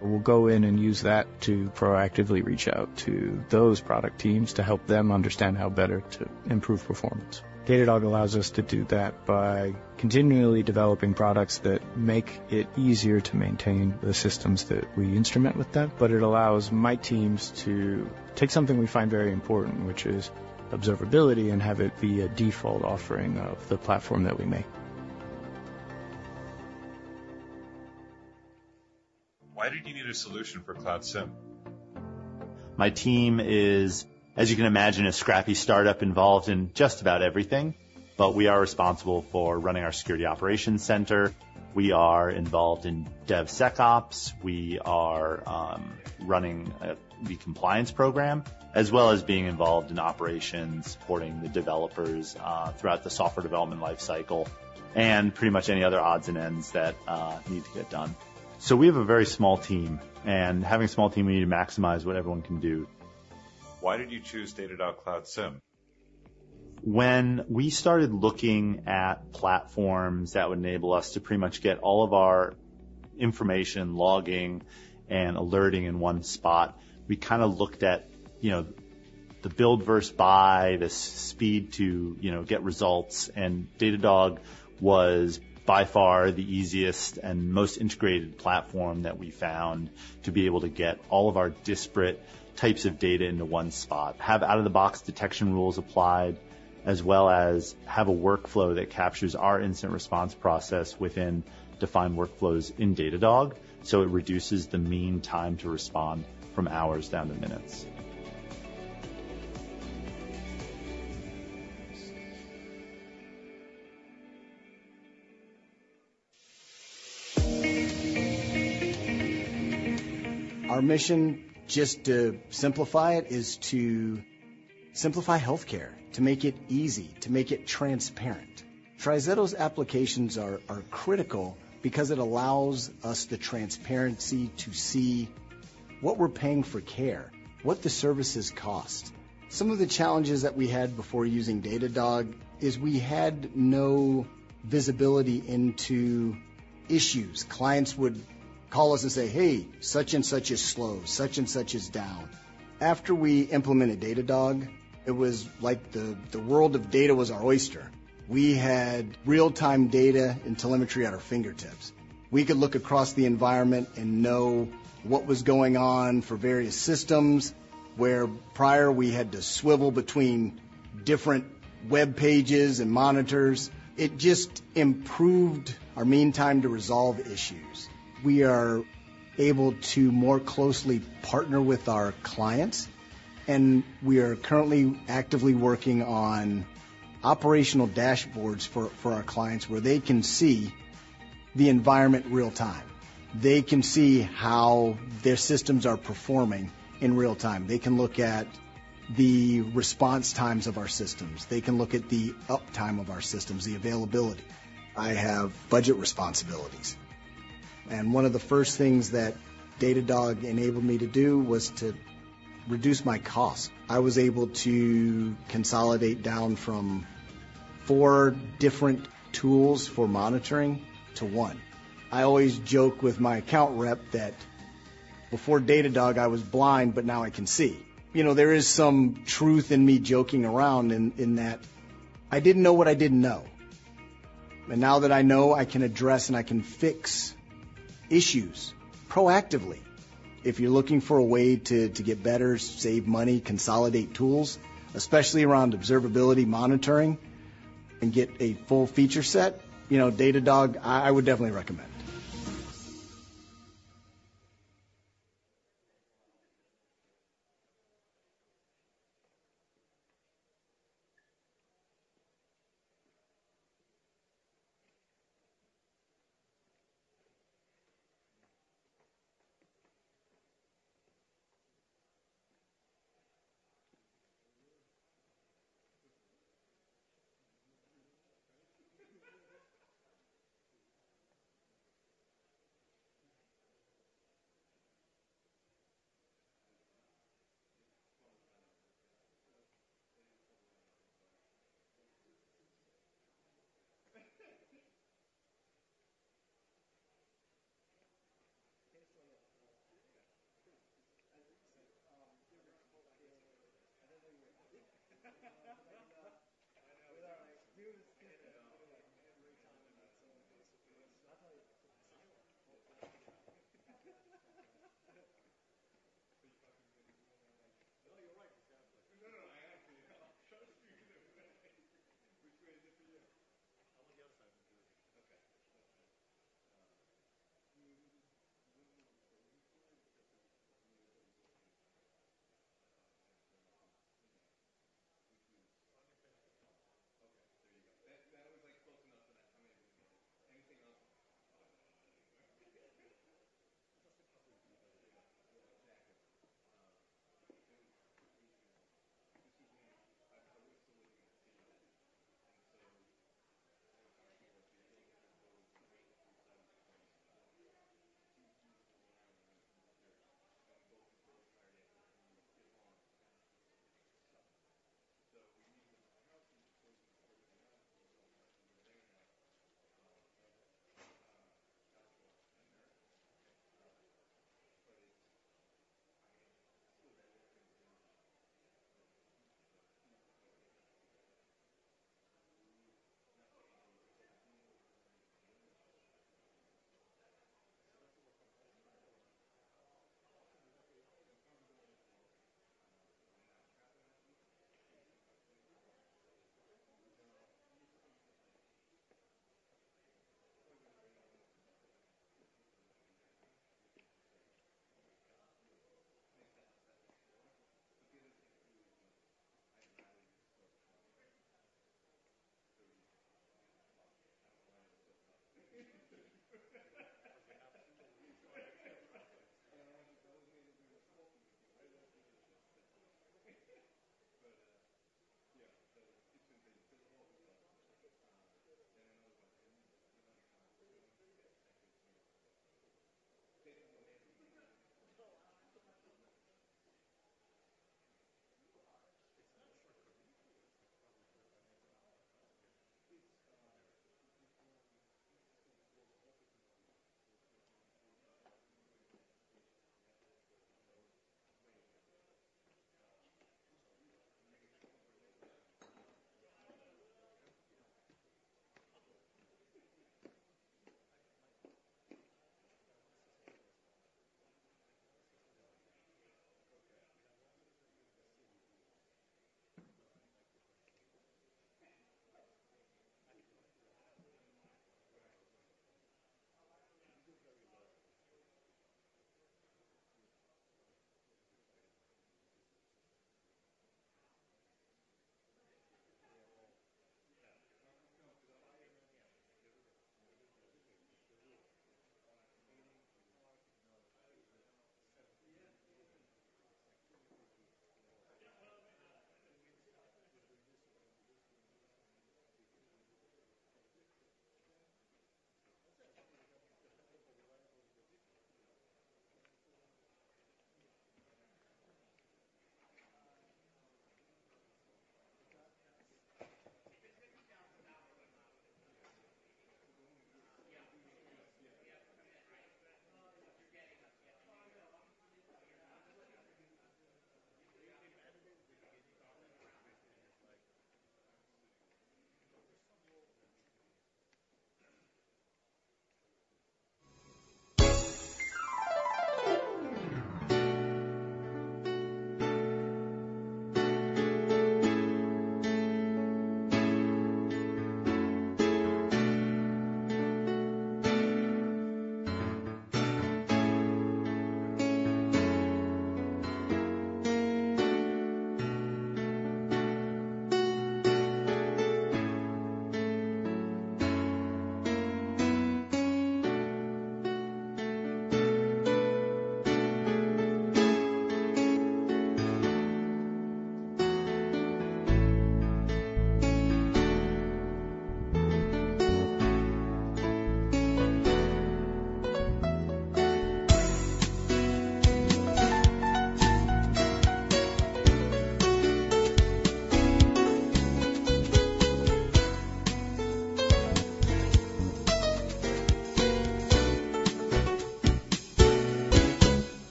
We'll go in and use that to proactively reach out to those product teams to help them understand how better to improve performance. Datadog allows us to do that by continually developing products that make it easier to maintain the systems that we instrument with them. But it allows my teams to take something we find very important, which is observability, and have it be a default offering of the platform that we make. Why did you need a solution for Cloud SIEM? My team is, as you can imagine, a scrappy startup involved in just about everything. But we are responsible for running our security operations center. We are involved in DevSecOps. We are running the compliance program as well as being involved in operations, supporting the developers throughout the software development lifecycle, and pretty much any other odds and ends that need to get done. So we have a very small team. And having a small team, we need to maximize what everyone can do. Why did you choose Datadog Cloud SIEM? When we started looking at platforms that would enable us to pretty much get all of our information, logging, and alerting in one spot, we kind of looked at the build versus buy, the speed to get results. Datadog was by far the easiest and most integrated platform that we found to be able to get all of our disparate types of data into one spot, have out-of-the-box detection rules applied, as well as have a workflow that captures our incident response process within defined workflows in Datadog. It reduces the mean time to respond from hours down to minutes. Our mission, just to simplify it, is to simplify healthcare, to make it easy, to make it transparent. TriZetto's applications are critical because it allows us the transparency to see what we're paying for care, what the services cost. Some of the challenges that we had before using Datadog is we had no visibility into issues. Clients would call us and say, "Hey, such and such is slow. Such and such is down." After we implemented Datadog, it was like the world of data was our oyster. We had real-time data and telemetry at our fingertips. We could look across the environment and know what was going on for various systems where prior we had to swivel between different web pages and monitors. It just improved our mean time to resolve issues. We are able to more closely partner with our clients. We are currently actively working on operational dashboards for our clients where they can see the environment real-time. They can see how their systems are performing in real-time. They can look at the response times of our systems. They can look at the uptime of our systems, the availability. I have budget responsibilities. And one of the first things that Datadog enabled me to do was to reduce my costs. I was able to consolidate down from four different tools for monitoring to one. I always joke with my account rep that before Datadog, I was blind, but now I can see. There is some truth in me joking around in that I didn't know what I didn't know. And now that I know, I can address and I can fix issues proactively. If you're looking for a way to get better, save money, consolidate tools, especially around observability, monitoring, and get a full feature set, Datadog, I would definitely recommend.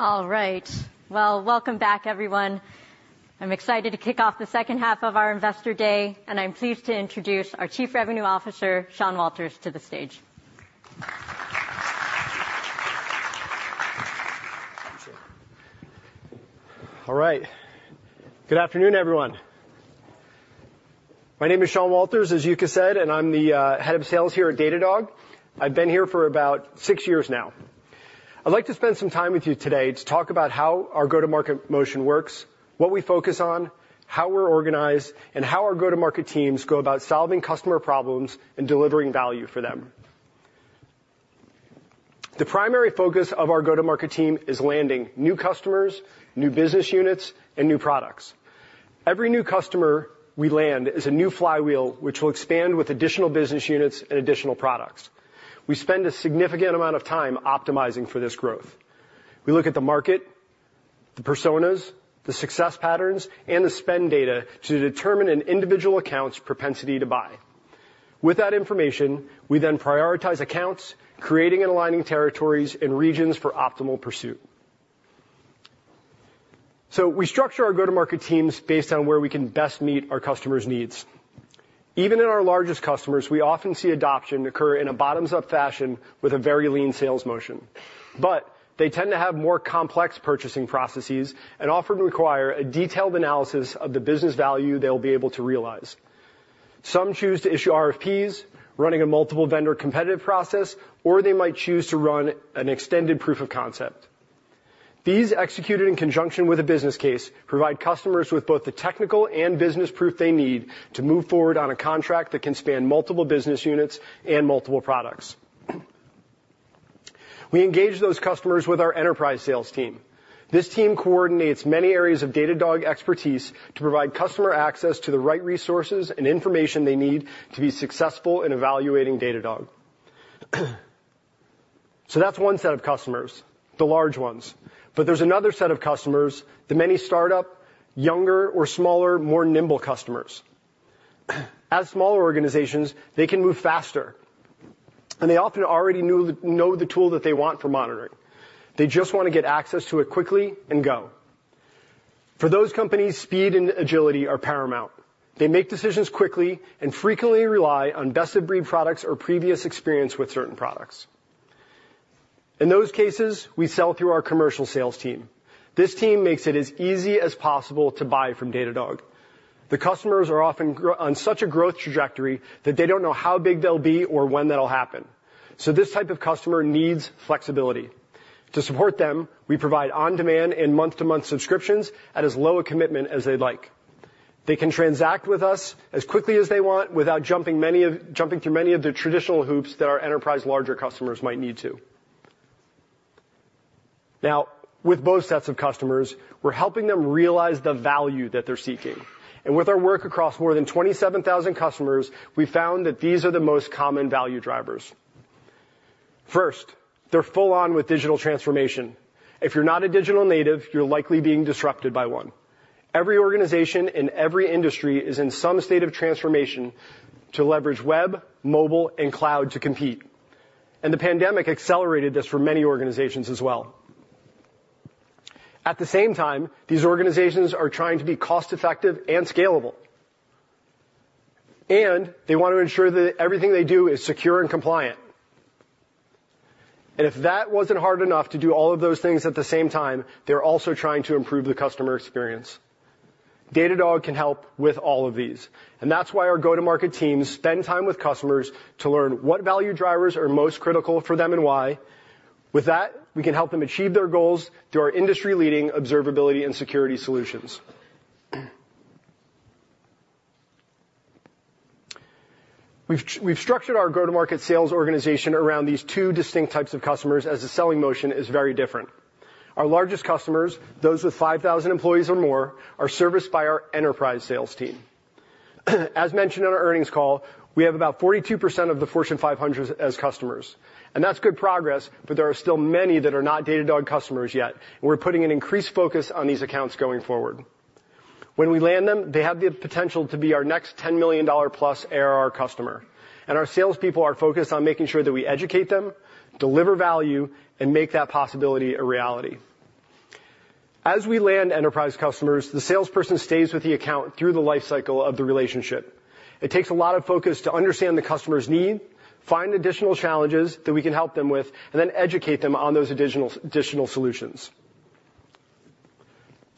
All right. Well, welcome back, everyone. I'm excited to kick off the second half of our Investor Day, and I'm pleased to introduce our Chief Revenue Officer, Sean Walters, to the stage. All right. Good afternoon, everyone. My name is Sean Walters, as Yuka said, and I'm the head of sales here at Datadog. I've been here for about six years now. I'd like to spend some time with you today to talk about how our go-to-market motion works, what we focus on, how we're organized, and how our go-to-market teams go about solving customer problems and delivering value for them. The primary focus of our go-to-market team is landing new customers, new business units, and new products. Every new customer we land is a new flywheel, which will expand with additional business units and additional products. We spend a significant amount of time optimizing for this growth. We look at the market, the personas, the success patterns, and the spend data to determine an individual account's propensity to buy. With that information, we then prioritize accounts, creating and aligning territories and regions for optimal pursuit. So we structure our go-to-market teams based on where we can best meet our customers' needs. Even in our largest customers, we often see adoption occur in a bottoms-up fashion with a very lean sales motion. But they tend to have more complex purchasing processes and often require a detailed analysis of the business value they'll be able to realize. Some choose to issue RFPs, running a multiple-vendor competitive process, or they might choose to run an extended proof of concept. These, executed in conjunction with a business case, provide customers with both the technical and business proof they need to move forward on a contract that can span multiple business units and multiple products. We engage those customers with our enterprise sales team. This team coordinates many areas of Datadog expertise to provide customer access to the right resources and information they need to be successful in evaluating Datadog. So that's one set of customers, the large ones. But there's another set of customers, the many startup, younger or smaller, more nimble customers. As smaller organizations, they can move faster, and they often already know the tool that they want for monitoring. They just want to get access to it quickly and go. For those companies, speed and agility are paramount. They make decisions quickly and frequently rely on best-of-breed products or previous experience with certain products. In those cases, we sell through our commercial sales team. This team makes it as easy as possible to buy from Datadog. The customers are often on such a growth trajectory that they don't know how big they'll be or when that'll happen. So this type of customer needs flexibility. To support them, we provide on-demand and month-to-month subscriptions at as low a commitment as they'd like. They can transact with us as quickly as they want without jumping through many of the traditional hoops that our enterprise larger customers might need to. Now, with both sets of customers, we're helping them realize the value that they're seeking. With our work across more than 27,000 customers, we've found that these are the most common value drivers. First, they're full-on with digital transformation. If you're not a digital native, you're likely being disrupted by one. Every organization in every industry is in some state of transformation to leverage web, mobile, and cloud to compete. And the pandemic accelerated this for many organizations as well. At the same time, these organizations are trying to be cost-effective and scalable. And they want to ensure that everything they do is secure and compliant. And if that wasn't hard enough to do all of those things at the same time, they're also trying to improve the customer experience. Datadog can help with all of these. And that's why our go-to-market teams spend time with customers to learn what value drivers are most critical for them and why. With that, we can help them achieve their goals through our industry-leading observability and security solutions. We've structured our go-to-market sales organization around these two distinct types of customers as the selling motion is very different. Our largest customers, those with 5,000 employees or more, are serviced by our enterprise sales team. As mentioned on our earnings call, we have about 42% of the Fortune 500 as customers. That's good progress, but there are still many that are not Datadog customers yet. We're putting an increased focus on these accounts going forward. When we land them, they have the potential to be our next $10 million+ ARR customer. Our salespeople are focused on making sure that we educate them, deliver value, and make that possibility a reality. As we land enterprise customers, the salesperson stays with the account through the lifecycle of the relationship. It takes a lot of focus to understand the customer's need, find additional challenges that we can help them with, and then educate them on those additional solutions.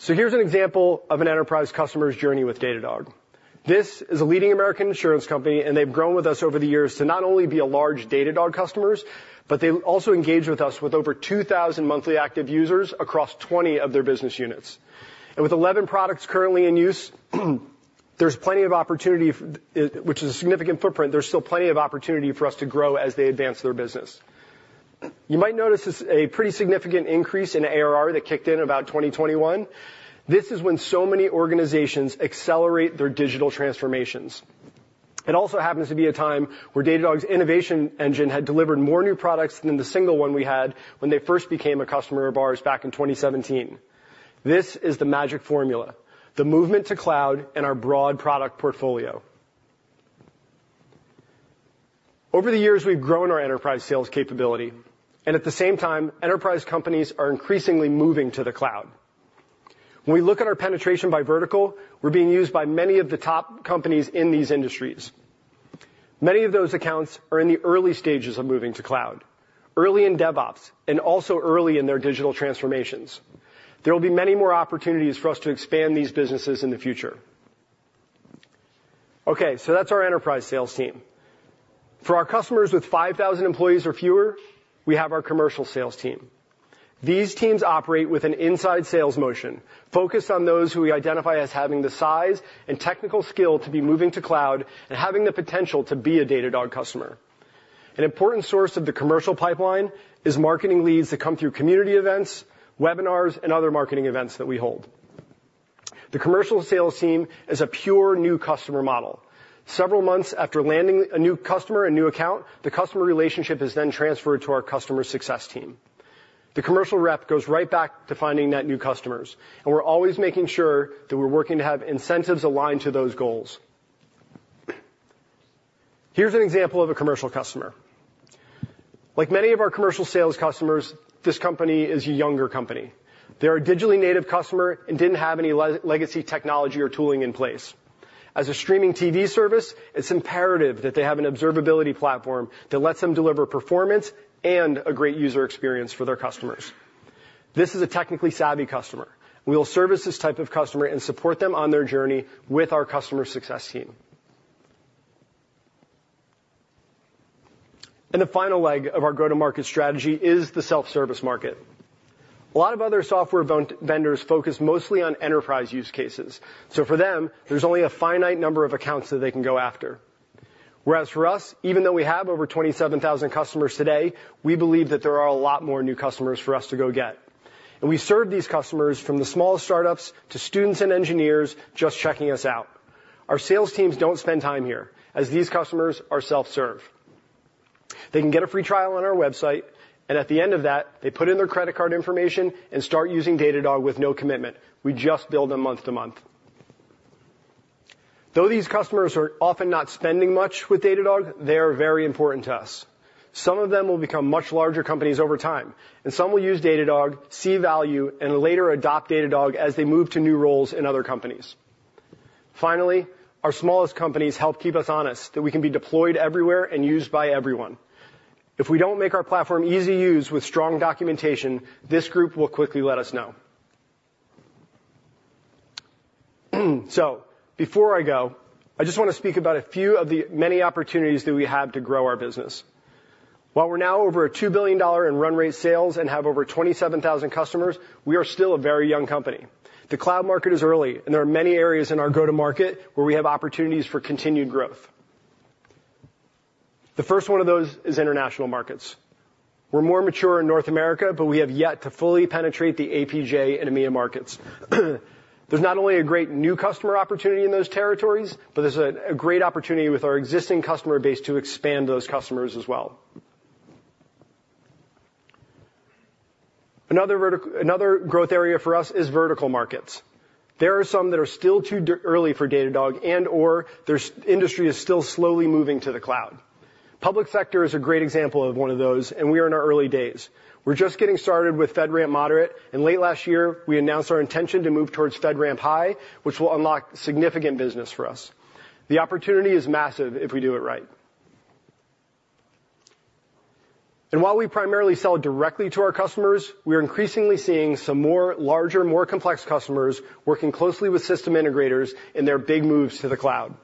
Here's an example of an enterprise customer's journey with Datadog. This is a leading American insurance company, and they've grown with us over the years to not only be a large Datadog customer, but they also engage with us with over 2,000 monthly active users across 20 of their business units. With 11 products currently in use, there's plenty of opportunity, which is a significant footprint. There's still plenty of opportunity for us to grow as they advance their business. You might notice a pretty significant increase in ARR that kicked in about 2021. This is when so many organizations accelerate their digital transformations. It also happens to be a time where Datadog's innovation engine had delivered more new products than the single one we had when they first became a customer of ours back in 2017. This is the magic formula: the movement to cloud and our broad product portfolio. Over the years, we've grown our enterprise sales capability. At the same time, enterprise companies are increasingly moving to the cloud. When we look at our penetration by vertical, we're being used by many of the top companies in these industries. Many of those accounts are in the early stages of moving to cloud, early in DevOps, and also early in their digital transformations. There will be many more opportunities for us to expand these businesses in the future. Okay. That's our enterprise sales team. For our customers with 5,000 employees or fewer, we have our commercial sales team. These teams operate with an inside sales motion focused on those who we identify as having the size and technical skill to be moving to cloud and having the potential to be a Datadog customer. An important source of the commercial pipeline is marketing leads that come through community events, webinars, and other marketing events that we hold. The commercial sales team is a pure new customer model. Several months after landing a new customer and new account, the customer relationship is then transferred to our customer success team. The commercial rep goes right back to finding that new customer. We're always making sure that we're working to have incentives aligned to those goals. Here's an example of a commercial customer. Like many of our commercial sales customers, this company is a younger company. They're a digitally native customer and didn't have any legacy technology or tooling in place. As a streaming TV service, it's imperative that they have an observability platform that lets them deliver performance and a great user experience for their customers. This is a technically savvy customer. We'll service this type of customer and support them on their journey with our customer success team. The final leg of our go-to-market strategy is the self-service market. A lot of other software vendors focus mostly on enterprise use cases. So for them, there's only a finite number of accounts that they can go after. Whereas for us, even though we have over 27,000 customers today, we believe that there are a lot more new customers for us to go get. We serve these customers from the smallest startups to students and engineers just checking us out. Our sales teams don't spend time here as these customers are self-serve. They can get a free trial on our website. At the end of that, they put in their credit card information and start using Datadog with no commitment. We just bill them month to month. Though these customers are often not spending much with Datadog, they are very important to us. Some of them will become much larger companies over time, and some will use Datadog, see value, and later adopt Datadog as they move to new roles in other companies. Finally, our smallest companies help keep us honest, that we can be deployed everywhere and used by everyone. If we don't make our platform easy to use with strong documentation, this group will quickly let us know. So before I go, I just want to speak about a few of the many opportunities that we have to grow our business. While we're now over $2 billion in run rate sales and have over 27,000 customers, we are still a very young company. The cloud market is early, and there are many areas in our go-to-market where we have opportunities for continued growth. The first one of those is international markets. We're more mature in North America, but we have yet to fully penetrate the APJ and EMEA markets. There's not only a great new customer opportunity in those territories, but there's a great opportunity with our existing customer base to expand those customers as well. Another growth area for us is vertical markets. There are some that are still too early for Datadog, and/or their industry is still slowly moving to the cloud. Public sector is a great example of one of those, and we are in our early days. We're just getting started with FedRAMP Moderate. Late last year, we announced our intention to move towards FedRAMP High, which will unlock significant business for us. The opportunity is massive if we do it right. While we primarily sell directly to our customers, we are increasingly seeing some larger, more complex customers working closely with system integrators in their big moves to the cloud.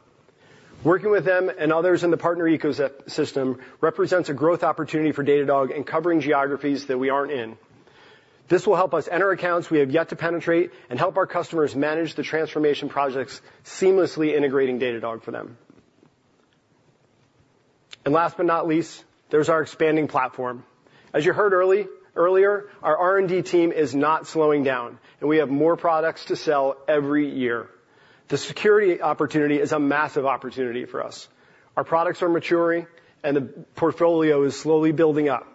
Working with them and others in the partner ecosystem represents a growth opportunity for Datadog in covering geographies that we aren't in. This will help us enter accounts we have yet to penetrate and help our customers manage the transformation projects seamlessly integrating Datadog for them. And last but not least, there's our expanding platform. As you heard earlier, our R&D team is not slowing down, and we have more products to sell every year. The security opportunity is a massive opportunity for us. Our products are maturing, and the portfolio is slowly building up.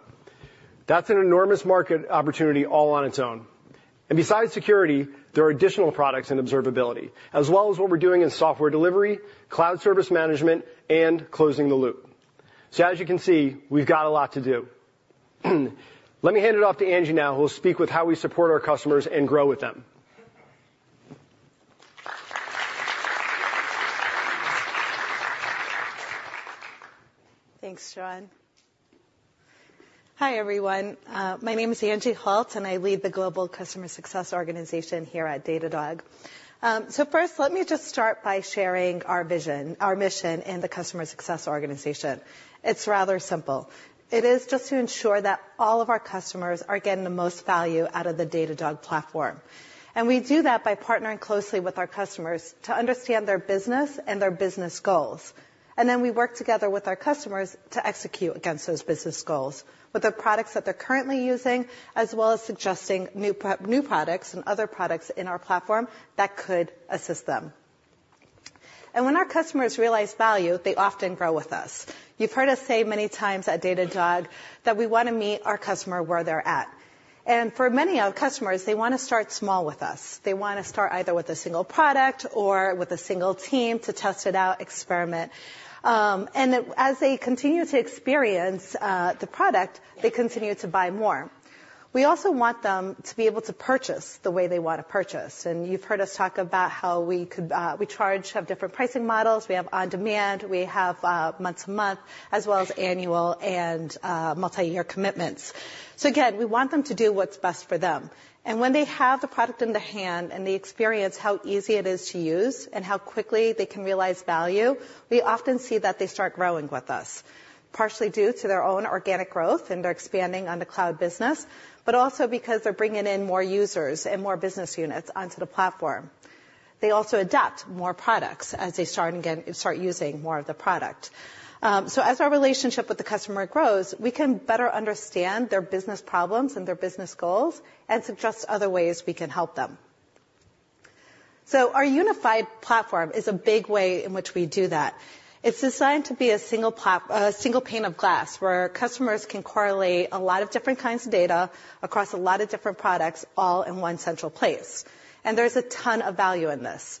That's an enormous market opportunity all on its own. Besides security, there are additional products in observability, as well as what we're doing in software delivery, Cloud Service Management, and closing the loop. As you can see, we've got a lot to do. Let me hand it off to Angie now, who will speak with how we support our customers and grow with them. Thanks, Sean. Hi, everyone. My name is Angie Holt, and I lead the global customer success organization here at Datadog. So first, let me just start by sharing our vision, our mission, in the customer success organization. It's rather simple. It is just to ensure that all of our customers are getting the most value out of the Datadog platform. And we do that by partnering closely with our customers to understand their business and their business goals. And then we work together with our customers to execute against those business goals with the products that they're currently using, as well as suggesting new products and other products in our platform that could assist them. And when our customers realize value, they often grow with us. You've heard us say many times at Datadog that we want to meet our customer where they're at. For many of our customers, they want to start small with us. They want to start either with a single product or with a single team to test it out, experiment. As they continue to experience the product, they continue to buy more. We also want them to be able to purchase the way they want to purchase. You've heard us talk about how we have different pricing models. We have on-demand. We have month-to-month, as well as annual and multi-year commitments. So again, we want them to do what's best for them. When they have the product in their hand and they experience how easy it is to use and how quickly they can realize value, we often see that they start growing with us, partially due to their own organic growth and their expanding on the cloud business, but also because they're bringing in more users and more business units onto the platform. They also adopt more products as they start using more of the product. As our relationship with the customer grows, we can better understand their business problems and their business goals and suggest other ways we can help them. Our unified platform is a big way in which we do that. It's designed to be a single pane of glass where customers can correlate a lot of different kinds of data across a lot of different products all in one central place. There's a ton of value in this.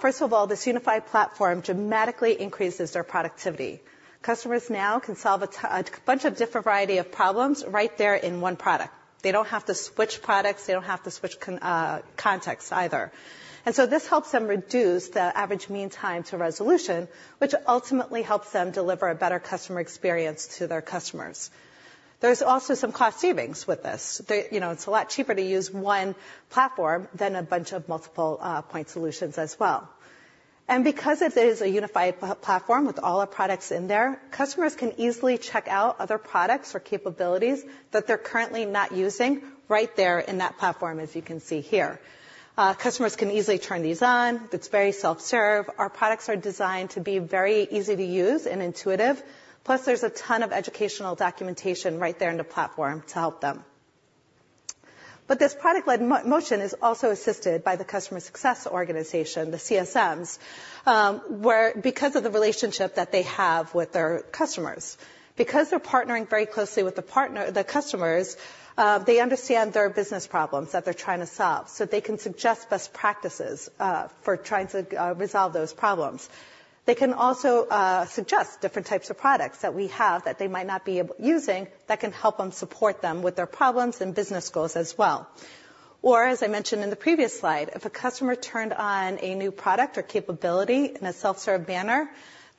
First of all, this unified platform dramatically increases their productivity. Customers now can solve a bunch of different variety of problems right there in one product. They don't have to switch products. They don't have to switch contexts either. So this helps them reduce the average mean time to resolution, which ultimately helps them deliver a better customer experience to their customers. There's also some cost savings with this. It's a lot cheaper to use one platform than a bunch of multiple point solutions as well. Because it is a unified platform with all our products in there, customers can easily check out other products or capabilities that they're currently not using right there in that platform, as you can see here. Customers can easily turn these on. It's very self-serve. Our products are designed to be very easy to use and intuitive. Plus, there's a ton of educational documentation right there in the platform to help them. But this product-led motion is also assisted by the customer success organization, the CSMs, because of the relationship that they have with their customers. Because they're partnering very closely with the customers, they understand their business problems that they're trying to solve so they can suggest best practices for trying to resolve those problems. They can also suggest different types of products that we have that they might not be able using that can help them support them with their problems and business goals as well. Or as I mentioned in the previous slide, if a customer turned on a new product or capability in a self-served manner,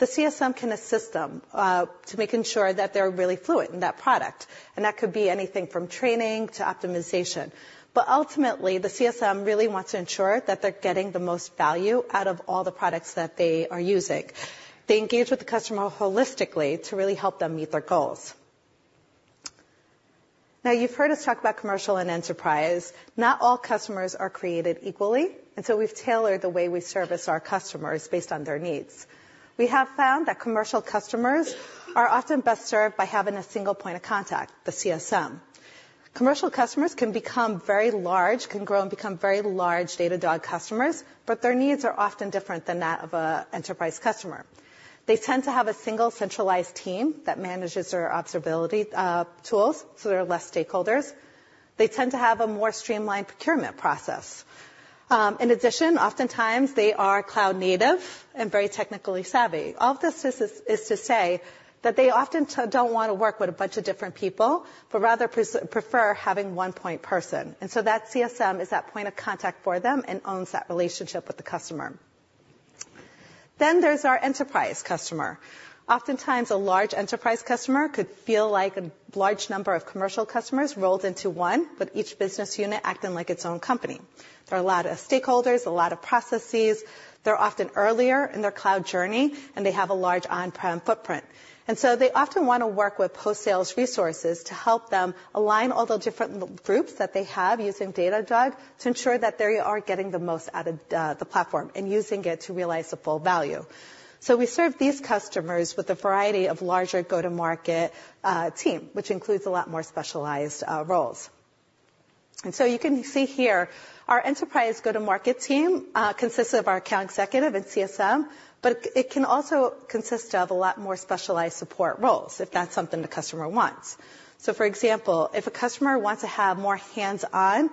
the CSM can assist them to making sure that they're really fluent in that product. That could be anything from training to optimization. But ultimately, the CSM really wants to ensure that they're getting the most value out of all the products that they are using. They engage with the customer holistically to really help them meet their goals. Now, you've heard us talk about commercial and enterprise. Not all customers are created equally. So we've tailored the way we service our customers based on their needs. We have found that commercial customers are often best served by having a single point of contact, the CSM. Commercial customers can become very large, can grow and become very large Datadog customers, but their needs are often different than that of an enterprise customer. They tend to have a single centralized team that manages their observability tools so there are less stakeholders. They tend to have a more streamlined procurement process. In addition, oftentimes, they are cloud native and very technically savvy. All of this is to say that they often don't want to work with a bunch of different people but rather prefer having one point person. And so that CSM is that point of contact for them and owns that relationship with the customer. Then there's our enterprise customer. Oftentimes, a large enterprise customer could feel like a large number of commercial customers rolled into one, with each business unit acting like its own company. There are a lot of stakeholders, a lot of processes. They're often earlier in their cloud journey, and they have a large on-prem footprint. They often want to work with post-sales resources to help them align all the different groups that they have using Datadog to ensure that they are getting the most out of the platform and using it to realize the full value. We serve these customers with a variety of larger go-to-market team, which includes a lot more specialized roles. You can see here, our enterprise go-to-market team consists of our account executive and CSM, but it can also consist of a lot more specialized support roles, if that's something the customer wants. For example, if a customer wants to have more hands-on,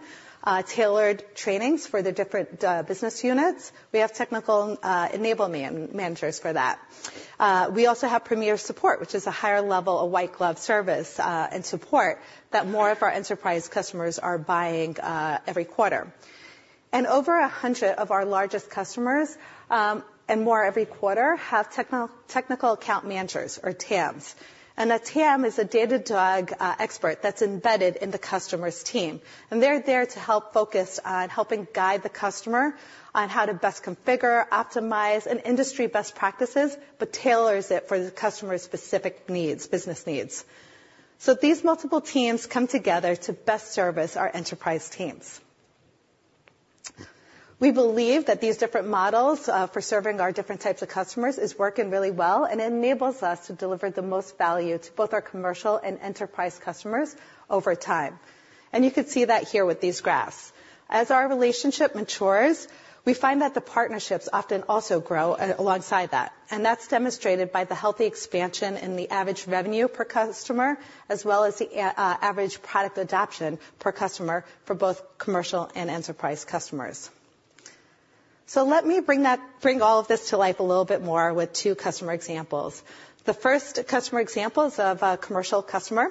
tailored trainings for the different business units, we have technical enablement managers for that. We also have Premier Support, which is a higher level, a white-glove service and support that more of our enterprise customers are buying every quarter. Over 100 of our largest customers and more every quarter have technical account managers, or TAMs. A TAM is a Datadog expert that's embedded in the customer's team. They're there to help focus on helping guide the customer on how to best configure, optimize, and industry best practices, but tailors it for the customer's specific needs, business needs. These multiple teams come together to best service our enterprise teams. We believe that these different models for serving our different types of customers are working really well, and it enables us to deliver the most value to both our commercial and enterprise customers over time. You can see that here with these graphs. As our relationship matures, we find that the partnerships often also grow alongside that. That's demonstrated by the healthy expansion in the average revenue per customer, as well as the average product adoption per customer for both commercial and enterprise customers. So let me bring all of this to life a little bit more with two customer examples. The first customer example is of a commercial customer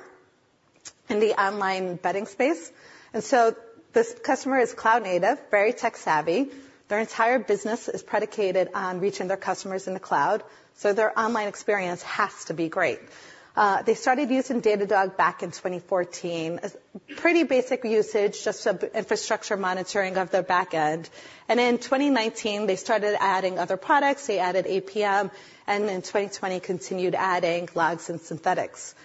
in the online betting space. So this customer is cloud native, very tech-savvy. Their entire business is predicated on reaching their customers in the cloud, so their online experience has to be great. They started using Datadog back in 2014, pretty basic usage, just Infrastructure Monitoring of their backend. In 2019, they started adding other products. They added APM, and in 2020, continued adding Logs and Synthetics.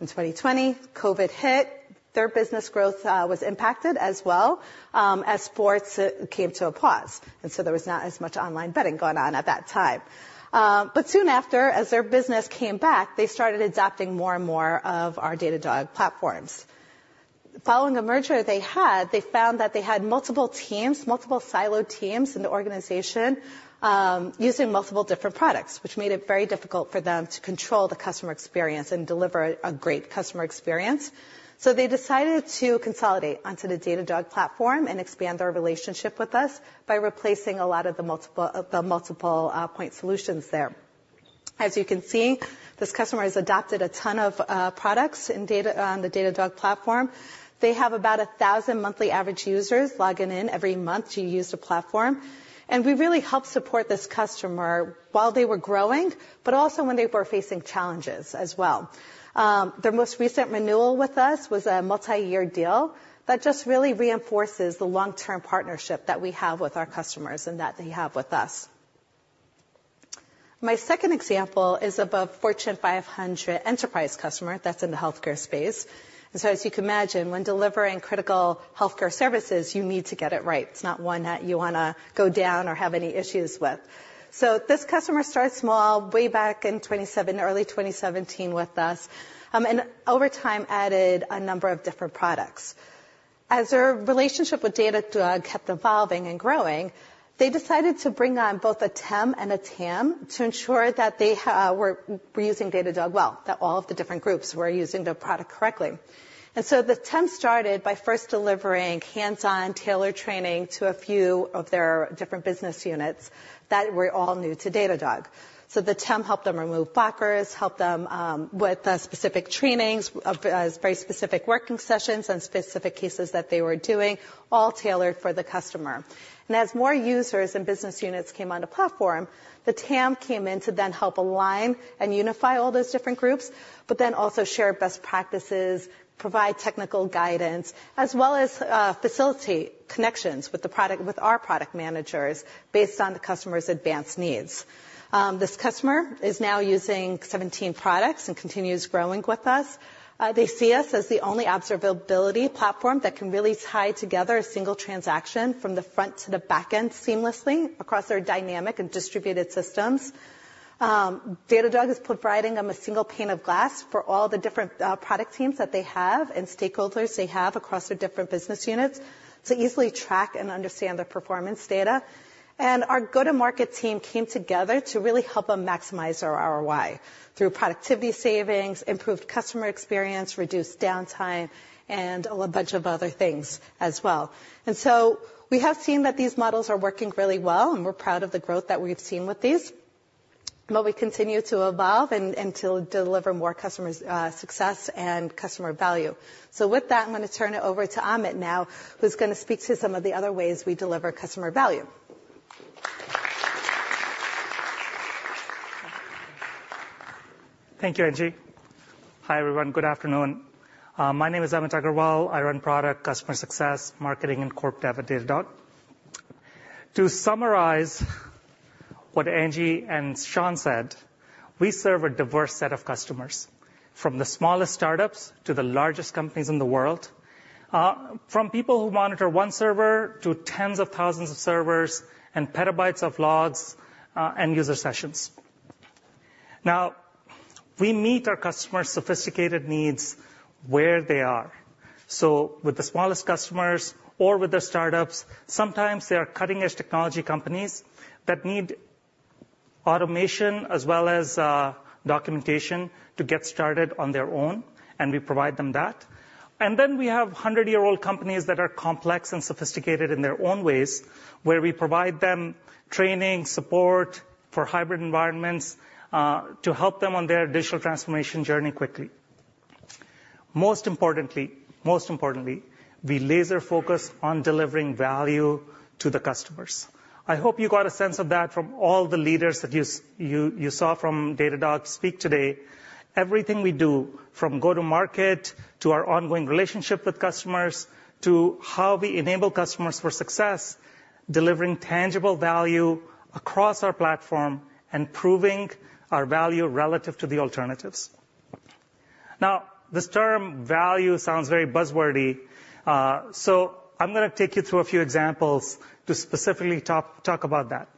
In 2020, COVID hit. Their business growth was impacted as well, as sports came to a pause. So there was not as much online betting going on at that time. But soon after, as their business came back, they started adopting more and more of our Datadog platforms. Following a merger they had, they found that they had multiple teams, multiple siloed teams in the organization using multiple different products, which made it very difficult for them to control the customer experience and deliver a great customer experience. So they decided to consolidate onto the Datadog platform and expand their relationship with us by replacing a lot of the multiple point solutions there. As you can see, this customer has adopted a ton of products on the Datadog platform. They have about 1,000 monthly average users logging in every month to use the platform. We really helped support this customer while they were growing, but also when they were facing challenges as well. Their most recent renewal with us was a multi-year deal that just really reinforces the long-term partnership that we have with our customers and that they have with us. My second example is of a Fortune 500 enterprise customer that's in the healthcare space. And so as you can imagine, when delivering critical healthcare services, you need to get it right. It's not one that you want to go down or have any issues with. So this customer started small way back in 2007, early 2017, with us, and over time added a number of different products. As their relationship with Datadog kept evolving and growing, they decided to bring on both a TAM and a TEM to ensure that they were using Datadog well, that all of the different groups were using the product correctly. The TAM started by first delivering hands-on, tailored training to a few of their different business units that were all new to Datadog. The TAM helped them remove blockers, helped them with specific trainings, very specific working sessions, and specific cases that they were doing, all tailored for the customer. As more users and business units came on the platform, the TAM came in to then help align and unify all those different groups, but then also share best practices, provide technical guidance, as well as facilitate connections with our product managers based on the customer's advanced needs. This customer is now using 17 products and continues growing with us. They see us as the only observability platform that can really tie together a single transaction from the front to the backend seamlessly across their dynamic and distributed systems. Datadog is providing them a single pane of glass for all the different product teams that they have and stakeholders they have across their different business units to easily track and understand their performance data. Our go-to-market team came together to really help them maximize their ROI through productivity savings, improved customer experience, reduced downtime, and a bunch of other things as well. So we have seen that these models are working really well, and we're proud of the growth that we've seen with these. But we continue to evolve and to deliver more customer success and customer value. So with that, I'm going to turn it over to Amit now, who's going to speak to some of the other ways we deliver customer value. Thank you, Angie. Hi everyone. Good afternoon. My name is Amit Agarwal. I run product, customer success, marketing, and corporate data at Datadog. To summarize what Angie and Sean said, we serve a diverse set of customers, from the smallest startups to the largest companies in the world, from people who monitor one server to tens of thousands of servers and petabytes of logs and user sessions. Now, we meet our customers' sophisticated needs where they are. So with the smallest customers or with their startups, sometimes they are cutting-edge technology companies that need automation as well as documentation to get started on their own, and we provide them that. Then we have 100-year-old companies that are complex and sophisticated in their own ways, where we provide them training, support for hybrid environments to help them on their digital transformation journey quickly. Most importantly, we laser-focus on delivering value to the customers. I hope you got a sense of that from all the leaders that you saw from Datadog speak today. Everything we do, from go-to-market to our ongoing relationship with customers, to how we enable customers for success, delivering tangible value across our platform and proving our value relative to the alternatives. Now, this term value sounds very buzzwordy. So I'm going to take you through a few examples to specifically talk about that.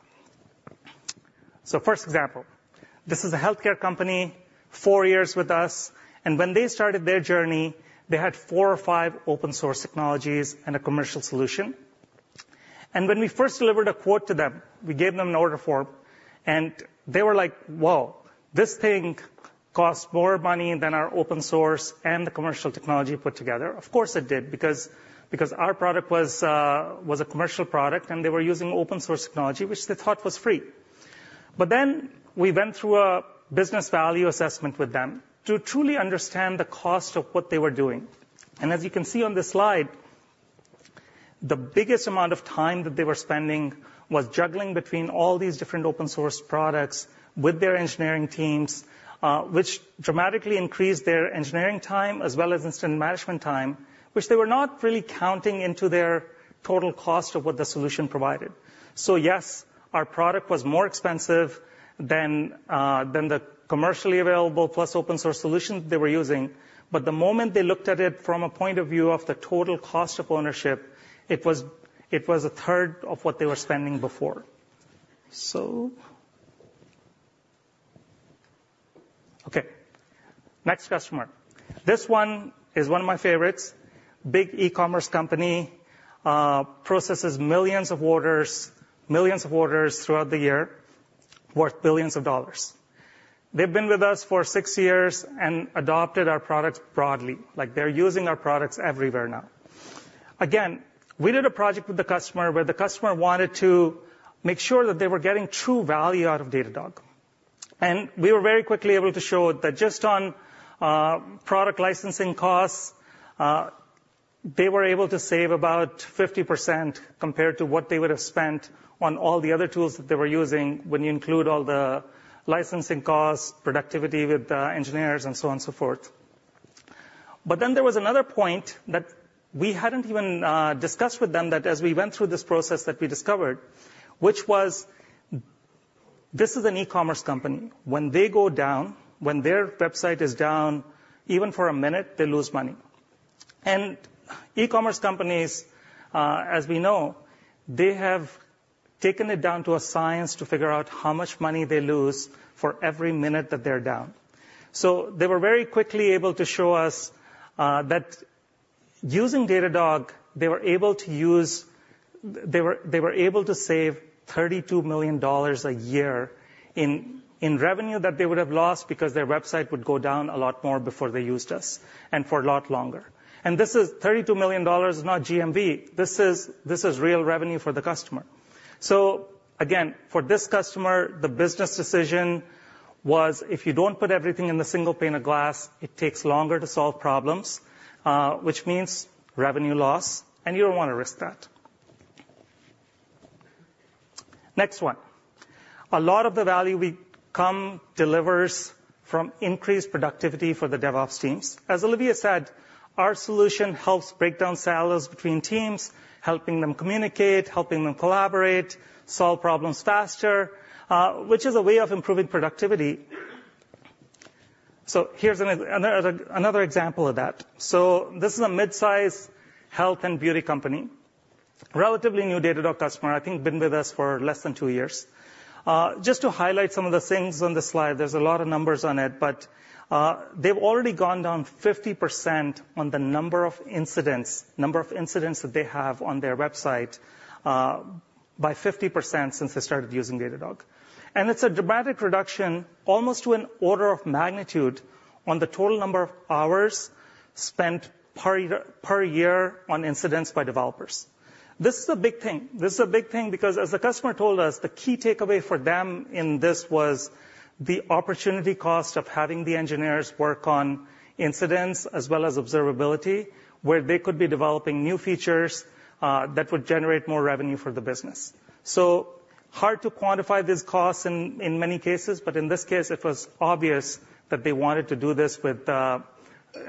So first example, this is a healthcare company, four years with us. And when they started their journey, they had four or five open-source technologies and a commercial solution. And when we first delivered a quote to them, we gave them an order form. And they were like, "Whoa, this thing costs more money than our open-source and the commercial technology put together." Of course it did because our product was a commercial product, and they were using open-source technology, which they thought was free. But then we went through a business value assessment with them to truly understand the cost of what they were doing. And as you can see on this slide, the biggest amount of time that they were spending was juggling between all these different open-source products with their engineering teams, which dramatically increased their engineering time as well as incident management time, which they were not really counting into their total cost of what the solution provided. So yes, our product was more expensive than the commercially available plus open-source solution they were using. But the moment they looked at it from a point of view of the total cost of ownership, it was a third of what they were spending before. So. Okay. Next customer. This one is one of my favorites. Big e-commerce company processes millions of orders throughout the year, worth $ billions. They've been with us for six years and adopted our products broadly. They're using our products everywhere now. Again, we did a project with the customer where the customer wanted to make sure that they were getting true value out of Datadog. And we were very quickly able to show that just on product licensing costs, they were able to save about 50% compared to what they would have spent on all the other tools that they were using when you include all the licensing costs, productivity with the engineers, and so on and so forth. But then there was another point that we hadn't even discussed with them that as we went through this process that we discovered, which was this is an e-commerce company. When they go down, when their website is down, even for a minute, they lose money. And e-commerce companies, as we know, they have taken it down to a science to figure out how much money they lose for every minute that they're down. So they were very quickly able to show us that using Datadog, they were able to save $32 million a year in revenue that they would have lost because their website would go down a lot more before they used us and for a lot longer. And $32 million is not GMV. This is real revenue for the customer. So again, for this customer, the business decision was if you don't put everything in the single pane of glass, it takes longer to solve problems, which means revenue loss. And you don't want to risk that. Next one. A lot of the value we deliver comes from increased productivity for the DevOps teams. As Olivier said, our solution helps break down silos between teams, helping them communicate, helping them collaborate, solve problems faster, which is a way of improving productivity. So here's another example of that. So this is a midsize health and beauty company, relatively new Datadog customer, I think been with us for less than two years. Just to highlight some of the things on this slide, there's a lot of numbers on it, but they've already gone down 50% on the number of incidents that they have on their website by 50% since they started using Datadog. And it's a dramatic reduction, almost to an order of magnitude, on the total number of hours spent per year on incidents by developers. This is a big thing. This is a big thing because, as the customer told us, the key takeaway for them in this was the opportunity cost of having the engineers work on incidents as well as observability, where they could be developing new features that would generate more revenue for the business. So hard to quantify these costs in many cases, but in this case, it was obvious that they wanted to do this to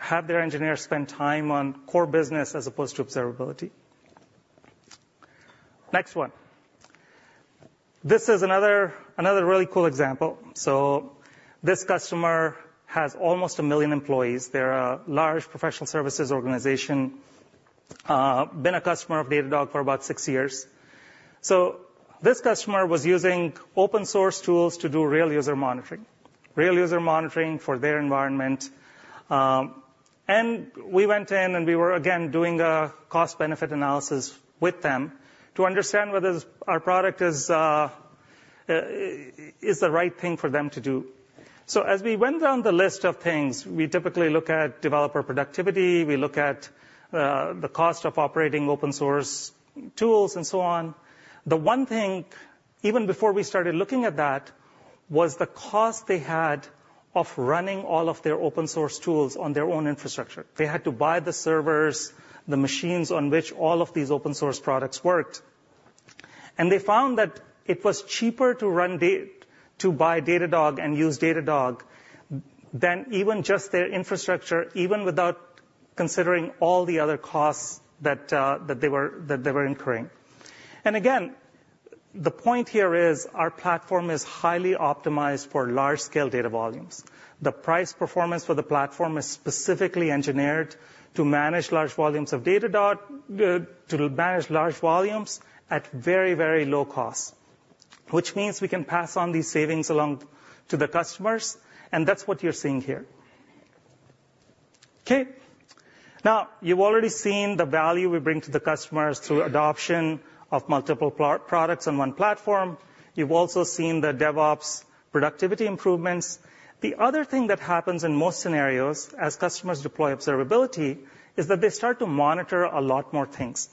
have their engineers spend time on core business as opposed to observability. Next one. This is another really cool example. So this customer has almost 1 million employees. They're a large professional services organization, been a customer of Datadog for about 6 years. So this customer was using open-source tools to do real user monitoring, real user monitoring for their environment. And we went in and we were, again, doing a cost-benefit analysis with them to understand whether our product is the right thing for them to do. So as we went down the list of things, we typically look at developer productivity. We look at the cost of operating open-source tools and so on. The one thing, even before we started looking at that, was the cost they had of running all of their open-source tools on their own infrastructure. They had to buy the servers, the machines on which all of these open-source products worked. And they found that it was cheaper to buy Datadog and use Datadog than even just their infrastructure, even without considering all the other costs that they were incurring. And again, the point here is our platform is highly optimized for large-scale data volumes. The price performance for the platform is specifically engineered to manage large volumes of Datadog, to manage large volumes at very, very low costs, which means we can pass on these savings along to the customers. And that's what you're seeing here. Okay. Now, you've already seen the value we bring to the customers through adoption of multiple products on one platform. You've also seen the DevOps productivity improvements. The other thing that happens in most scenarios as customers deploy observability is that they start to monitor a lot more things.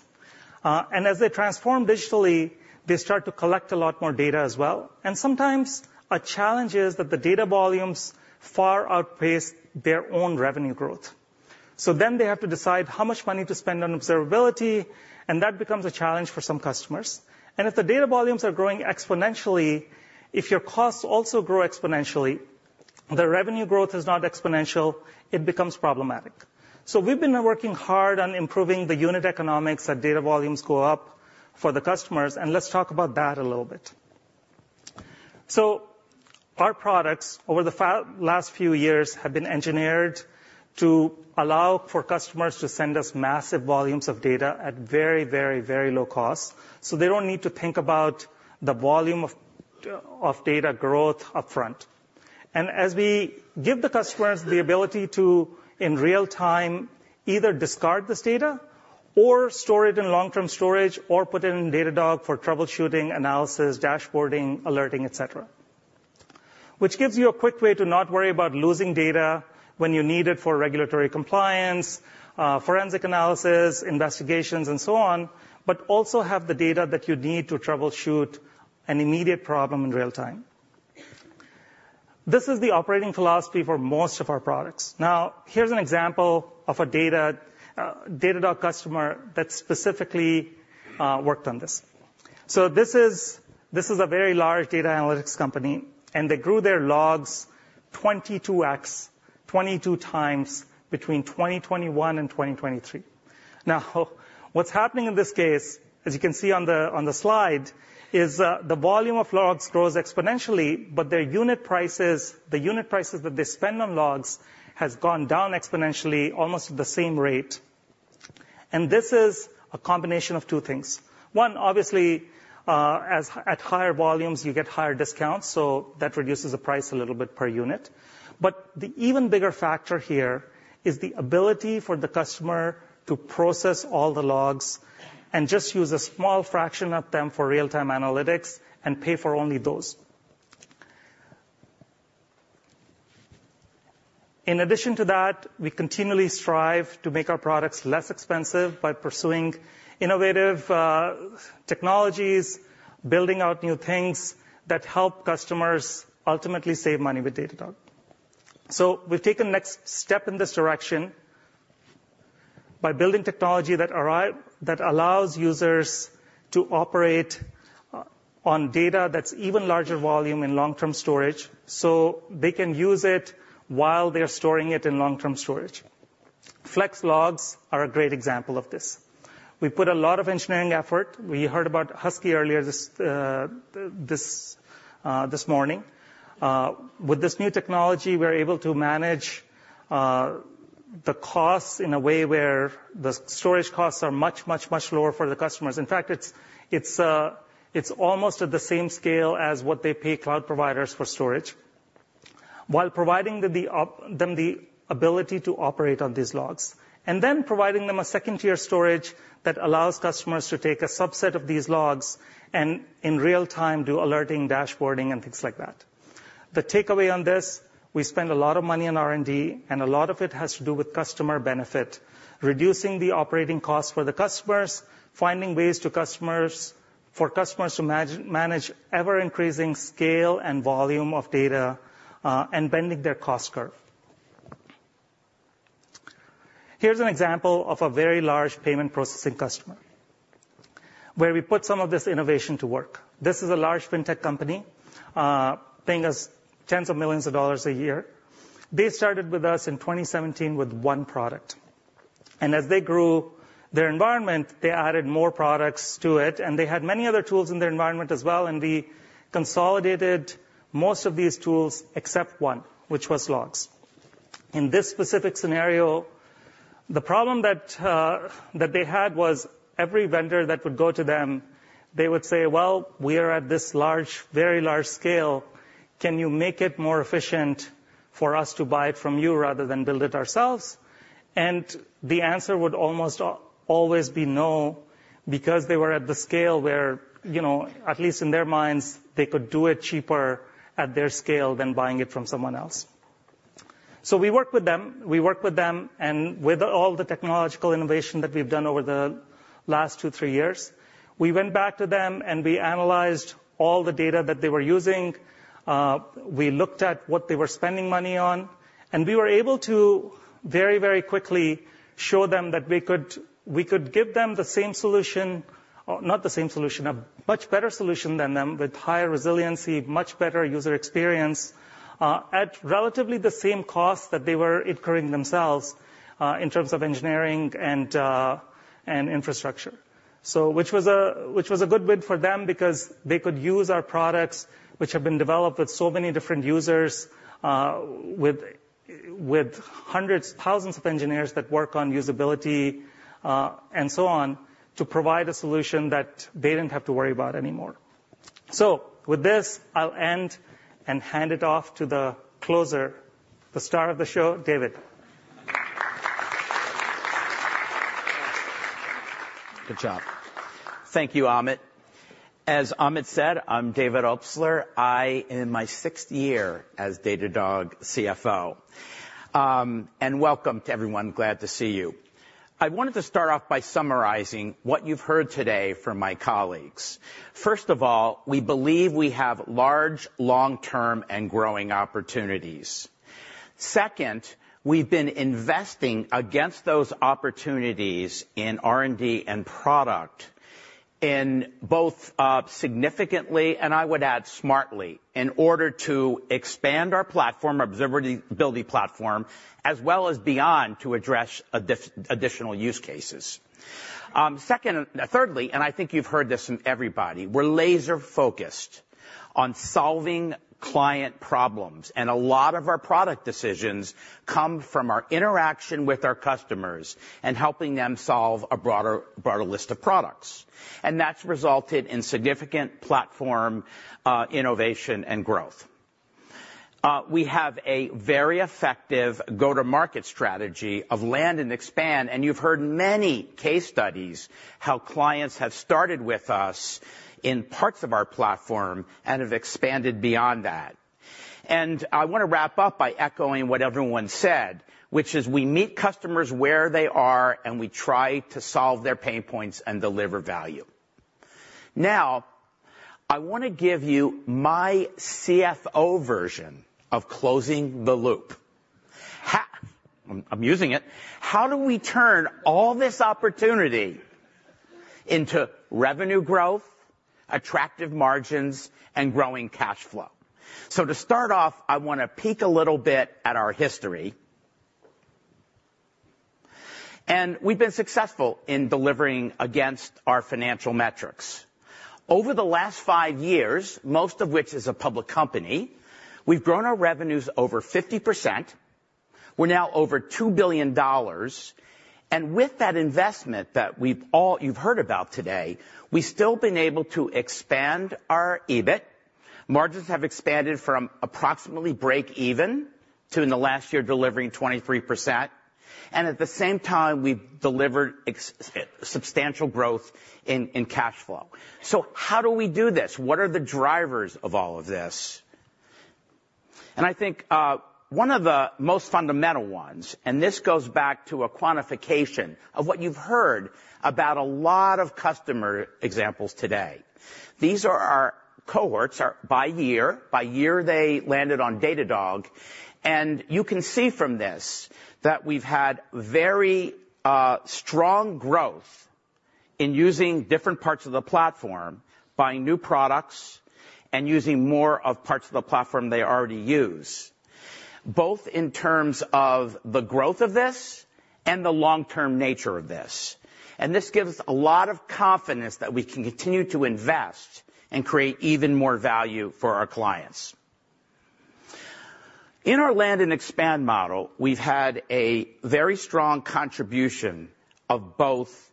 As they transform digitally, they start to collect a lot more data as well. Sometimes a challenge is that the data volumes far outpace their own revenue growth. Then they have to decide how much money to spend on observability. That becomes a challenge for some customers. If the data volumes are growing exponentially, if your costs also grow exponentially, the revenue growth is not exponential. It becomes problematic. We've been working hard on improving the unit economics that data volumes go up for the customers. Let's talk about that a little bit. So our products over the last few years have been engineered to allow for customers to send us massive volumes of data at very, very, very low costs. So they don't need to think about the volume of data growth upfront. And as we give the customers the ability to, in real time, either discard this data or store it in long-term storage or put it in Datadog for troubleshooting, analysis, dashboarding, alerting, etc., which gives you a quick way to not worry about losing data when you need it for regulatory compliance, forensic analysis, investigations, and so on, but also have the data that you need to troubleshoot an immediate problem in real time. This is the operating philosophy for most of our products. Now, here's an example of a Datadog customer that specifically worked on this. So this is a very large data analytics company. They grew their logs 22x, 22 times between 2021 and 2023. Now, what's happening in this case, as you can see on the slide, is the volume of logs grows exponentially, but the unit prices that they spend on logs have gone down exponentially almost at the same rate. This is a combination of two things. One, obviously, at higher volumes, you get higher discounts. That reduces the price a little bit per unit. The even bigger factor here is the ability for the customer to process all the logs and just use a small fraction of them for real-time analytics and pay for only those. In addition to that, we continually strive to make our products less expensive by pursuing innovative technologies, building out new things that help customers ultimately save money with Datadog. So we've taken the next step in this direction by building technology that allows users to operate on data that's even larger volume in long-term storage so they can use it while they're storing it in long-term storage. Flex Logs are a great example of this. We put a lot of engineering effort. We heard about Husky earlier this morning. With this new technology, we're able to manage the costs in a way where the storage costs are much, much, much lower for the customers. In fact, it's almost at the same scale as what they pay cloud providers for storage, while providing them the ability to operate on these logs, and then providing them a second-tier storage that allows customers to take a subset of these logs and, in real time, do alerting, dashboarding, and things like that. The takeaway on this, we spend a lot of money on R&D. A lot of it has to do with customer benefit, reducing the operating costs for the customers, finding ways for customers to manage ever-increasing scale and volume of data, and bending their cost curve. Here's an example of a very large payment processing customer where we put some of this innovation to work. This is a large fintech company paying us $tens of millions a year. They started with us in 2017 with one product. As they grew their environment, they added more products to it. They had many other tools in their environment as well. We consolidated most of these tools except one, which was logs. In this specific scenario, the problem that they had was every vendor that would go to them, they would say, "Well, we are at this very large scale. Can you make it more efficient for us to buy it from you rather than build it ourselves?" And the answer would almost always be no because they were at the scale where, at least in their minds, they could do it cheaper at their scale than buying it from someone else. So we worked with them. We worked with them. And with all the technological innovation that we've done over the last two, three years, we went back to them. And we analyzed all the data that they were using. We looked at what they were spending money on. We were able to very, very quickly show them that we could give them the same solution not the same solution, a much better solution than them with higher resiliency, much better user experience at relatively the same costs that they were incurring themselves in terms of engineering and infrastructure, which was a good bid for them because they could use our products, which have been developed with so many different users, with thousands of engineers that work on usability and so on, to provide a solution that they didn't have to worry about anymore. With this, I'll end and hand it off to the closer, the star of the show, David. Good job. Thank you, Amit. As Amit said, I'm David Obstler. I am in my sixth year as Datadog CFO. Welcome to everyone. Glad to see you. I wanted to start off by summarizing what you've heard today from my colleagues. First of all, we believe we have large, long-term and growing opportunities. Second, we've been investing against those opportunities in R&D and product in both significantly, and I would add smartly, in order to expand our platform, observability platform, as well as beyond to address additional use cases. Thirdly, and I think you've heard this from everybody, we're laser-focused on solving client problems. A lot of our product decisions come from our interaction with our customers and helping them solve a broader list of products. That's resulted in significant platform innovation and growth. We have a very effective go-to-market strategy of land and expand. You've heard many case studies how clients have started with us in parts of our platform and have expanded beyond that. I want to wrap up by echoing what everyone said, which is we meet customers where they are, and we try to solve their pain points and deliver value. Now, I want to give you my CFO version of closing the loop. I'm using it. How do we turn all this opportunity into revenue growth, attractive margins, and growing cash flow? To start off, I want to peek a little bit at our history. We've been successful in delivering against our financial metrics. Over the last five years, most of which is a public company, we've grown our revenues over 50%. We're now over $2 billion. And with that investment that you've heard about today, we've still been able to expand our EBIT. Margins have expanded from approximately break-even to, in the last year, delivering 23%. At the same time, we've delivered substantial growth in cash flow. So how do we do this? What are the drivers of all of this? I think one of the most fundamental ones and this goes back to a quantification of what you've heard about a lot of customer examples today. These are our cohorts. By year, they landed on Datadog. You can see from this that we've had very strong growth in using different parts of the platform, buying new products, and using more of parts of the platform they already use, both in terms of the growth of this and the long-term nature of this. This gives us a lot of confidence that we can continue to invest and create even more value for our clients. In our land and expand model, we've had a very strong contribution of both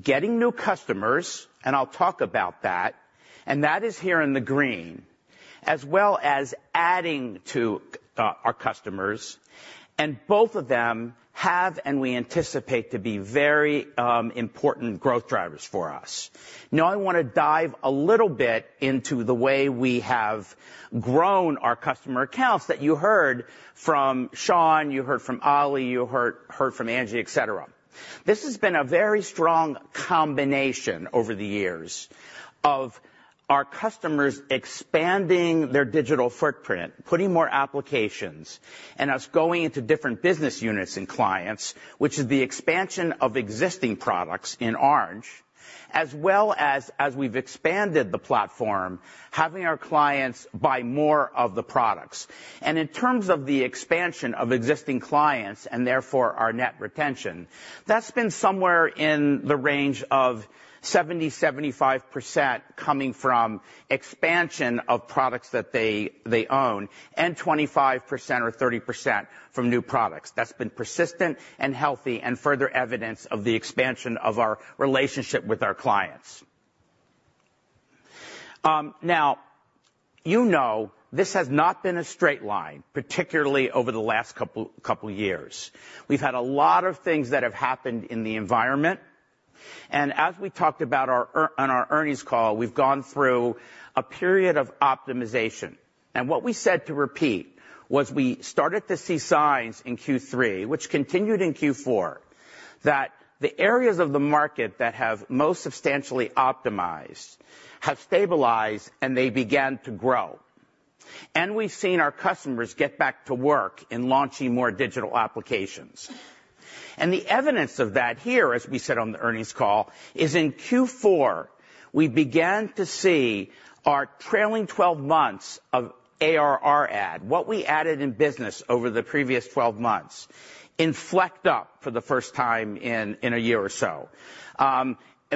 getting new customers and I'll talk about that. That is here in the green as well as adding to our customers. Both of them have, and we anticipate, to be very important growth drivers for us. Now, I want to dive a little bit into the way we have grown our customer accounts that you heard from Sean. You heard from Ollie. You heard from Angie, etc. This has been a very strong combination over the years of our customers expanding their digital footprint, putting more applications, and us going into different business units and clients, which is the expansion of existing products in orange, as well as, as we've expanded the platform, having our clients buy more of the products. In terms of the expansion of existing clients and, therefore, our net retention, that's been somewhere in the range of 70%-75% coming from expansion of products that they own and 25% or 30% from new products. That's been persistent and healthy and further evidence of the expansion of our relationship with our clients. Now, you know this has not been a straight line, particularly over the last couple of years. We've had a lot of things that have happened in the environment. As we talked about on our earnings call, we've gone through a period of optimization. What we said to repeat was we started to see signs in Q3, which continued in Q4, that the areas of the market that have most substantially optimized have stabilized, and they began to grow. We've seen our customers get back to work in launching more digital applications. The evidence of that here, as we said on the earnings call, is in Q4, we began to see our trailing 12 months of ARR add, what we added in business over the previous 12 months, inflect up for the first time in a year or so,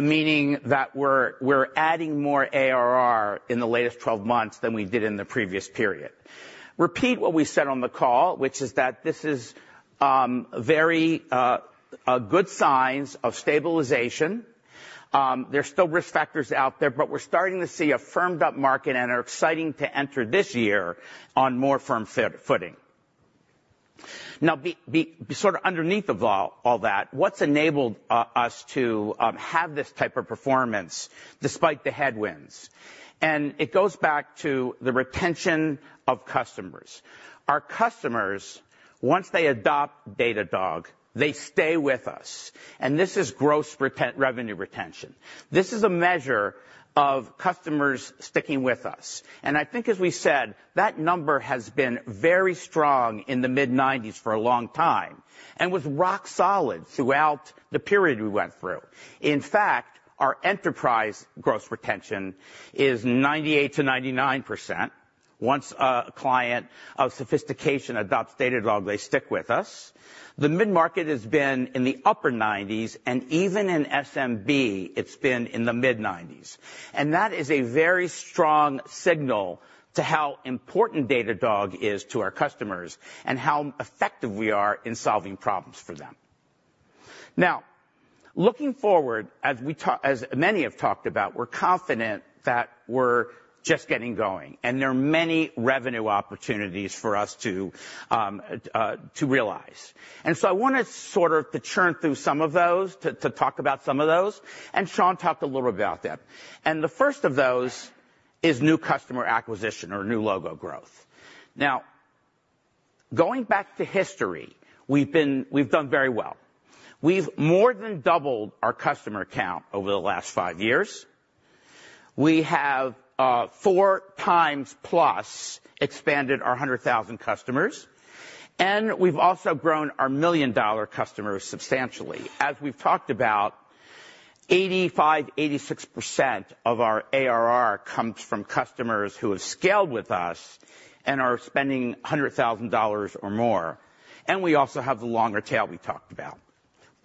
meaning that we're adding more ARR in the latest 12 months than we did in the previous period. Repeat what we said on the call, which is that this is very good signs of stabilization. There's still risk factors out there. We're starting to see a firmed-up market. And they're exciting to enter this year on more firm footing. Now, sort of underneath of all that, what's enabled us to have this type of performance despite the headwinds? It goes back to the retention of customers. Our customers, once they adopt Datadog, they stay with us. This is gross revenue retention. This is a measure of customers sticking with us. I think, as we said, that number has been very strong in the mid-90s percent for a long time and was rock solid throughout the period we went through. In fact, our enterprise gross retention is 98%-99%. Once a client of sophistication adopts Datadog, they stick with us. The mid-market has been in the upper 90s percent. Even in SMB, it's been in the mid-90s percent. That is a very strong signal to how important Datadog is to our customers and how effective we are in solving problems for them. Now, looking forward, as many have talked about, we're confident that we're just getting going. There are many revenue opportunities for us to realize. So I want to sort of churn through some of those, to talk about some of those. Sean talked a little about that. The first of those is new customer acquisition or new logo growth. Now, going back to history, we've done very well. We've more than doubled our customer count over the last 5 years. We have 4 times-plus expanded our $100,000 customers. And we've also grown our million-dollar customers substantially. As we've talked about, 85%-86% of our ARR comes from customers who have scaled with us and are spending $100,000 or more. And we also have the longer tail we talked about.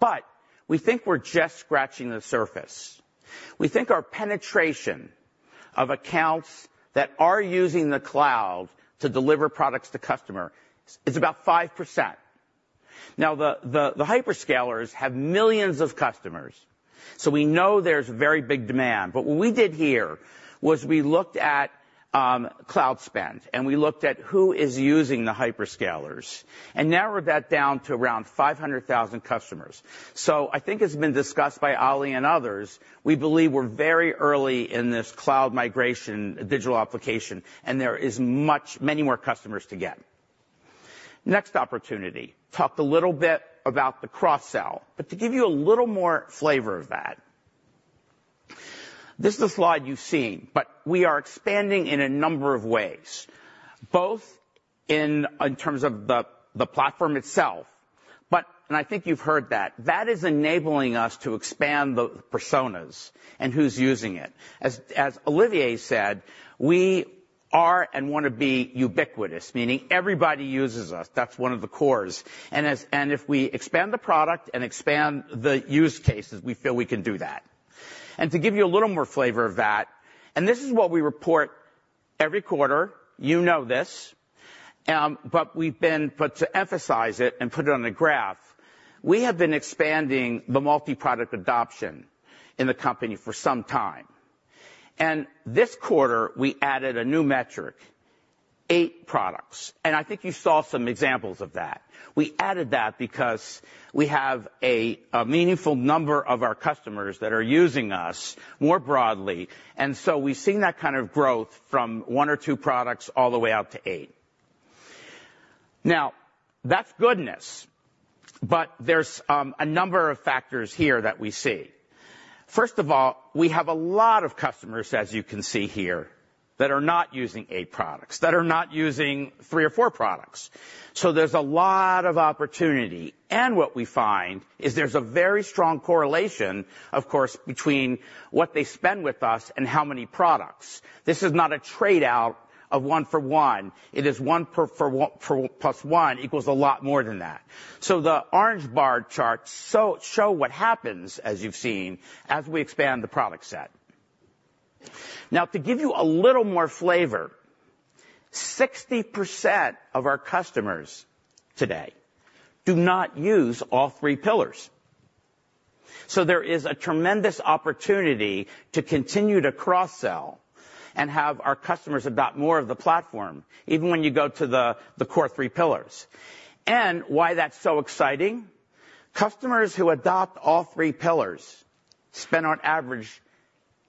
But we think we're just scratching the surface. We think our penetration of accounts that are using the cloud to deliver products to customers, it's about 5%. Now, the hyperscalers have millions of customers. So we know there's very big demand. But what we did here was we looked at cloud spend. And we looked at who is using the hyperscalers. And now, we've got that down to around 500,000 customers. So I think, as it's been discussed by Ollie and others, we believe we're very early in this cloud migration, digital application. And there are many more customers to get. Next opportunity, talked a little bit about the cross-sell. But to give you a little more flavor of that, this is a slide you've seen. But we are expanding in a number of ways, both in terms of the platform itself, but and I think you've heard that. That is enabling us to expand the personas and who's using it. As Olivier said, we are and want to be ubiquitous, meaning everybody uses us. That's one of the cores. And if we expand the product and expand the use cases, we feel we can do that. And to give you a little more flavor of that and this is what we report every quarter. You know this. But we've been to emphasize it and put it on a graph, we have been expanding the multi-product adoption in the company for some time. And this quarter, we added a new metric, eight products. And I think you saw some examples of that. We added that because we have a meaningful number of our customers that are using us more broadly. And so we've seen that kind of growth from one or two products all the way out to eight. Now, that's goodness. But there's a number of factors here that we see. First of all, we have a lot of customers, as you can see here, that are not using 8 products, that are not using 3 or 4 products. So there's a lot of opportunity. And what we find is there's a very strong correlation, of course, between what they spend with us and how many products. This is not a trade-out of 1 for 1. It is 1+1 equals a lot more than that. So the orange bar charts show what happens, as you've seen, as we expand the product set. Now, to give you a little more flavor, 60% of our customers today do not use all 3 pillars. So there is a tremendous opportunity to continue to cross-sell and have our customers adopt more of the platform, even when you go to the core 3 pillars. And why that's so exciting? Customers who adopt all three pillars spend, on average,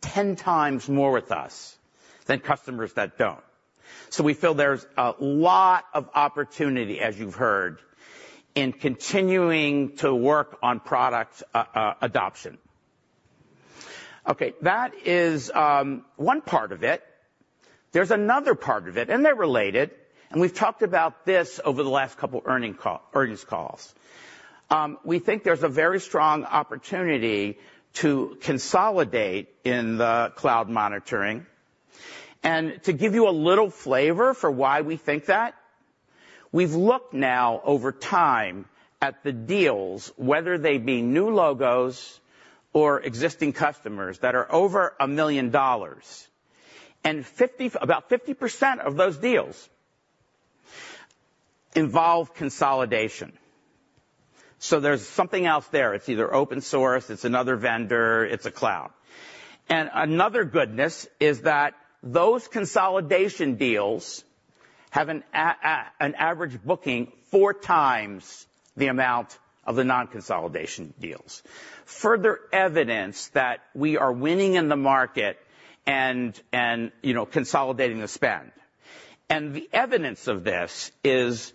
10 times more with us than customers that don't. So we feel there's a lot of opportunity, as you've heard, in continuing to work on product adoption. OK, that is one part of it. There's another part of it. And they're related. And we've talked about this over the last couple of earnings calls. We think there's a very strong opportunity to consolidate in the cloud monitoring. And to give you a little flavor for why we think that, we've looked now, over time, at the deals, whether they be new logos or existing customers that are over $1 million. And about 50% of those deals involve consolidation. So there's something else there. It's either open source. It's another vendor. It's a cloud. Another goodness is that those consolidation deals have an average booking four times the amount of the non-consolidation deals, further evidence that we are winning in the market and consolidating the spend. The evidence of this is,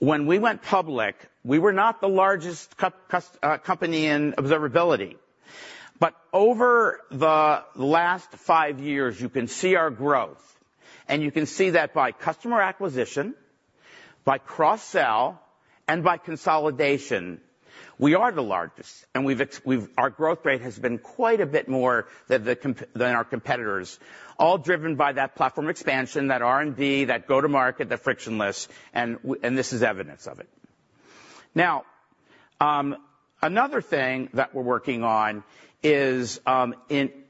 when we went public, we were not the largest company in observability. But over the last five years, you can see our growth. You can see that by customer acquisition, by cross-sell, and by consolidation. We are the largest. Our growth rate has been quite a bit more than our competitors, all driven by that platform expansion, that R&D, that go-to-market, that frictionless. This is evidence of it. Now, another thing that we're working on is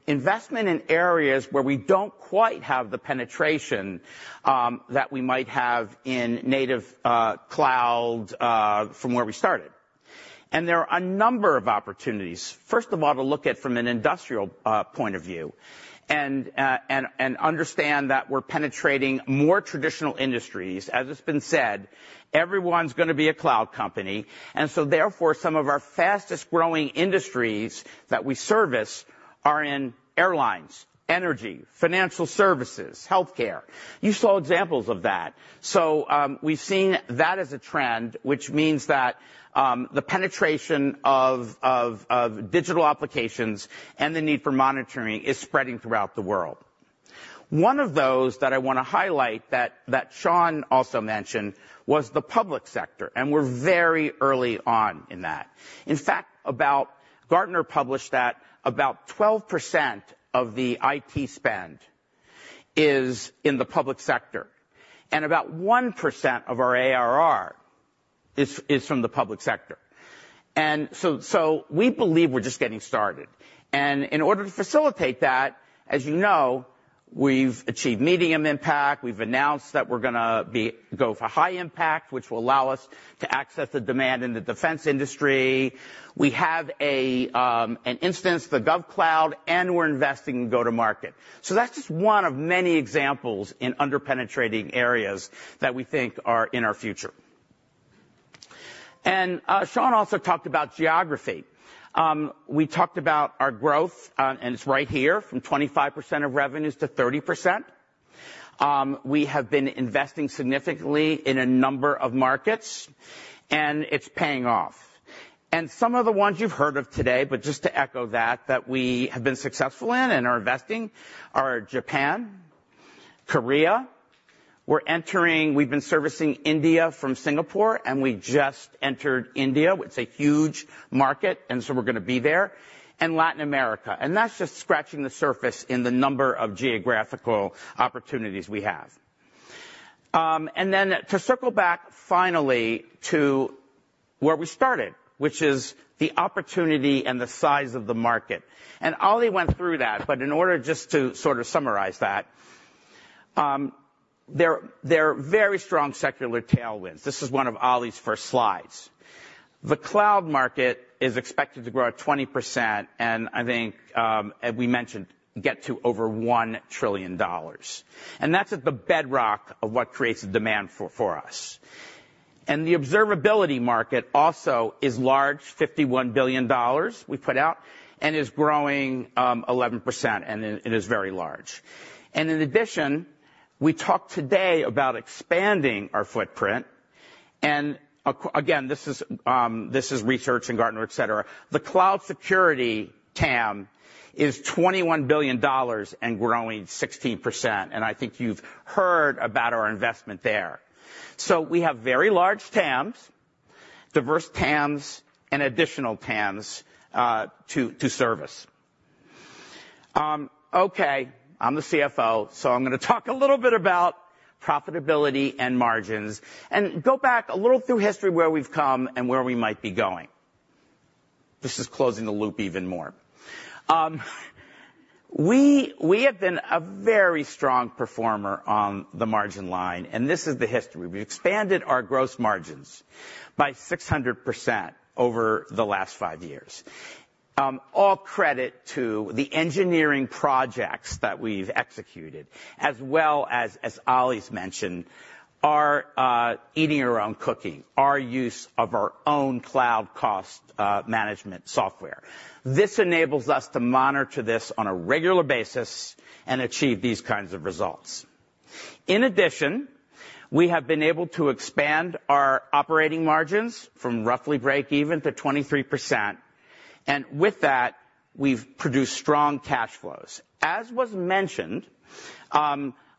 investment in areas where we don't quite have the penetration that we might have in native cloud from where we started. There are a number of opportunities, first of all, to look at from an industrial point of view and understand that we're penetrating more traditional industries. As it's been said, everyone's going to be a cloud company. And so, therefore, some of our fastest-growing industries that we service are in airlines, energy, financial services, health care. You saw examples of that. So we've seen that as a trend, which means that the penetration of digital applications and the need for monitoring is spreading throughout the world. One of those that I want to highlight that Sean also mentioned was the public sector. And we're very early on in that. In fact, Gartner published that about 12% of the IT spend is in the public sector. And about 1% of our ARR is from the public sector. And so we believe we're just getting started. In order to facilitate that, as you know, we've achieved medium impact. We've announced that we're going to go for high impact, which will allow us to access the demand in the defense industry. We have an instance, the GovCloud. And we're investing in go-to-market. So that's just one of many examples in under-penetrating areas that we think are in our future. And Sean also talked about geography. We talked about our growth. And it's right here, from 25% of revenues to 30%. We have been investing significantly in a number of markets. And it's paying off. And some of the ones you've heard of today, but just to echo that, that we have been successful in and are investing are Japan, Korea. We've been servicing India from Singapore. And we just entered India. It's a huge market. And so we're going to be there, and Latin America. And that's just scratching the surface in the number of geographical opportunities we have. And then to circle back, finally, to where we started, which is the opportunity and the size of the market. And Ollie went through that. But in order just to sort of summarize that, there are very strong secular tailwinds. This is one of Ollie's first slides. The cloud market is expected to grow at 20%. And I think, as we mentioned, get to over $1 trillion. And that's at the bedrock of what creates the demand for us. And the observability market also is large, $51 billion we put out, and is growing 11%. And it is very large. And in addition, we talked today about expanding our footprint. And again, this is research in Gartner, et cetera. The cloud security TAM is $21 billion and growing 16%. I think you've heard about our investment there. So we have very large TAMs, diverse TAMs, and additional TAMs to service. OK, I'm the CFO. So I'm going to talk a little bit about profitability and margins and go back a little through history where we've come and where we might be going. This is closing the loop even more. We have been a very strong performer on the margin line. And this is the history. We've expanded our gross margins by 600% over the last five years, all credit to the engineering projects that we've executed, as well as, as Ollie's mentioned, our eating our own cooking, our use of our own cloud cost management software. This enables us to monitor this on a regular basis and achieve these kinds of results. In addition, we have been able to expand our operating margins from roughly break-even to 23%. With that, we've produced strong cash flows. As was mentioned,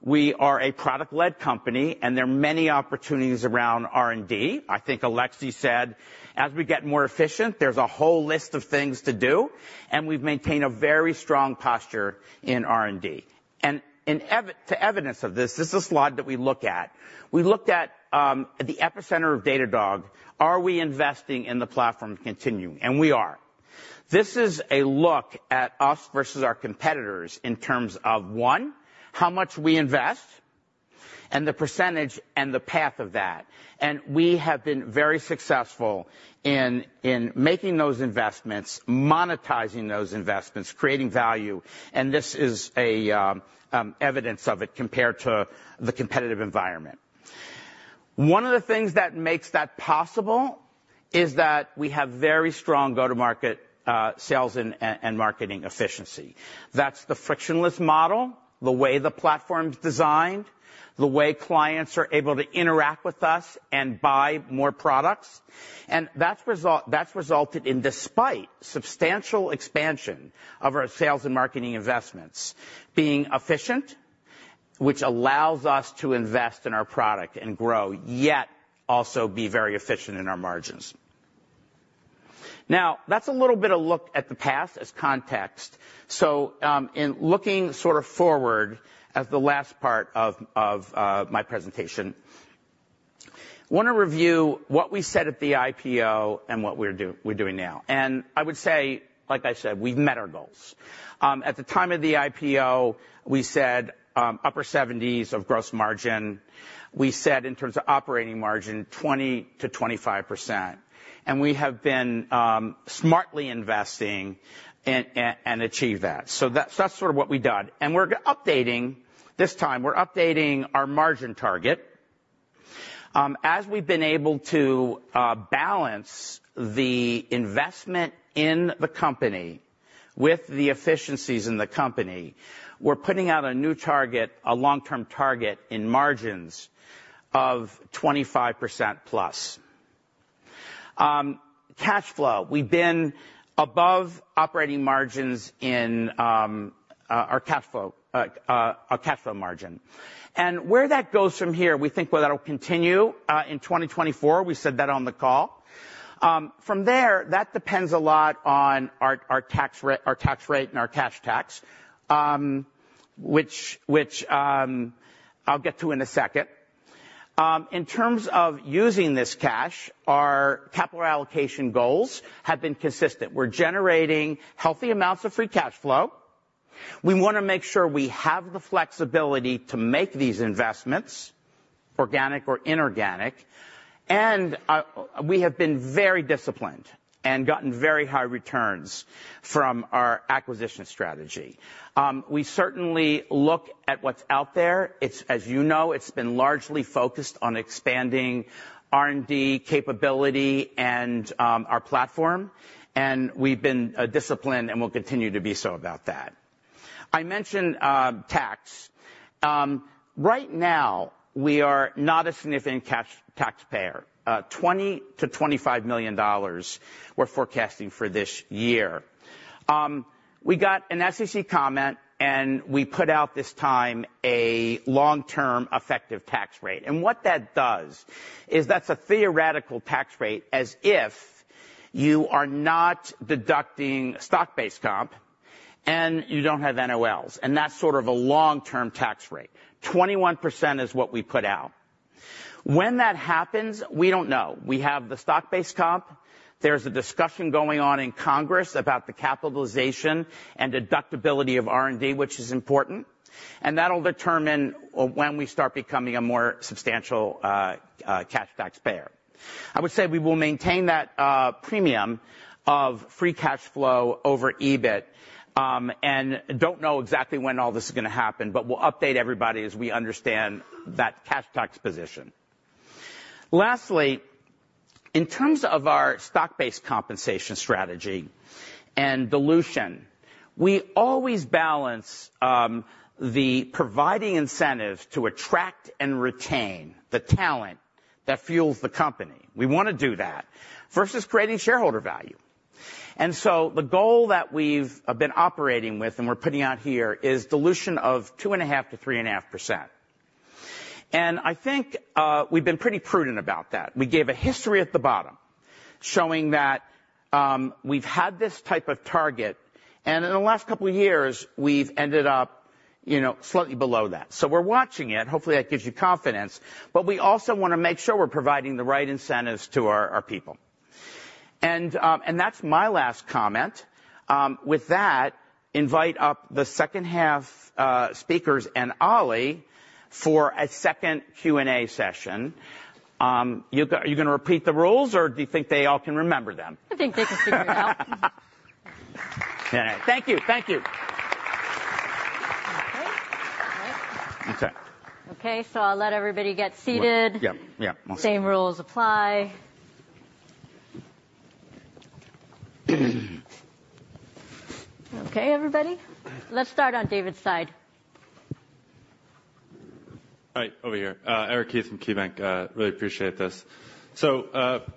we are a product-led company. There are many opportunities around R&D. I think Alexis said, as we get more efficient, there's a whole list of things to do. We've maintained a very strong posture in R&D. To evidence of this, this is a slide that we looked at. We looked at the epicenter of Datadog. Are we investing in the platform continually? We are. This is a look at us versus our competitors in terms of, one, how much we invest and the percentage and the path of that. We have been very successful in making those investments, monetizing those investments, creating value. This is evidence of it compared to the competitive environment. One of the things that makes that possible is that we have very strong go-to-market sales and marketing efficiency. That's the frictionless model, the way the platform's designed, the way clients are able to interact with us and buy more products. And that's resulted in, despite substantial expansion of our sales and marketing investments, being efficient, which allows us to invest in our product and grow, yet also be very efficient in our margins. Now, that's a little bit of a look at the past as context. So in looking sort of forward as the last part of my presentation, I want to review what we said at the IPO and what we're doing now. And I would say, like I said, we've met our goals. At the time of the IPO, we said upper 70s of gross margin. We said, in terms of operating margin, 20%-25%. We have been smartly investing and achieved that. So that's sort of what we've done. This time, we're updating our margin target. As we've been able to balance the investment in the company with the efficiencies in the company, we're putting out a new target, a long-term target in margins of 25%+. Cash flow, we've been above operating margins in our cash flow margin. And where that goes from here, we think, well, that'll continue in 2024. We said that on the call. From there, that depends a lot on our tax rate and our cash tax, which I'll get to in a second. In terms of using this cash, our capital allocation goals have been consistent. We're generating healthy amounts of free cash flow. We want to make sure we have the flexibility to make these investments, organic or inorganic. We have been very disciplined and gotten very high returns from our acquisition strategy. We certainly look at what's out there. As you know, it's been largely focused on expanding R&D capability and our platform. We've been disciplined. We'll continue to be so about that. I mentioned tax. Right now, we are not a significant taxpayer. $20 million-$25 million we're forecasting for this year. We got an SEC comment. We put out, this time, a long-term effective tax rate. What that does is that's a theoretical tax rate as if you are not deducting stock-based comp. You don't have NOLs. That's sort of a long-term tax rate. 21% is what we put out. When that happens, we don't know. We have the stock-based comp. There's a discussion going on in Congress about the capitalization and deductibility of R&D, which is important. That'll determine when we start becoming a more substantial cash taxpayer. I would say we will maintain that premium of free cash flow over EBIT. And don't know exactly when all this is going to happen. But we'll update everybody as we understand that cash tax position. Lastly, in terms of our stock-based compensation strategy and dilution, we always balance the providing incentives to attract and retain the talent that fuels the company. We want to do that versus creating shareholder value. And so the goal that we've been operating with and we're putting out here is dilution of 2.5%-3.5%. And I think we've been pretty prudent about that. We gave a history at the bottom showing that we've had this type of target. In the last couple of years, we've ended up slightly below that. So we're watching it. Hopefully, that gives you confidence. But we also want to make sure we're providing the right incentives to our people. And that's my last comment. With that, invite up the second-half speakers and Ollie for a second Q&A session. You're going to repeat the rules? Or do you think they all can remember them? I think they can figure it out. All right. Thank you. Thank you. OK. OK. So I'll let everybody get seated. Yep. Yep. Same rules apply. OK, everybody? Let's start on David's side. All right. Over here. Eric Heath from KeyBanc. Really appreciate this. So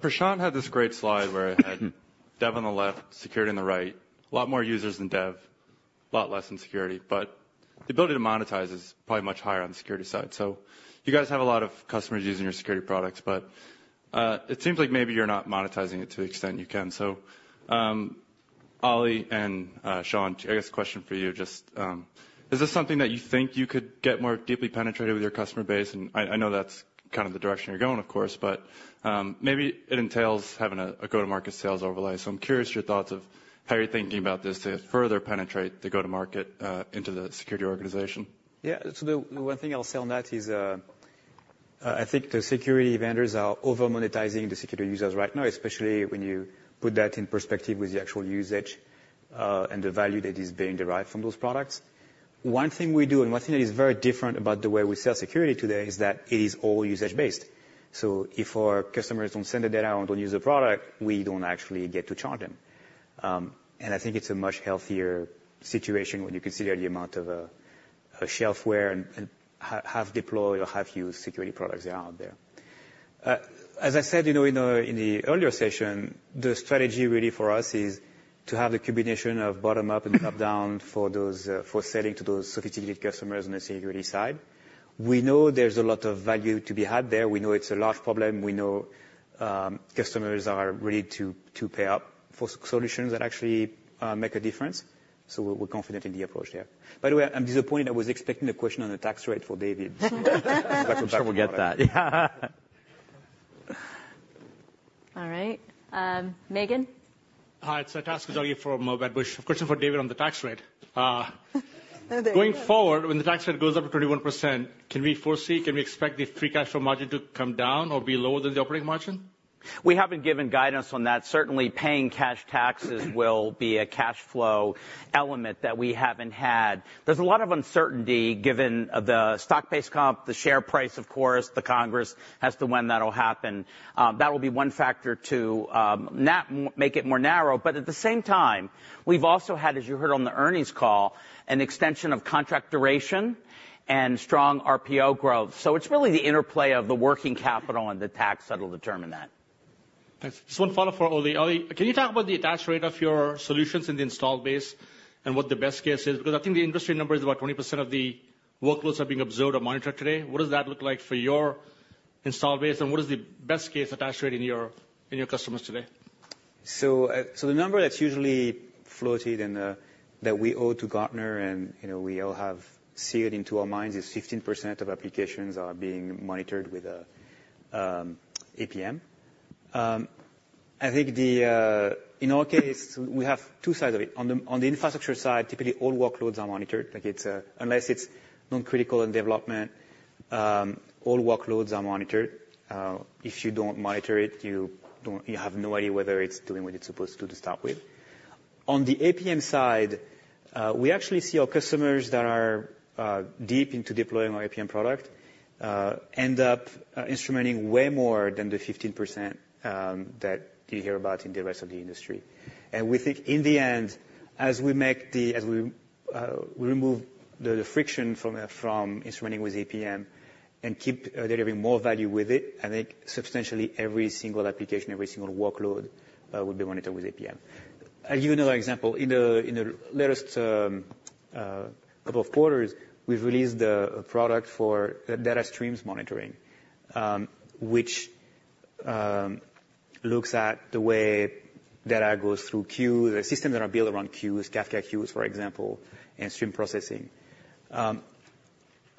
Prashant had this great slide where I had dev on the left, security on the right, a lot more users than dev, a lot less in security. But the ability to monetize is probably much higher on the security side. So you guys have a lot of customers using your security products. But it seems like maybe you're not monetizing it to the extent you can. So Ollie and Sean, I guess a question for you. Just is this something that you think you could get more deeply penetrated with your customer base? And I know that's kind of the direction you're going, of course. But maybe it entails having a go-to-market sales overlay. So I'm curious your thoughts of how you're thinking about this to further penetrate the go-to-market into the security organization. Yeah. So the one thing I'll say on that is I think the security vendors are over-monetizing the security users right now, especially when you put that in perspective with the actual usage and the value that is being derived from those products. One thing we do and one thing that is very different about the way we sell security today is that it is all usage-based. So if our customers don't send the data or don't use the product, we don't actually get to charge them. I think it's a much healthier situation when you consider the amount of shelfware and have deployed or have used security products that are out there. As I said in the earlier session, the strategy really for us is to have the combination of bottom-up and top-down for selling to those sophisticated customers on the security side. We know there's a lot of value to be had there. We know it's a large problem. We know customers are ready to pay up for solutions that actually make a difference. So we're confident in the approach there. By the way, I'm disappointed. I was expecting a question on the tax rate for David. I'm sure we'll get that. Yeah. All right. Megan? Hi. It's Taz Koujalgi from Wedbush. A question for David on the tax rate. Going forward, when the tax rate goes up to 21%, can we foresee can we expect the free cash flow margin to come down or be lower than the operating margin? We haven't given guidance on that. Certainly, paying cash taxes will be a cash flow element that we haven't had. There's a lot of uncertainty given the stock-based comp, the share price, of course. The Congress has to when that'll happen. That will be one factor to make it more narrow. But at the same time, we've also had, as you heard on the earnings call, an extension of contract duration and strong RPO growth. So it's really the interplay of the working capital and the tax that'll determine that. Thanks. Just one follow-up for Ollie. Ollie, can you talk about the attached rate of your solutions in the installed base and what the best case is? Because I think the industry number is about 20% of the workloads that are being observed or monitored today. What does that look like for your installed base? And what is the best-case attached rate in your customers today? So the number that's usually floated and that we owe to Gartner and we all have seared into our minds is 15% of applications are being monitored with APM. I think, in our case, we have two sides of it. On the infrastructure side, typically, all workloads are monitored. Unless it's non-critical in development, all workloads are monitored. If you don't monitor it, you have no idea whether it's doing what it's supposed to do to start with. On the APM side, we actually see our customers that are deep into deploying our APM product end up instrumenting way more than the 15% that you hear about in the rest of the industry. We think, in the end, as we remove the friction from instrumenting with APM and keep delivering more value with it, I think substantially every single application, every single workload would be monitored with APM. I'll give you another example. In the latest couple of quarters, we've released a product for data streams monitoring, which looks at the way data goes through queues, the systems that are built around queues, Kafka queues, for example, and stream processing.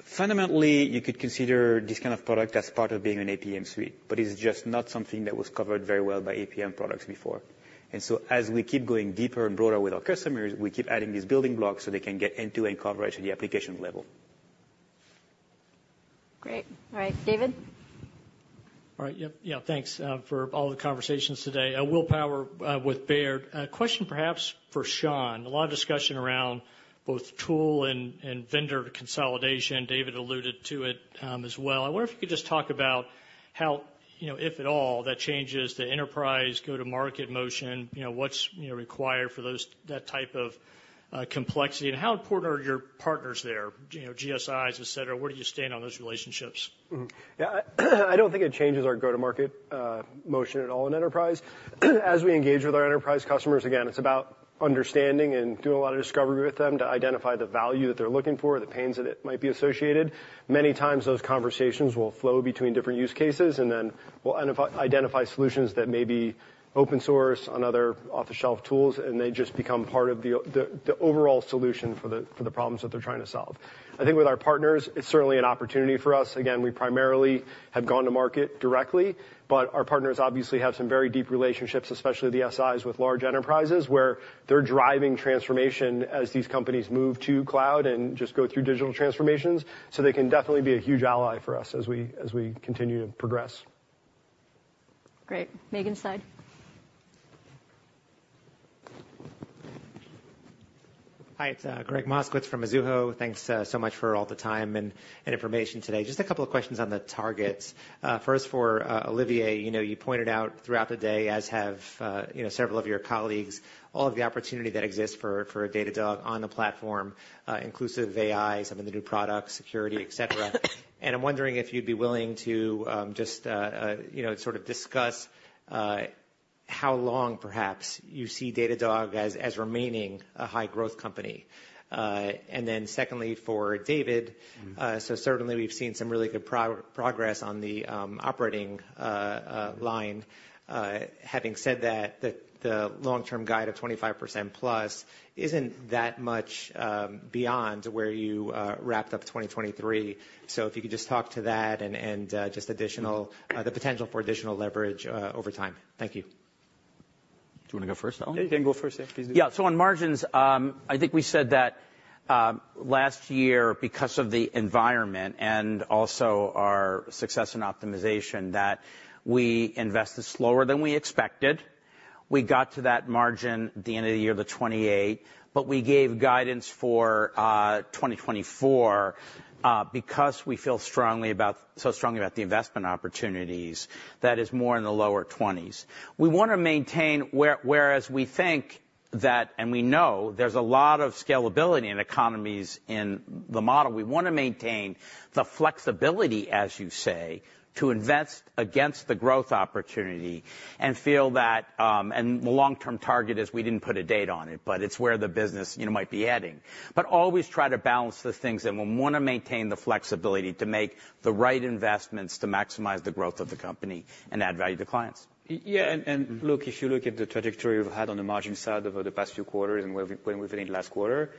Fundamentally, you could consider this kind of product as part of being an APM suite. But it's just not something that was covered very well by APM products before. And so as we keep going deeper and broader with our customers, we keep adding these building blocks so they can get end-to-end coverage at the application level. Great. All right. David? All right. Yeah. Thanks for all the conversations today. Will Power with Baird. A question, perhaps, for Sean. A lot of discussion around both tool and vendor consolidation. David alluded to it as well. I wonder if you could just talk about how, if at all, that changes the enterprise go-to-market motion, what's required for that type of complexity, and how important are your partners there, GSIs, et cetera? Where do you stand on those relationships? Yeah. I don't think it changes our go-to-market motion at all in enterprise. As we engage with our enterprise customers, again, it's about understanding and doing a lot of discovery with them to identify the value that they're looking for, the pains that it might be associated. Many times, those conversations will flow between different use cases. And then we'll identify solutions that may be open source or other off-the-shelf tools. And they just become part of the overall solution for the problems that they're trying to solve. I think, with our partners, it's certainly an opportunity for us. Again, we primarily have gone to market directly. But our partners obviously have some very deep relationships, especially the SIs, with large enterprises, where they're driving transformation as these companies move to cloud and just go through digital transformations. So they can definitely be a huge ally for us as we continue to progress. Great. Megan's side. Hi. It's Greg Moskowitz from Mizuho. Thanks so much for all the time and information today. Just a couple of questions on the targets. First, for Olivier, you pointed out throughout the day, as have several of your colleagues, all of the opportunity that exists for Datadog on the platform, inclusive AI, some of the new products, security, et cetera. I'm wondering if you'd be willing to just sort of discuss how long, perhaps, you see Datadog as remaining a high-growth company. Then, secondly, for David, certainly, we've seen some really good progress on the operating line. Having said that, the long-term guide of 25%+ isn't that much beyond where you wrapped up 2023. So if you could just talk to that and just the potential for additional leverage over time. Thank you. Do you want to go first, Ollie? Yeah. You can go first, yeah. Please do. Yeah. So on margins, I think we said that last year, because of the environment and also our success in optimization, that we invested slower than we expected. We got to that margin at the end of the year, the 28%. But we gave guidance for 2024 because we feel so strongly about the investment opportunities that it's more in the lower 20s%. We want to maintain whereas we think that and we know there's a lot of scalability and economies in the model, we want to maintain the flexibility, as you say, to invest against the growth opportunity and feel that and the long-term target is we didn't put a date on it. But it's where the business might be heading. But always try to balance those things and want to maintain the flexibility to make the right investments to maximize the growth of the company and add value to clients. Yeah. And look, if you look at the trajectory we've had on the margin side over the past few quarters and when we've been in the last quarter,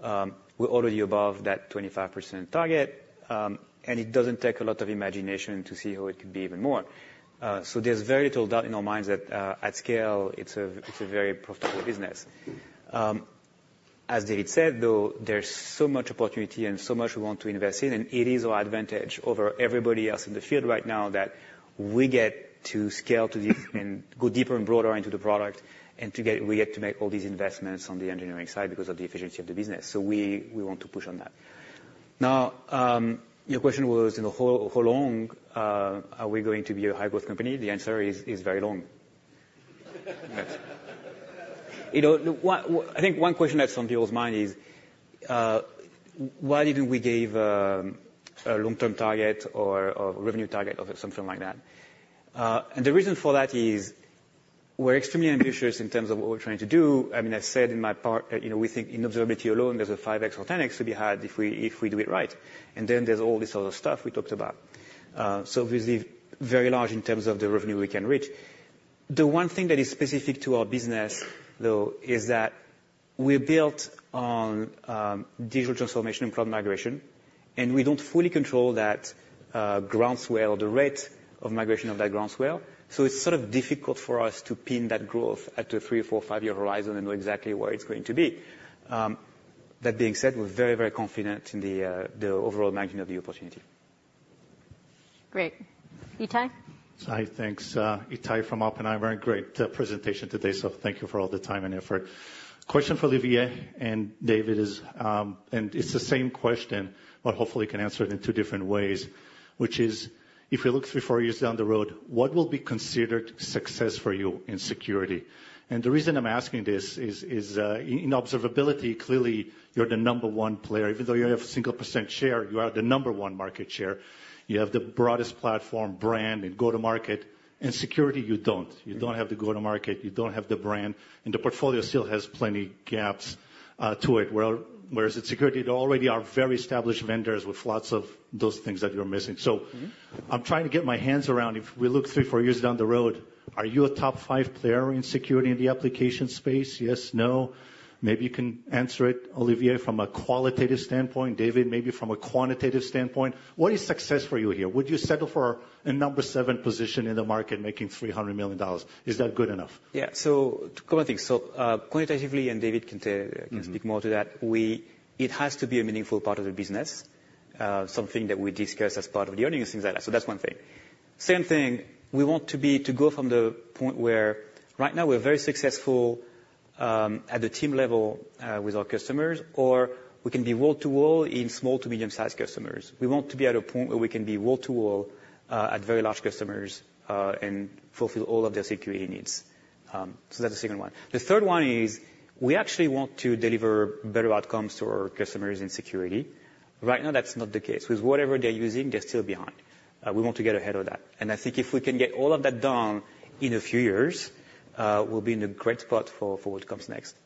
we're already above that 25% target. And it doesn't take a lot of imagination to see how it could be even more. So there's very little doubt in our minds that, at scale, it's a very profitable business. As David said, though, there's so much opportunity and so much we want to invest in. And it is our advantage over everybody else in the field right now that we get to scale to this and go deeper and broader into the product. And we get to make all these investments on the engineering side because of the efficiency of the business. So we want to push on that. Now, your question was, how long are we going to be a high-growth company? The answer is very long. I think one question that's on people's mind is, why didn't we give a long-term target or a revenue target or something like that? And the reason for that is we're extremely ambitious in terms of what we're trying to do. I mean, I've said in my part, we think, in observability alone, there's a 5x or 10x to be had if we do it right. And then there's all this other stuff we talked about. So obviously, very large in terms of the revenue we can reach. The one thing that is specific to our business, though, is that we're built on digital transformation and cloud migration. We don't fully control that groundswell or the rate of migration of that groundswell. It's sort of difficult for us to pin that growth at the 3- or 4- or 5-year horizon and know exactly where it's going to be. That being said, we're very, very confident in the overall margin of the opportunity. Great. Itay? Hi. Thanks. Itay from Oppenheimer. Great presentation today. Thank you for all the time and effort. Question for Olivier and David is and it's the same question, but hopefully, you can answer it in two different ways, which is, if we look 3, 4 years down the road, what will be considered success for you in security? The reason I'm asking this is, in observability, clearly, you're the number one player. Even though you have a 1% share, you are the number one market share. You have the broadest platform, brand, and go-to-market. In security, you don't. You don't have the go-to-market. You don't have the brand. And the portfolio still has plenty of gaps to it. Whereas in security, there already are very established vendors with lots of those things that you're missing. So I'm trying to get my hands around, if we look three, four years down the road, are you a top five player in security in the application space? Yes? No? Maybe you can answer it, Olivier, from a qualitative standpoint. David, maybe from a quantitative standpoint. What is success for you here? Would you settle for a number seven position in the market making $300 million? Is that good enough? Yeah. So a couple of things. So quantitatively, and David can speak more to that, it has to be a meaningful part of the business, something that we discuss as part of the earnings and things like that. So that's one thing. Same thing. We want to go from the point where, right now, we're very successful at the team level with our customers, or we can be wall-to-wall in small to medium-sized customers. We want to be at a point where we can be wall-to-wall at very large customers and fulfill all of their security needs. So that's the second one. The third one is, we actually want to deliver better outcomes to our customers in security. Right now, that's not the case. With whatever they're using, they're still behind. We want to get ahead of that. I think, if we can get all of that done in a few years, we'll be in a great spot for what comes next.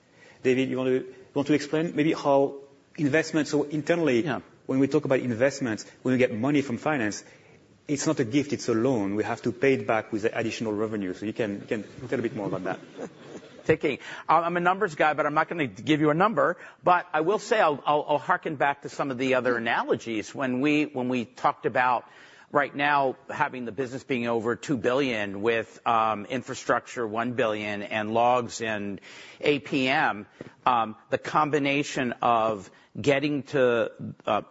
David, you want to explain maybe how investments so internally, when we talk about investments, when we get money from finance, it's not a gift. It's a loan. We have to pay it back with additional revenue. So you can tell a bit more about that. Thank you. I'm a numbers guy. But I'm not going to give you a number. But I will say I'll harken back to some of the other analogies. When we talked about, right now, having the business being over $2 billion with infrastructure, $1 billion, and logs and APM, the combination of getting to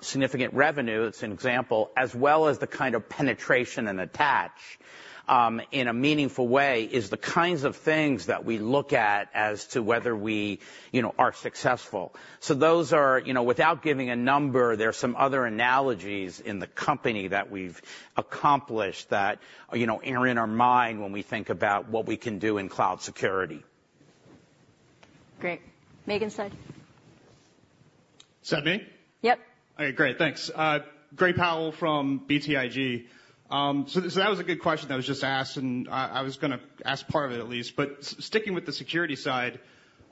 significant revenue, as an example, as well as the kind of penetration and attach in a meaningful way is the kinds of things that we look at as to whether we are successful. So those are without giving a number, there are some other analogies in the company that we've accomplished that are in our mind when we think about what we can do in cloud security. Great. Megan's side. Is that me? Yep. All right. Great. Thanks. Gray Powell from BTIG. So that was a good question that was just asked. And I was going to ask part of it, at least. Sticking with the security side,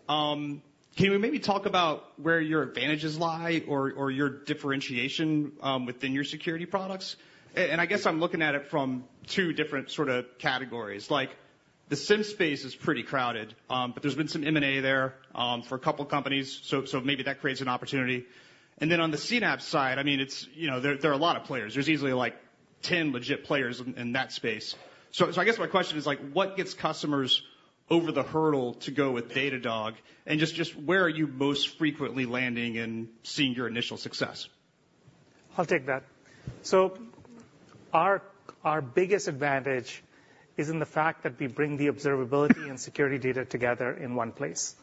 can you maybe talk about where your advantages lie or your differentiation within your security products? I guess I'm looking at it from two different sort of categories. The SIEM space is pretty crowded. There's been some M&A there for a couple of companies. Maybe that creates an opportunity. Then, on the CNAPP side, I mean, there are a lot of players. There's easily like 10 legit players in that space. I guess my question is, what gets customers over the hurdle to go with Datadog? And just where are you most frequently landing and seeing your initial success? I'll take that. Our biggest advantage is in the fact that we bring the observability and security data together in one place.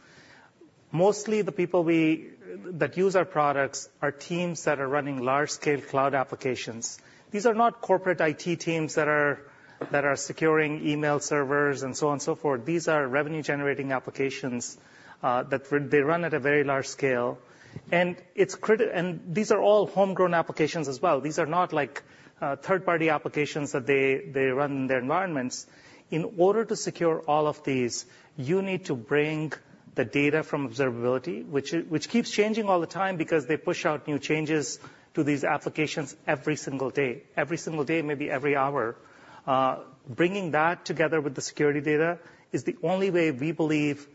Mostly, the people that use our products are teams that are running large-scale cloud applications. These are not corporate IT teams that are securing email servers and so on and so forth. These are revenue-generating applications. They run at a very large scale. These are all homegrown applications as well. These are not third-party applications that they run in their environments. In order to secure all of these, you need to bring the data from observability, which keeps changing all the time because they push out new changes to these applications every single day, every single day, maybe every hour. Bringing that together with the security data is the only way, we believe,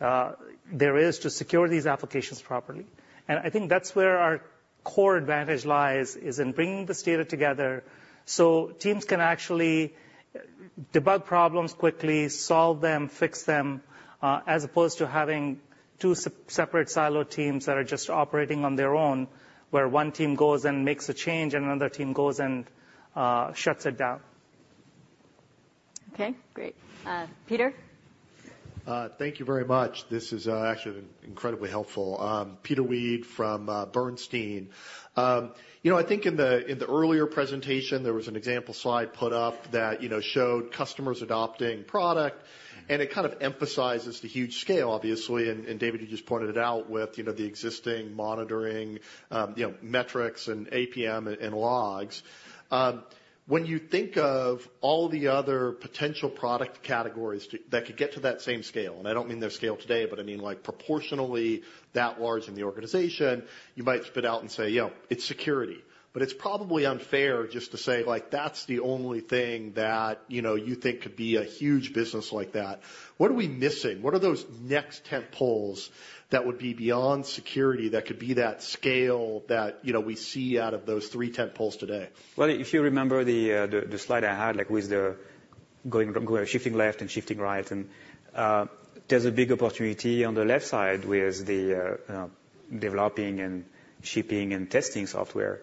there is to secure these applications properly. And I think that's where our core advantage lies, is in bringing this data together so teams can actually debug problems quickly, solve them, fix them, as opposed to having two separate silo teams that are just operating on their own, where one team goes and makes a change, and another team goes and shuts it down. OK. Great. Peter? Thank you very much. This is actually incredibly helpful. Peter Weed from Bernstein. I think, in the earlier presentation, there was an example slide put up that showed customers adopting product. And it kind of emphasizes the huge scale, obviously. And David, you just pointed it out with the existing monitoring metrics and APM and logs. When you think of all the other potential product categories that could get to that same scale and I don't mean their scale today. But I mean, proportionally that large in the organization, you might spit out and say, it's security. But it's probably unfair just to say, that's the only thing that you think could be a huge business like that. What are we missing? What are those next tent poles that would be beyond security that could be that scale that we see out of those three tent poles today? Well, if you remember the slide I had with shifting left and shifting right, there's a big opportunity on the left side with the developing and shipping and testing software.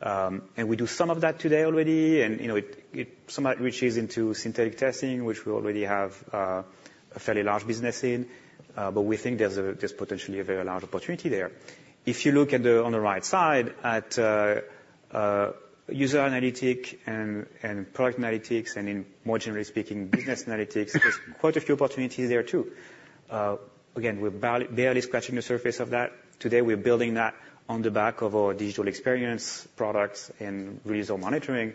And we do some of that today already. And some of it reaches into synthetic testing, which we already have a fairly large business in. But we think there's potentially a very large opportunity there. If you look on the right side at user analytics and product analytics and, more generally speaking, business analytics, there's quite a few opportunities there, too. Again, we're barely scratching the surface of that. Today, we're building that on the back of our digital experience products and release or monitoring.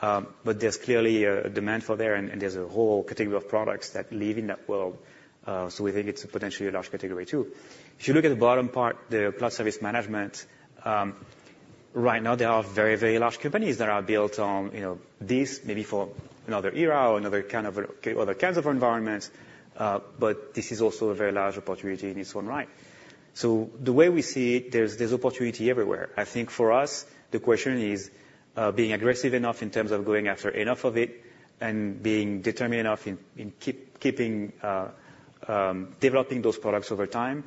But there's clearly a demand for there. And there's a whole category of products that live in that world. So we think it's potentially a large category, too. If you look at the bottom part, the Cloud Service Management, right now, there are very, very large companies that are built on this, maybe for another era or another kind of other kinds of environments. But this is also a very large opportunity in its own right. So the way we see it, there's opportunity everywhere. I think, for us, the question is being aggressive enough in terms of going after enough of it and being determined enough in developing those products over time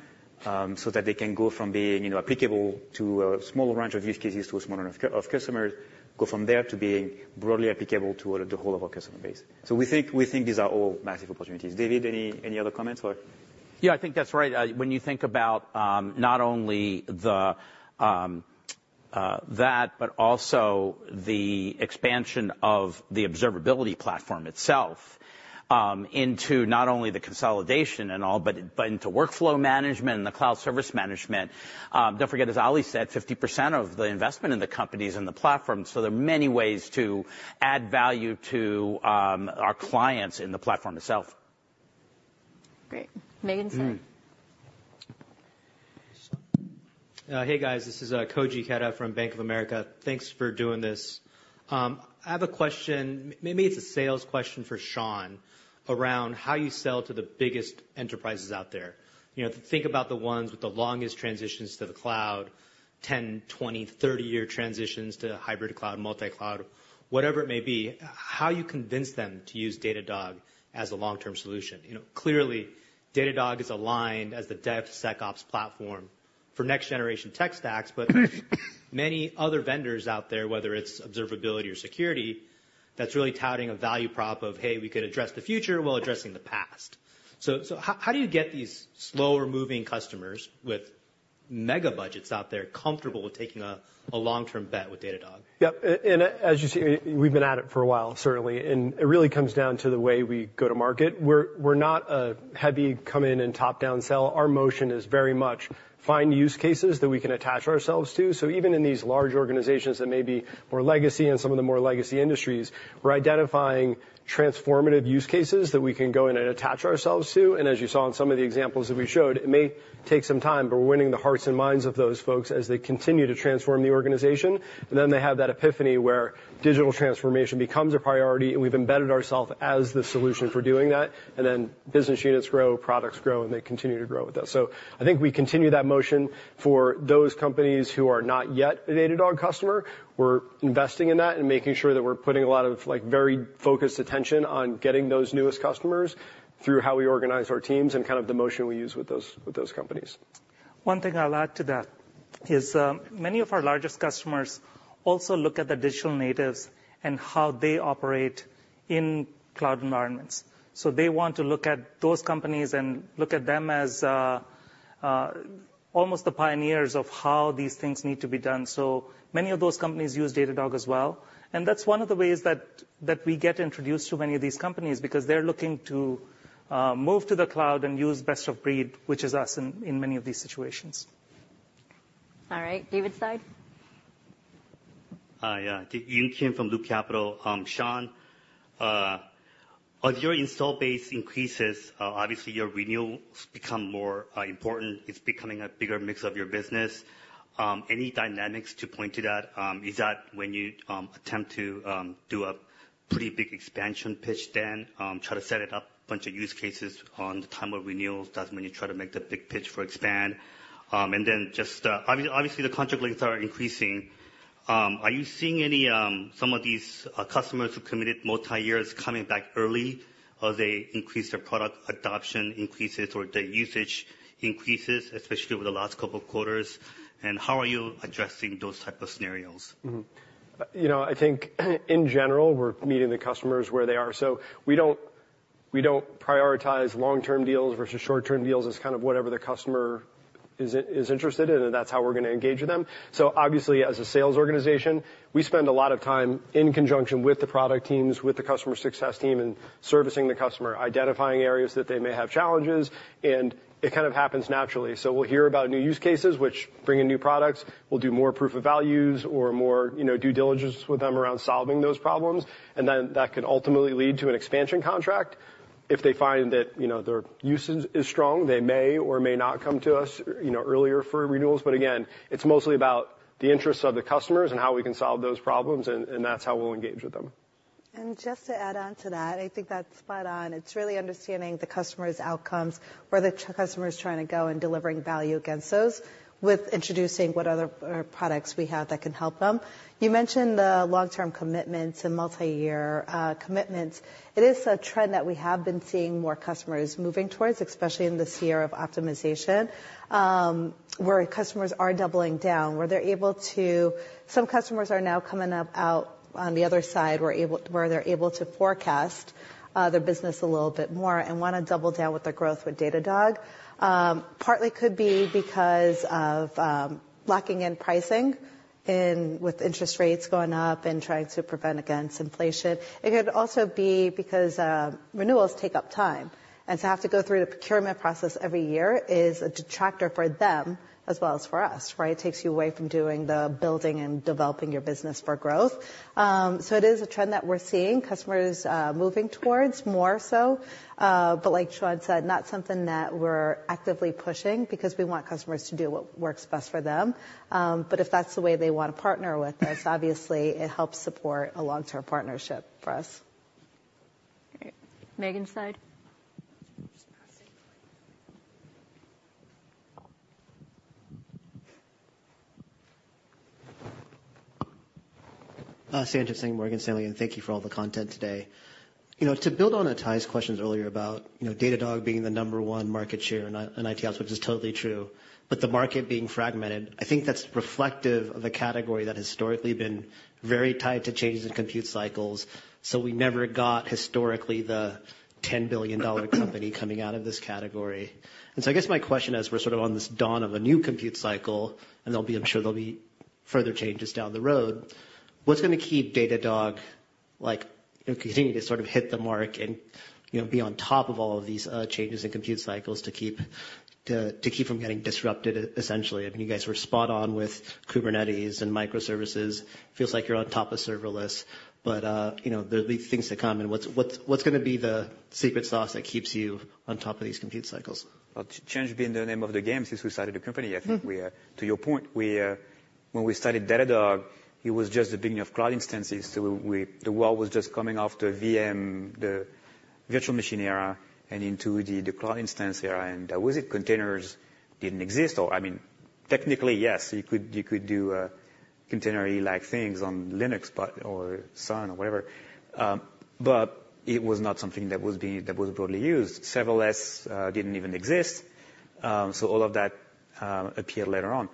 so that they can go from being applicable to a small range of use cases to a small number of customers, go from there to being broadly applicable to the whole of our customer base. So we think these are all massive opportunities. David, any other comments? Yeah. I think that's right. When you think about not only that, but also the expansion of the observability platform itself into not only the consolidation and all, but into workflow management and the Cloud Service Management, don't forget, as Ali said, 50% of the investment in the company is in the platform. So there are many ways to add value to our clients in the platform itself. Great. Megan's side. Hey, guys. This is Koji Ikeda from Bank of America. Thanks for doing this. I have a question. Maybe it's a sales question for Sean around how you sell to the biggest enterprises out there. Think about the ones with the longest transitions to the cloud, 10-, 20-, 30-year transitions to hybrid cloud, multi-cloud, whatever it may be. How you convince them to use Datadog as a long-term solution. Clearly, Datadog is aligned as the DevSecOps platform for next-generation tech stacks. But many other vendors out there, whether it's observability or security, that's really touting a value prop of, hey, we could address the future while addressing the past. So how do you get these slower-moving customers with mega-budgets out there comfortable with taking a long-term bet with Datadog? Yep. As you see, we've been at it for a while, certainly. It really comes down to the way we go to market. We're not a heavy come-in and top-down sell. Our motion is very much find use cases that we can attach ourselves to. So even in these large organizations that may be more legacy and some of the more legacy industries, we're identifying transformative use cases that we can go in and attach ourselves to. And as you saw in some of the examples that we showed, it may take some time. But we're winning the hearts and minds of those folks as they continue to transform the organization. And then they have that epiphany where digital transformation becomes a priority. And we've embedded ourselves as the solution for doing that. And then business units grow, products grow, and they continue to grow with us. So I think we continue that motion for those companies who are not yet a Datadog customer. We're investing in that and making sure that we're putting a lot of very focused attention on getting those newest customers through how we organize our teams and kind of the motion we use with those companies. One thing I'll add to that is, many of our largest customers also look at the digital natives and how they operate in cloud environments. So they want to look at those companies and look at them as almost the pioneers of how these things need to be done. So many of those companies use Datadog as well. And that's one of the ways that we get introduced to many of these companies because they're looking to move to the cloud and use best of breed, which is us in many of these situations. All right. David's side. Hi. Yun Kim from Loop Capital. Sean, as your install base increases, obviously, your renewals become more important. It's becoming a bigger mix of your business. Any dynamics to point to that? Is that when you attempt to do a pretty big expansion pitch then, try to set it up, a bunch of use cases on the time of renewals? That's when you try to make the big pitch for expand? And then, obviously, the contract lengths are increasing. Are you seeing some of these customers who committed multi-years coming back early? As they increase their product adoption, increases, or their usage increases, especially over the last couple of quarters, and how are you addressing those types of scenarios? I think, in general, we're meeting the customers where they are. So we don't prioritize long-term deals versus short-term deals as kind of whatever the customer is interested in. That's how we're going to engage with them. Obviously, as a sales organization, we spend a lot of time in conjunction with the product teams, with the customer success team, and servicing the customer, identifying areas that they may have challenges. It kind of happens naturally. We'll hear about new use cases, which bring in new products. We'll do more proof of values or more due diligence with them around solving those problems. Then that can ultimately lead to an expansion contract. If they find that their use is strong, they may or may not come to us earlier for renewals. But again, it's mostly about the interests of the customers and how we can solve those problems. That's how we'll engage with them. Just to add on to that, I think that's spot on. It's really understanding the customer's outcomes, where the customer's trying to go, and delivering value against those with introducing what other products we have that can help them. You mentioned the long-term commitment to multi-year commitments. It is a trend that we have been seeing more customers moving towards, especially in this year of optimization, where customers are doubling down, where they're able to some customers are now coming out on the other side, where they're able to forecast their business a little bit more and want to double down with their growth with Datadog. Partly could be because of locking in pricing with interest rates going up and trying to prevent against inflation. It could also be because renewals take up time. And to have to go through the procurement process every year is a detractor for them as well as for us, right? It takes you away from doing the building and developing your business for growth. So it is a trend that we're seeing, customers moving towards more so. But like Sean said, not something that we're actively pushing because we want customers to do what works best for them. But if that's the way they want to partner with us, obviously, it helps support a long-term partnership for us. Great. Megan's side. Sanjit Singh, Morgan Stanley. And thank you for all the content today. To build on Ittai's questions earlier about Datadog being the number one market share in IT ops, which is totally true, but the market being fragmented, I think that's reflective of a category that has historically been very tied to changes in compute cycles. So we never got, historically, the $10 billion company coming out of this category. And so I guess my question, as we're sort of on this dawn of a new compute cycle, and I'm sure there'll be further changes down the road, what's going to keep Datadog continuing to sort of hit the mark and be on top of all of these changes in compute cycles to keep from getting disrupted, essentially? I mean, you guys were spot on with Kubernetes and microservices. It feels like you're on top of serverless. But there'll be things to come. And what's going to be the secret sauce that keeps you on top of these compute cycles? Change being the name of the game since we started the company, I think, to your point. When we started Datadog, it was just the beginning of cloud instances. So the world was just coming off the VM, the virtual machine era, and into the cloud instance era. That was it. Containers didn't exist. Or I mean, technically, yes. You could do container-y-like things on Linux or Sun or whatever. But it was not something that was broadly used. Serverless didn't even exist. So all of that appeared later on.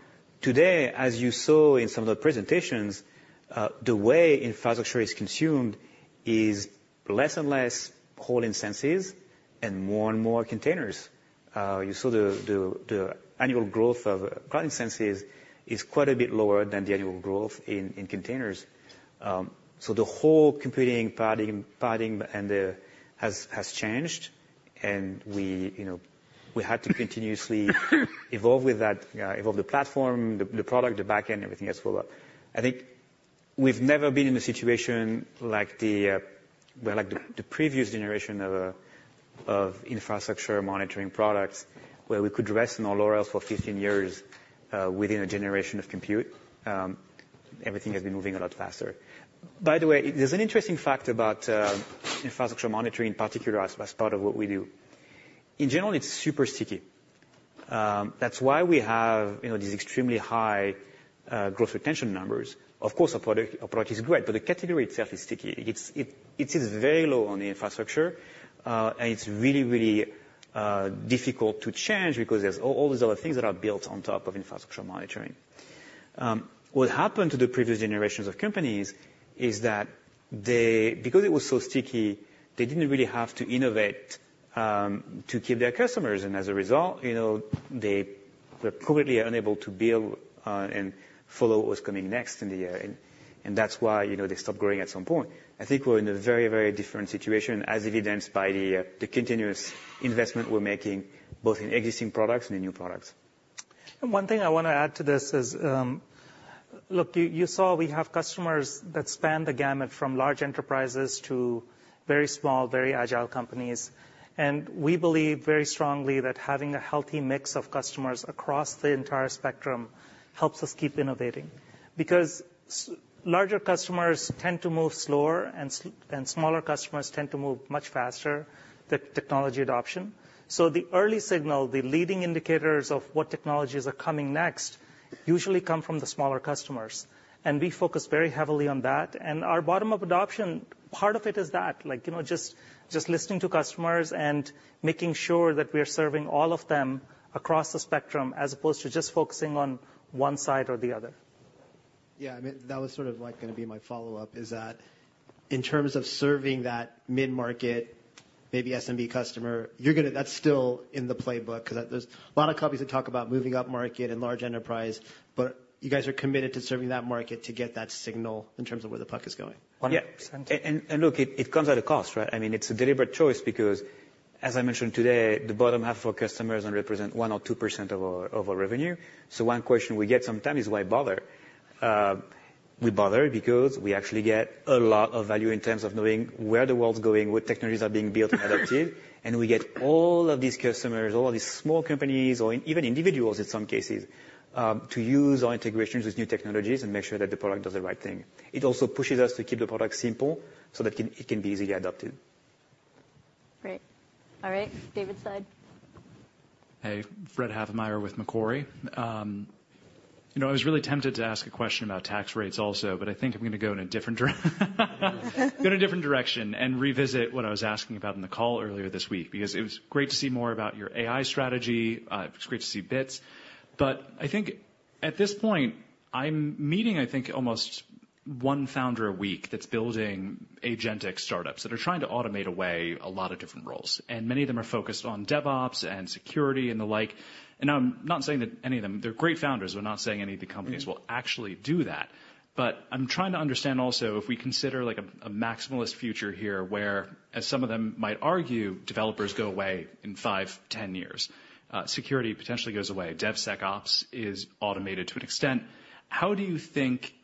Today, as you saw in some of the presentations, the way infrastructure is consumed is less and less whole instances and more and more containers. You saw the annual growth of cloud instances is quite a bit lower than the annual growth in containers. So the whole computing paradigm has changed. And we had to continuously evolve with that, evolve the platform, the product, the backend, everything as well. I think we've never been in a situation like the previous generation of infrastructure monitoring products where we could rest in our laurels for 15 years within a generation of compute. Everything has been moving a lot faster. By the way, there's an interesting fact about Infrastructure Monitoring, in particular, as part of what we do. In general, it's super sticky. That's why we have these extremely high growth retention numbers. Of course, our product is great. But the category itself is sticky. It sits very low on the infrastructure. And it's really, really difficult to change because there's all these other things that are built on top of Infrastructure Monitoring. What happened to the previous generations of companies is that because it was so sticky, they didn't really have to innovate to keep their customers. And as a result, they were completely unable to build and follow what was coming next in the year. And that's why they stopped growing at some point. I think we're in a very, very different situation, as evidenced by the continuous investment we're making both in existing products and in new products. One thing I want to add to this is, look, you saw we have customers that span the gamut from large enterprises to very small, very agile companies. We believe very strongly that having a healthy mix of customers across the entire spectrum helps us keep innovating because larger customers tend to move slower and smaller customers tend to move much faster, the technology adoption. So the early signal, the leading indicators of what technologies are coming next usually come from the smaller customers. We focus very heavily on that. Our bottom-up adoption, part of it is that, just listening to customers and making sure that we are serving all of them across the spectrum as opposed to just focusing on one side or the other. Yeah. I mean, that was sort of going to be my follow-up, is that in terms of serving that mid-market, maybe SMB customer, that's still in the playbook because there's a lot of companies that talk about moving up market and large enterprise. But you guys are committed to serving that market to get that signal in terms of where the puck is going. Yeah. And look, it comes at a cost, right? I mean, it's a deliberate choice because, as I mentioned today, the bottom half of our customers represent 1% or 2% of our revenue. So one question we get sometimes is, why bother? We bother because we actually get a lot of value in terms of knowing where the world's going, what technologies are being built and adopted. And we get all of these customers, all of these small companies, or even individuals in some cases, to use our integrations with new technologies and make sure that the product does the right thing. It also pushes us to keep the product simple so that it can be easily adopted. Great. All right. David's side. Hey. Fred Havemeyer with Macquarie. I was really tempted to ask a question about tax rates also. But I think I'm going to go in a different direction and revisit what I was asking about in the call earlier this week because it was great to see more about your AI strategy. It was great to see Bits. But I think at this point, I'm meeting, I think, almost one founder a week that's building agentic startups that are trying to automate away a lot of different roles. And many of them are focused on DevOps and security and the like. And I'm not saying that any of them they're great founders. We're not saying any of the companies will actually do that. But I'm trying to understand also, if we consider a maximalist future here where, as some of them might argue, developers go away in 5, 10 years, security potentially goes away, DevSecOps is automated to an extent, how do you think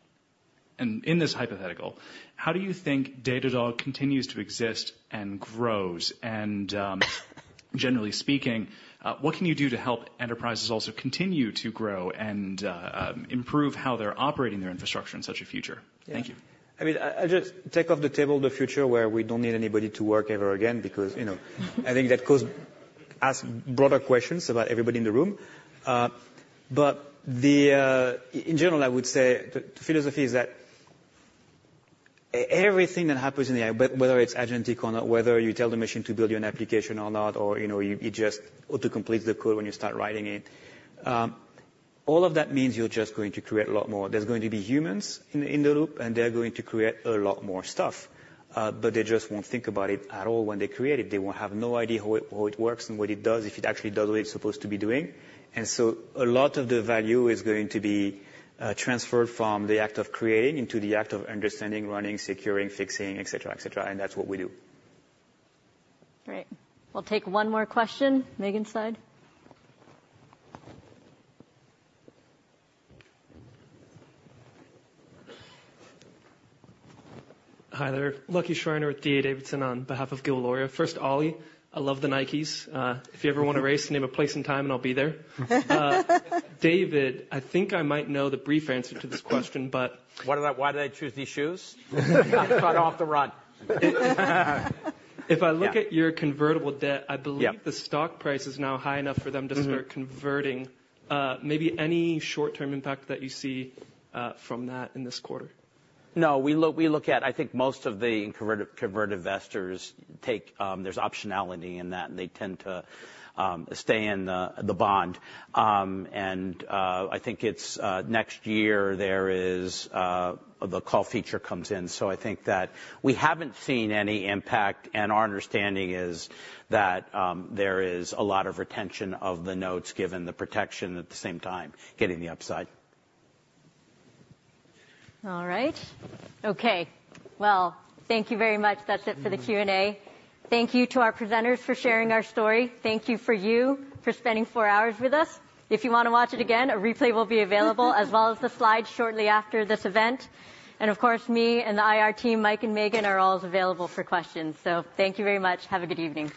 and in this hypothetical, how do you think Datadog continues to exist and grows? And generally speaking, what can you do to help enterprises also continue to grow and improve how they're operating their infrastructure in such a future? Thank you. I mean, I just take off the table the future where we don't need anybody to work ever again because I think that causes us broader questions about everybody in the room. But in general, I would say the philosophy is that everything that happens in the AI, whether it's agentic or not, whether you tell the machine to build you an application or not, or it just auto-completes the code when you start writing it, all of that means you're just going to create a lot more. There's going to be humans in the loop. And they're going to create a lot more stuff. But they just won't think about it at all when they create it. They will have no idea how it works and what it does, if it actually does what it's supposed to be doing. And so a lot of the value is going to be transferred from the act of creating into the act of understanding, running, securing, fixing, et cetera, et cetera. And that's what we do. Great. We'll take one more question. Megan's side. Hi there. Lucky Schreiner with D.A. Davidson on behalf of Gil Luria. First, Ollie, I love the Nikes. If you ever want to race, name a place and time, and I'll be there. David, I think I might know the brief answer to this question, but. Why do they choose these shoes? Cut off the run. If I look at your convertible debt, I believe the stock price is now high enough for them to start converting. Maybe any short-term impact that you see from that in this quarter? No. We look at, I think most of the convert investors take, there's optionality in that. And they tend to stay in the bond. And I think it's next year there is the call feature comes in. So I think that we haven't seen any impact. And our understanding is that there is a lot of retention of the notes given the protection at the same time, getting the upside. All right. OK. Well, thank you very much. That's it for the Q&A. Thank you to our presenters for sharing our story. Thank you for you for spending four hours with us. If you want to watch it again, a replay will be available as well as the slides shortly after this event. And of course, me and the IR team, Mike and Megan, are all available for questions. So thank you very much. Have a good evening.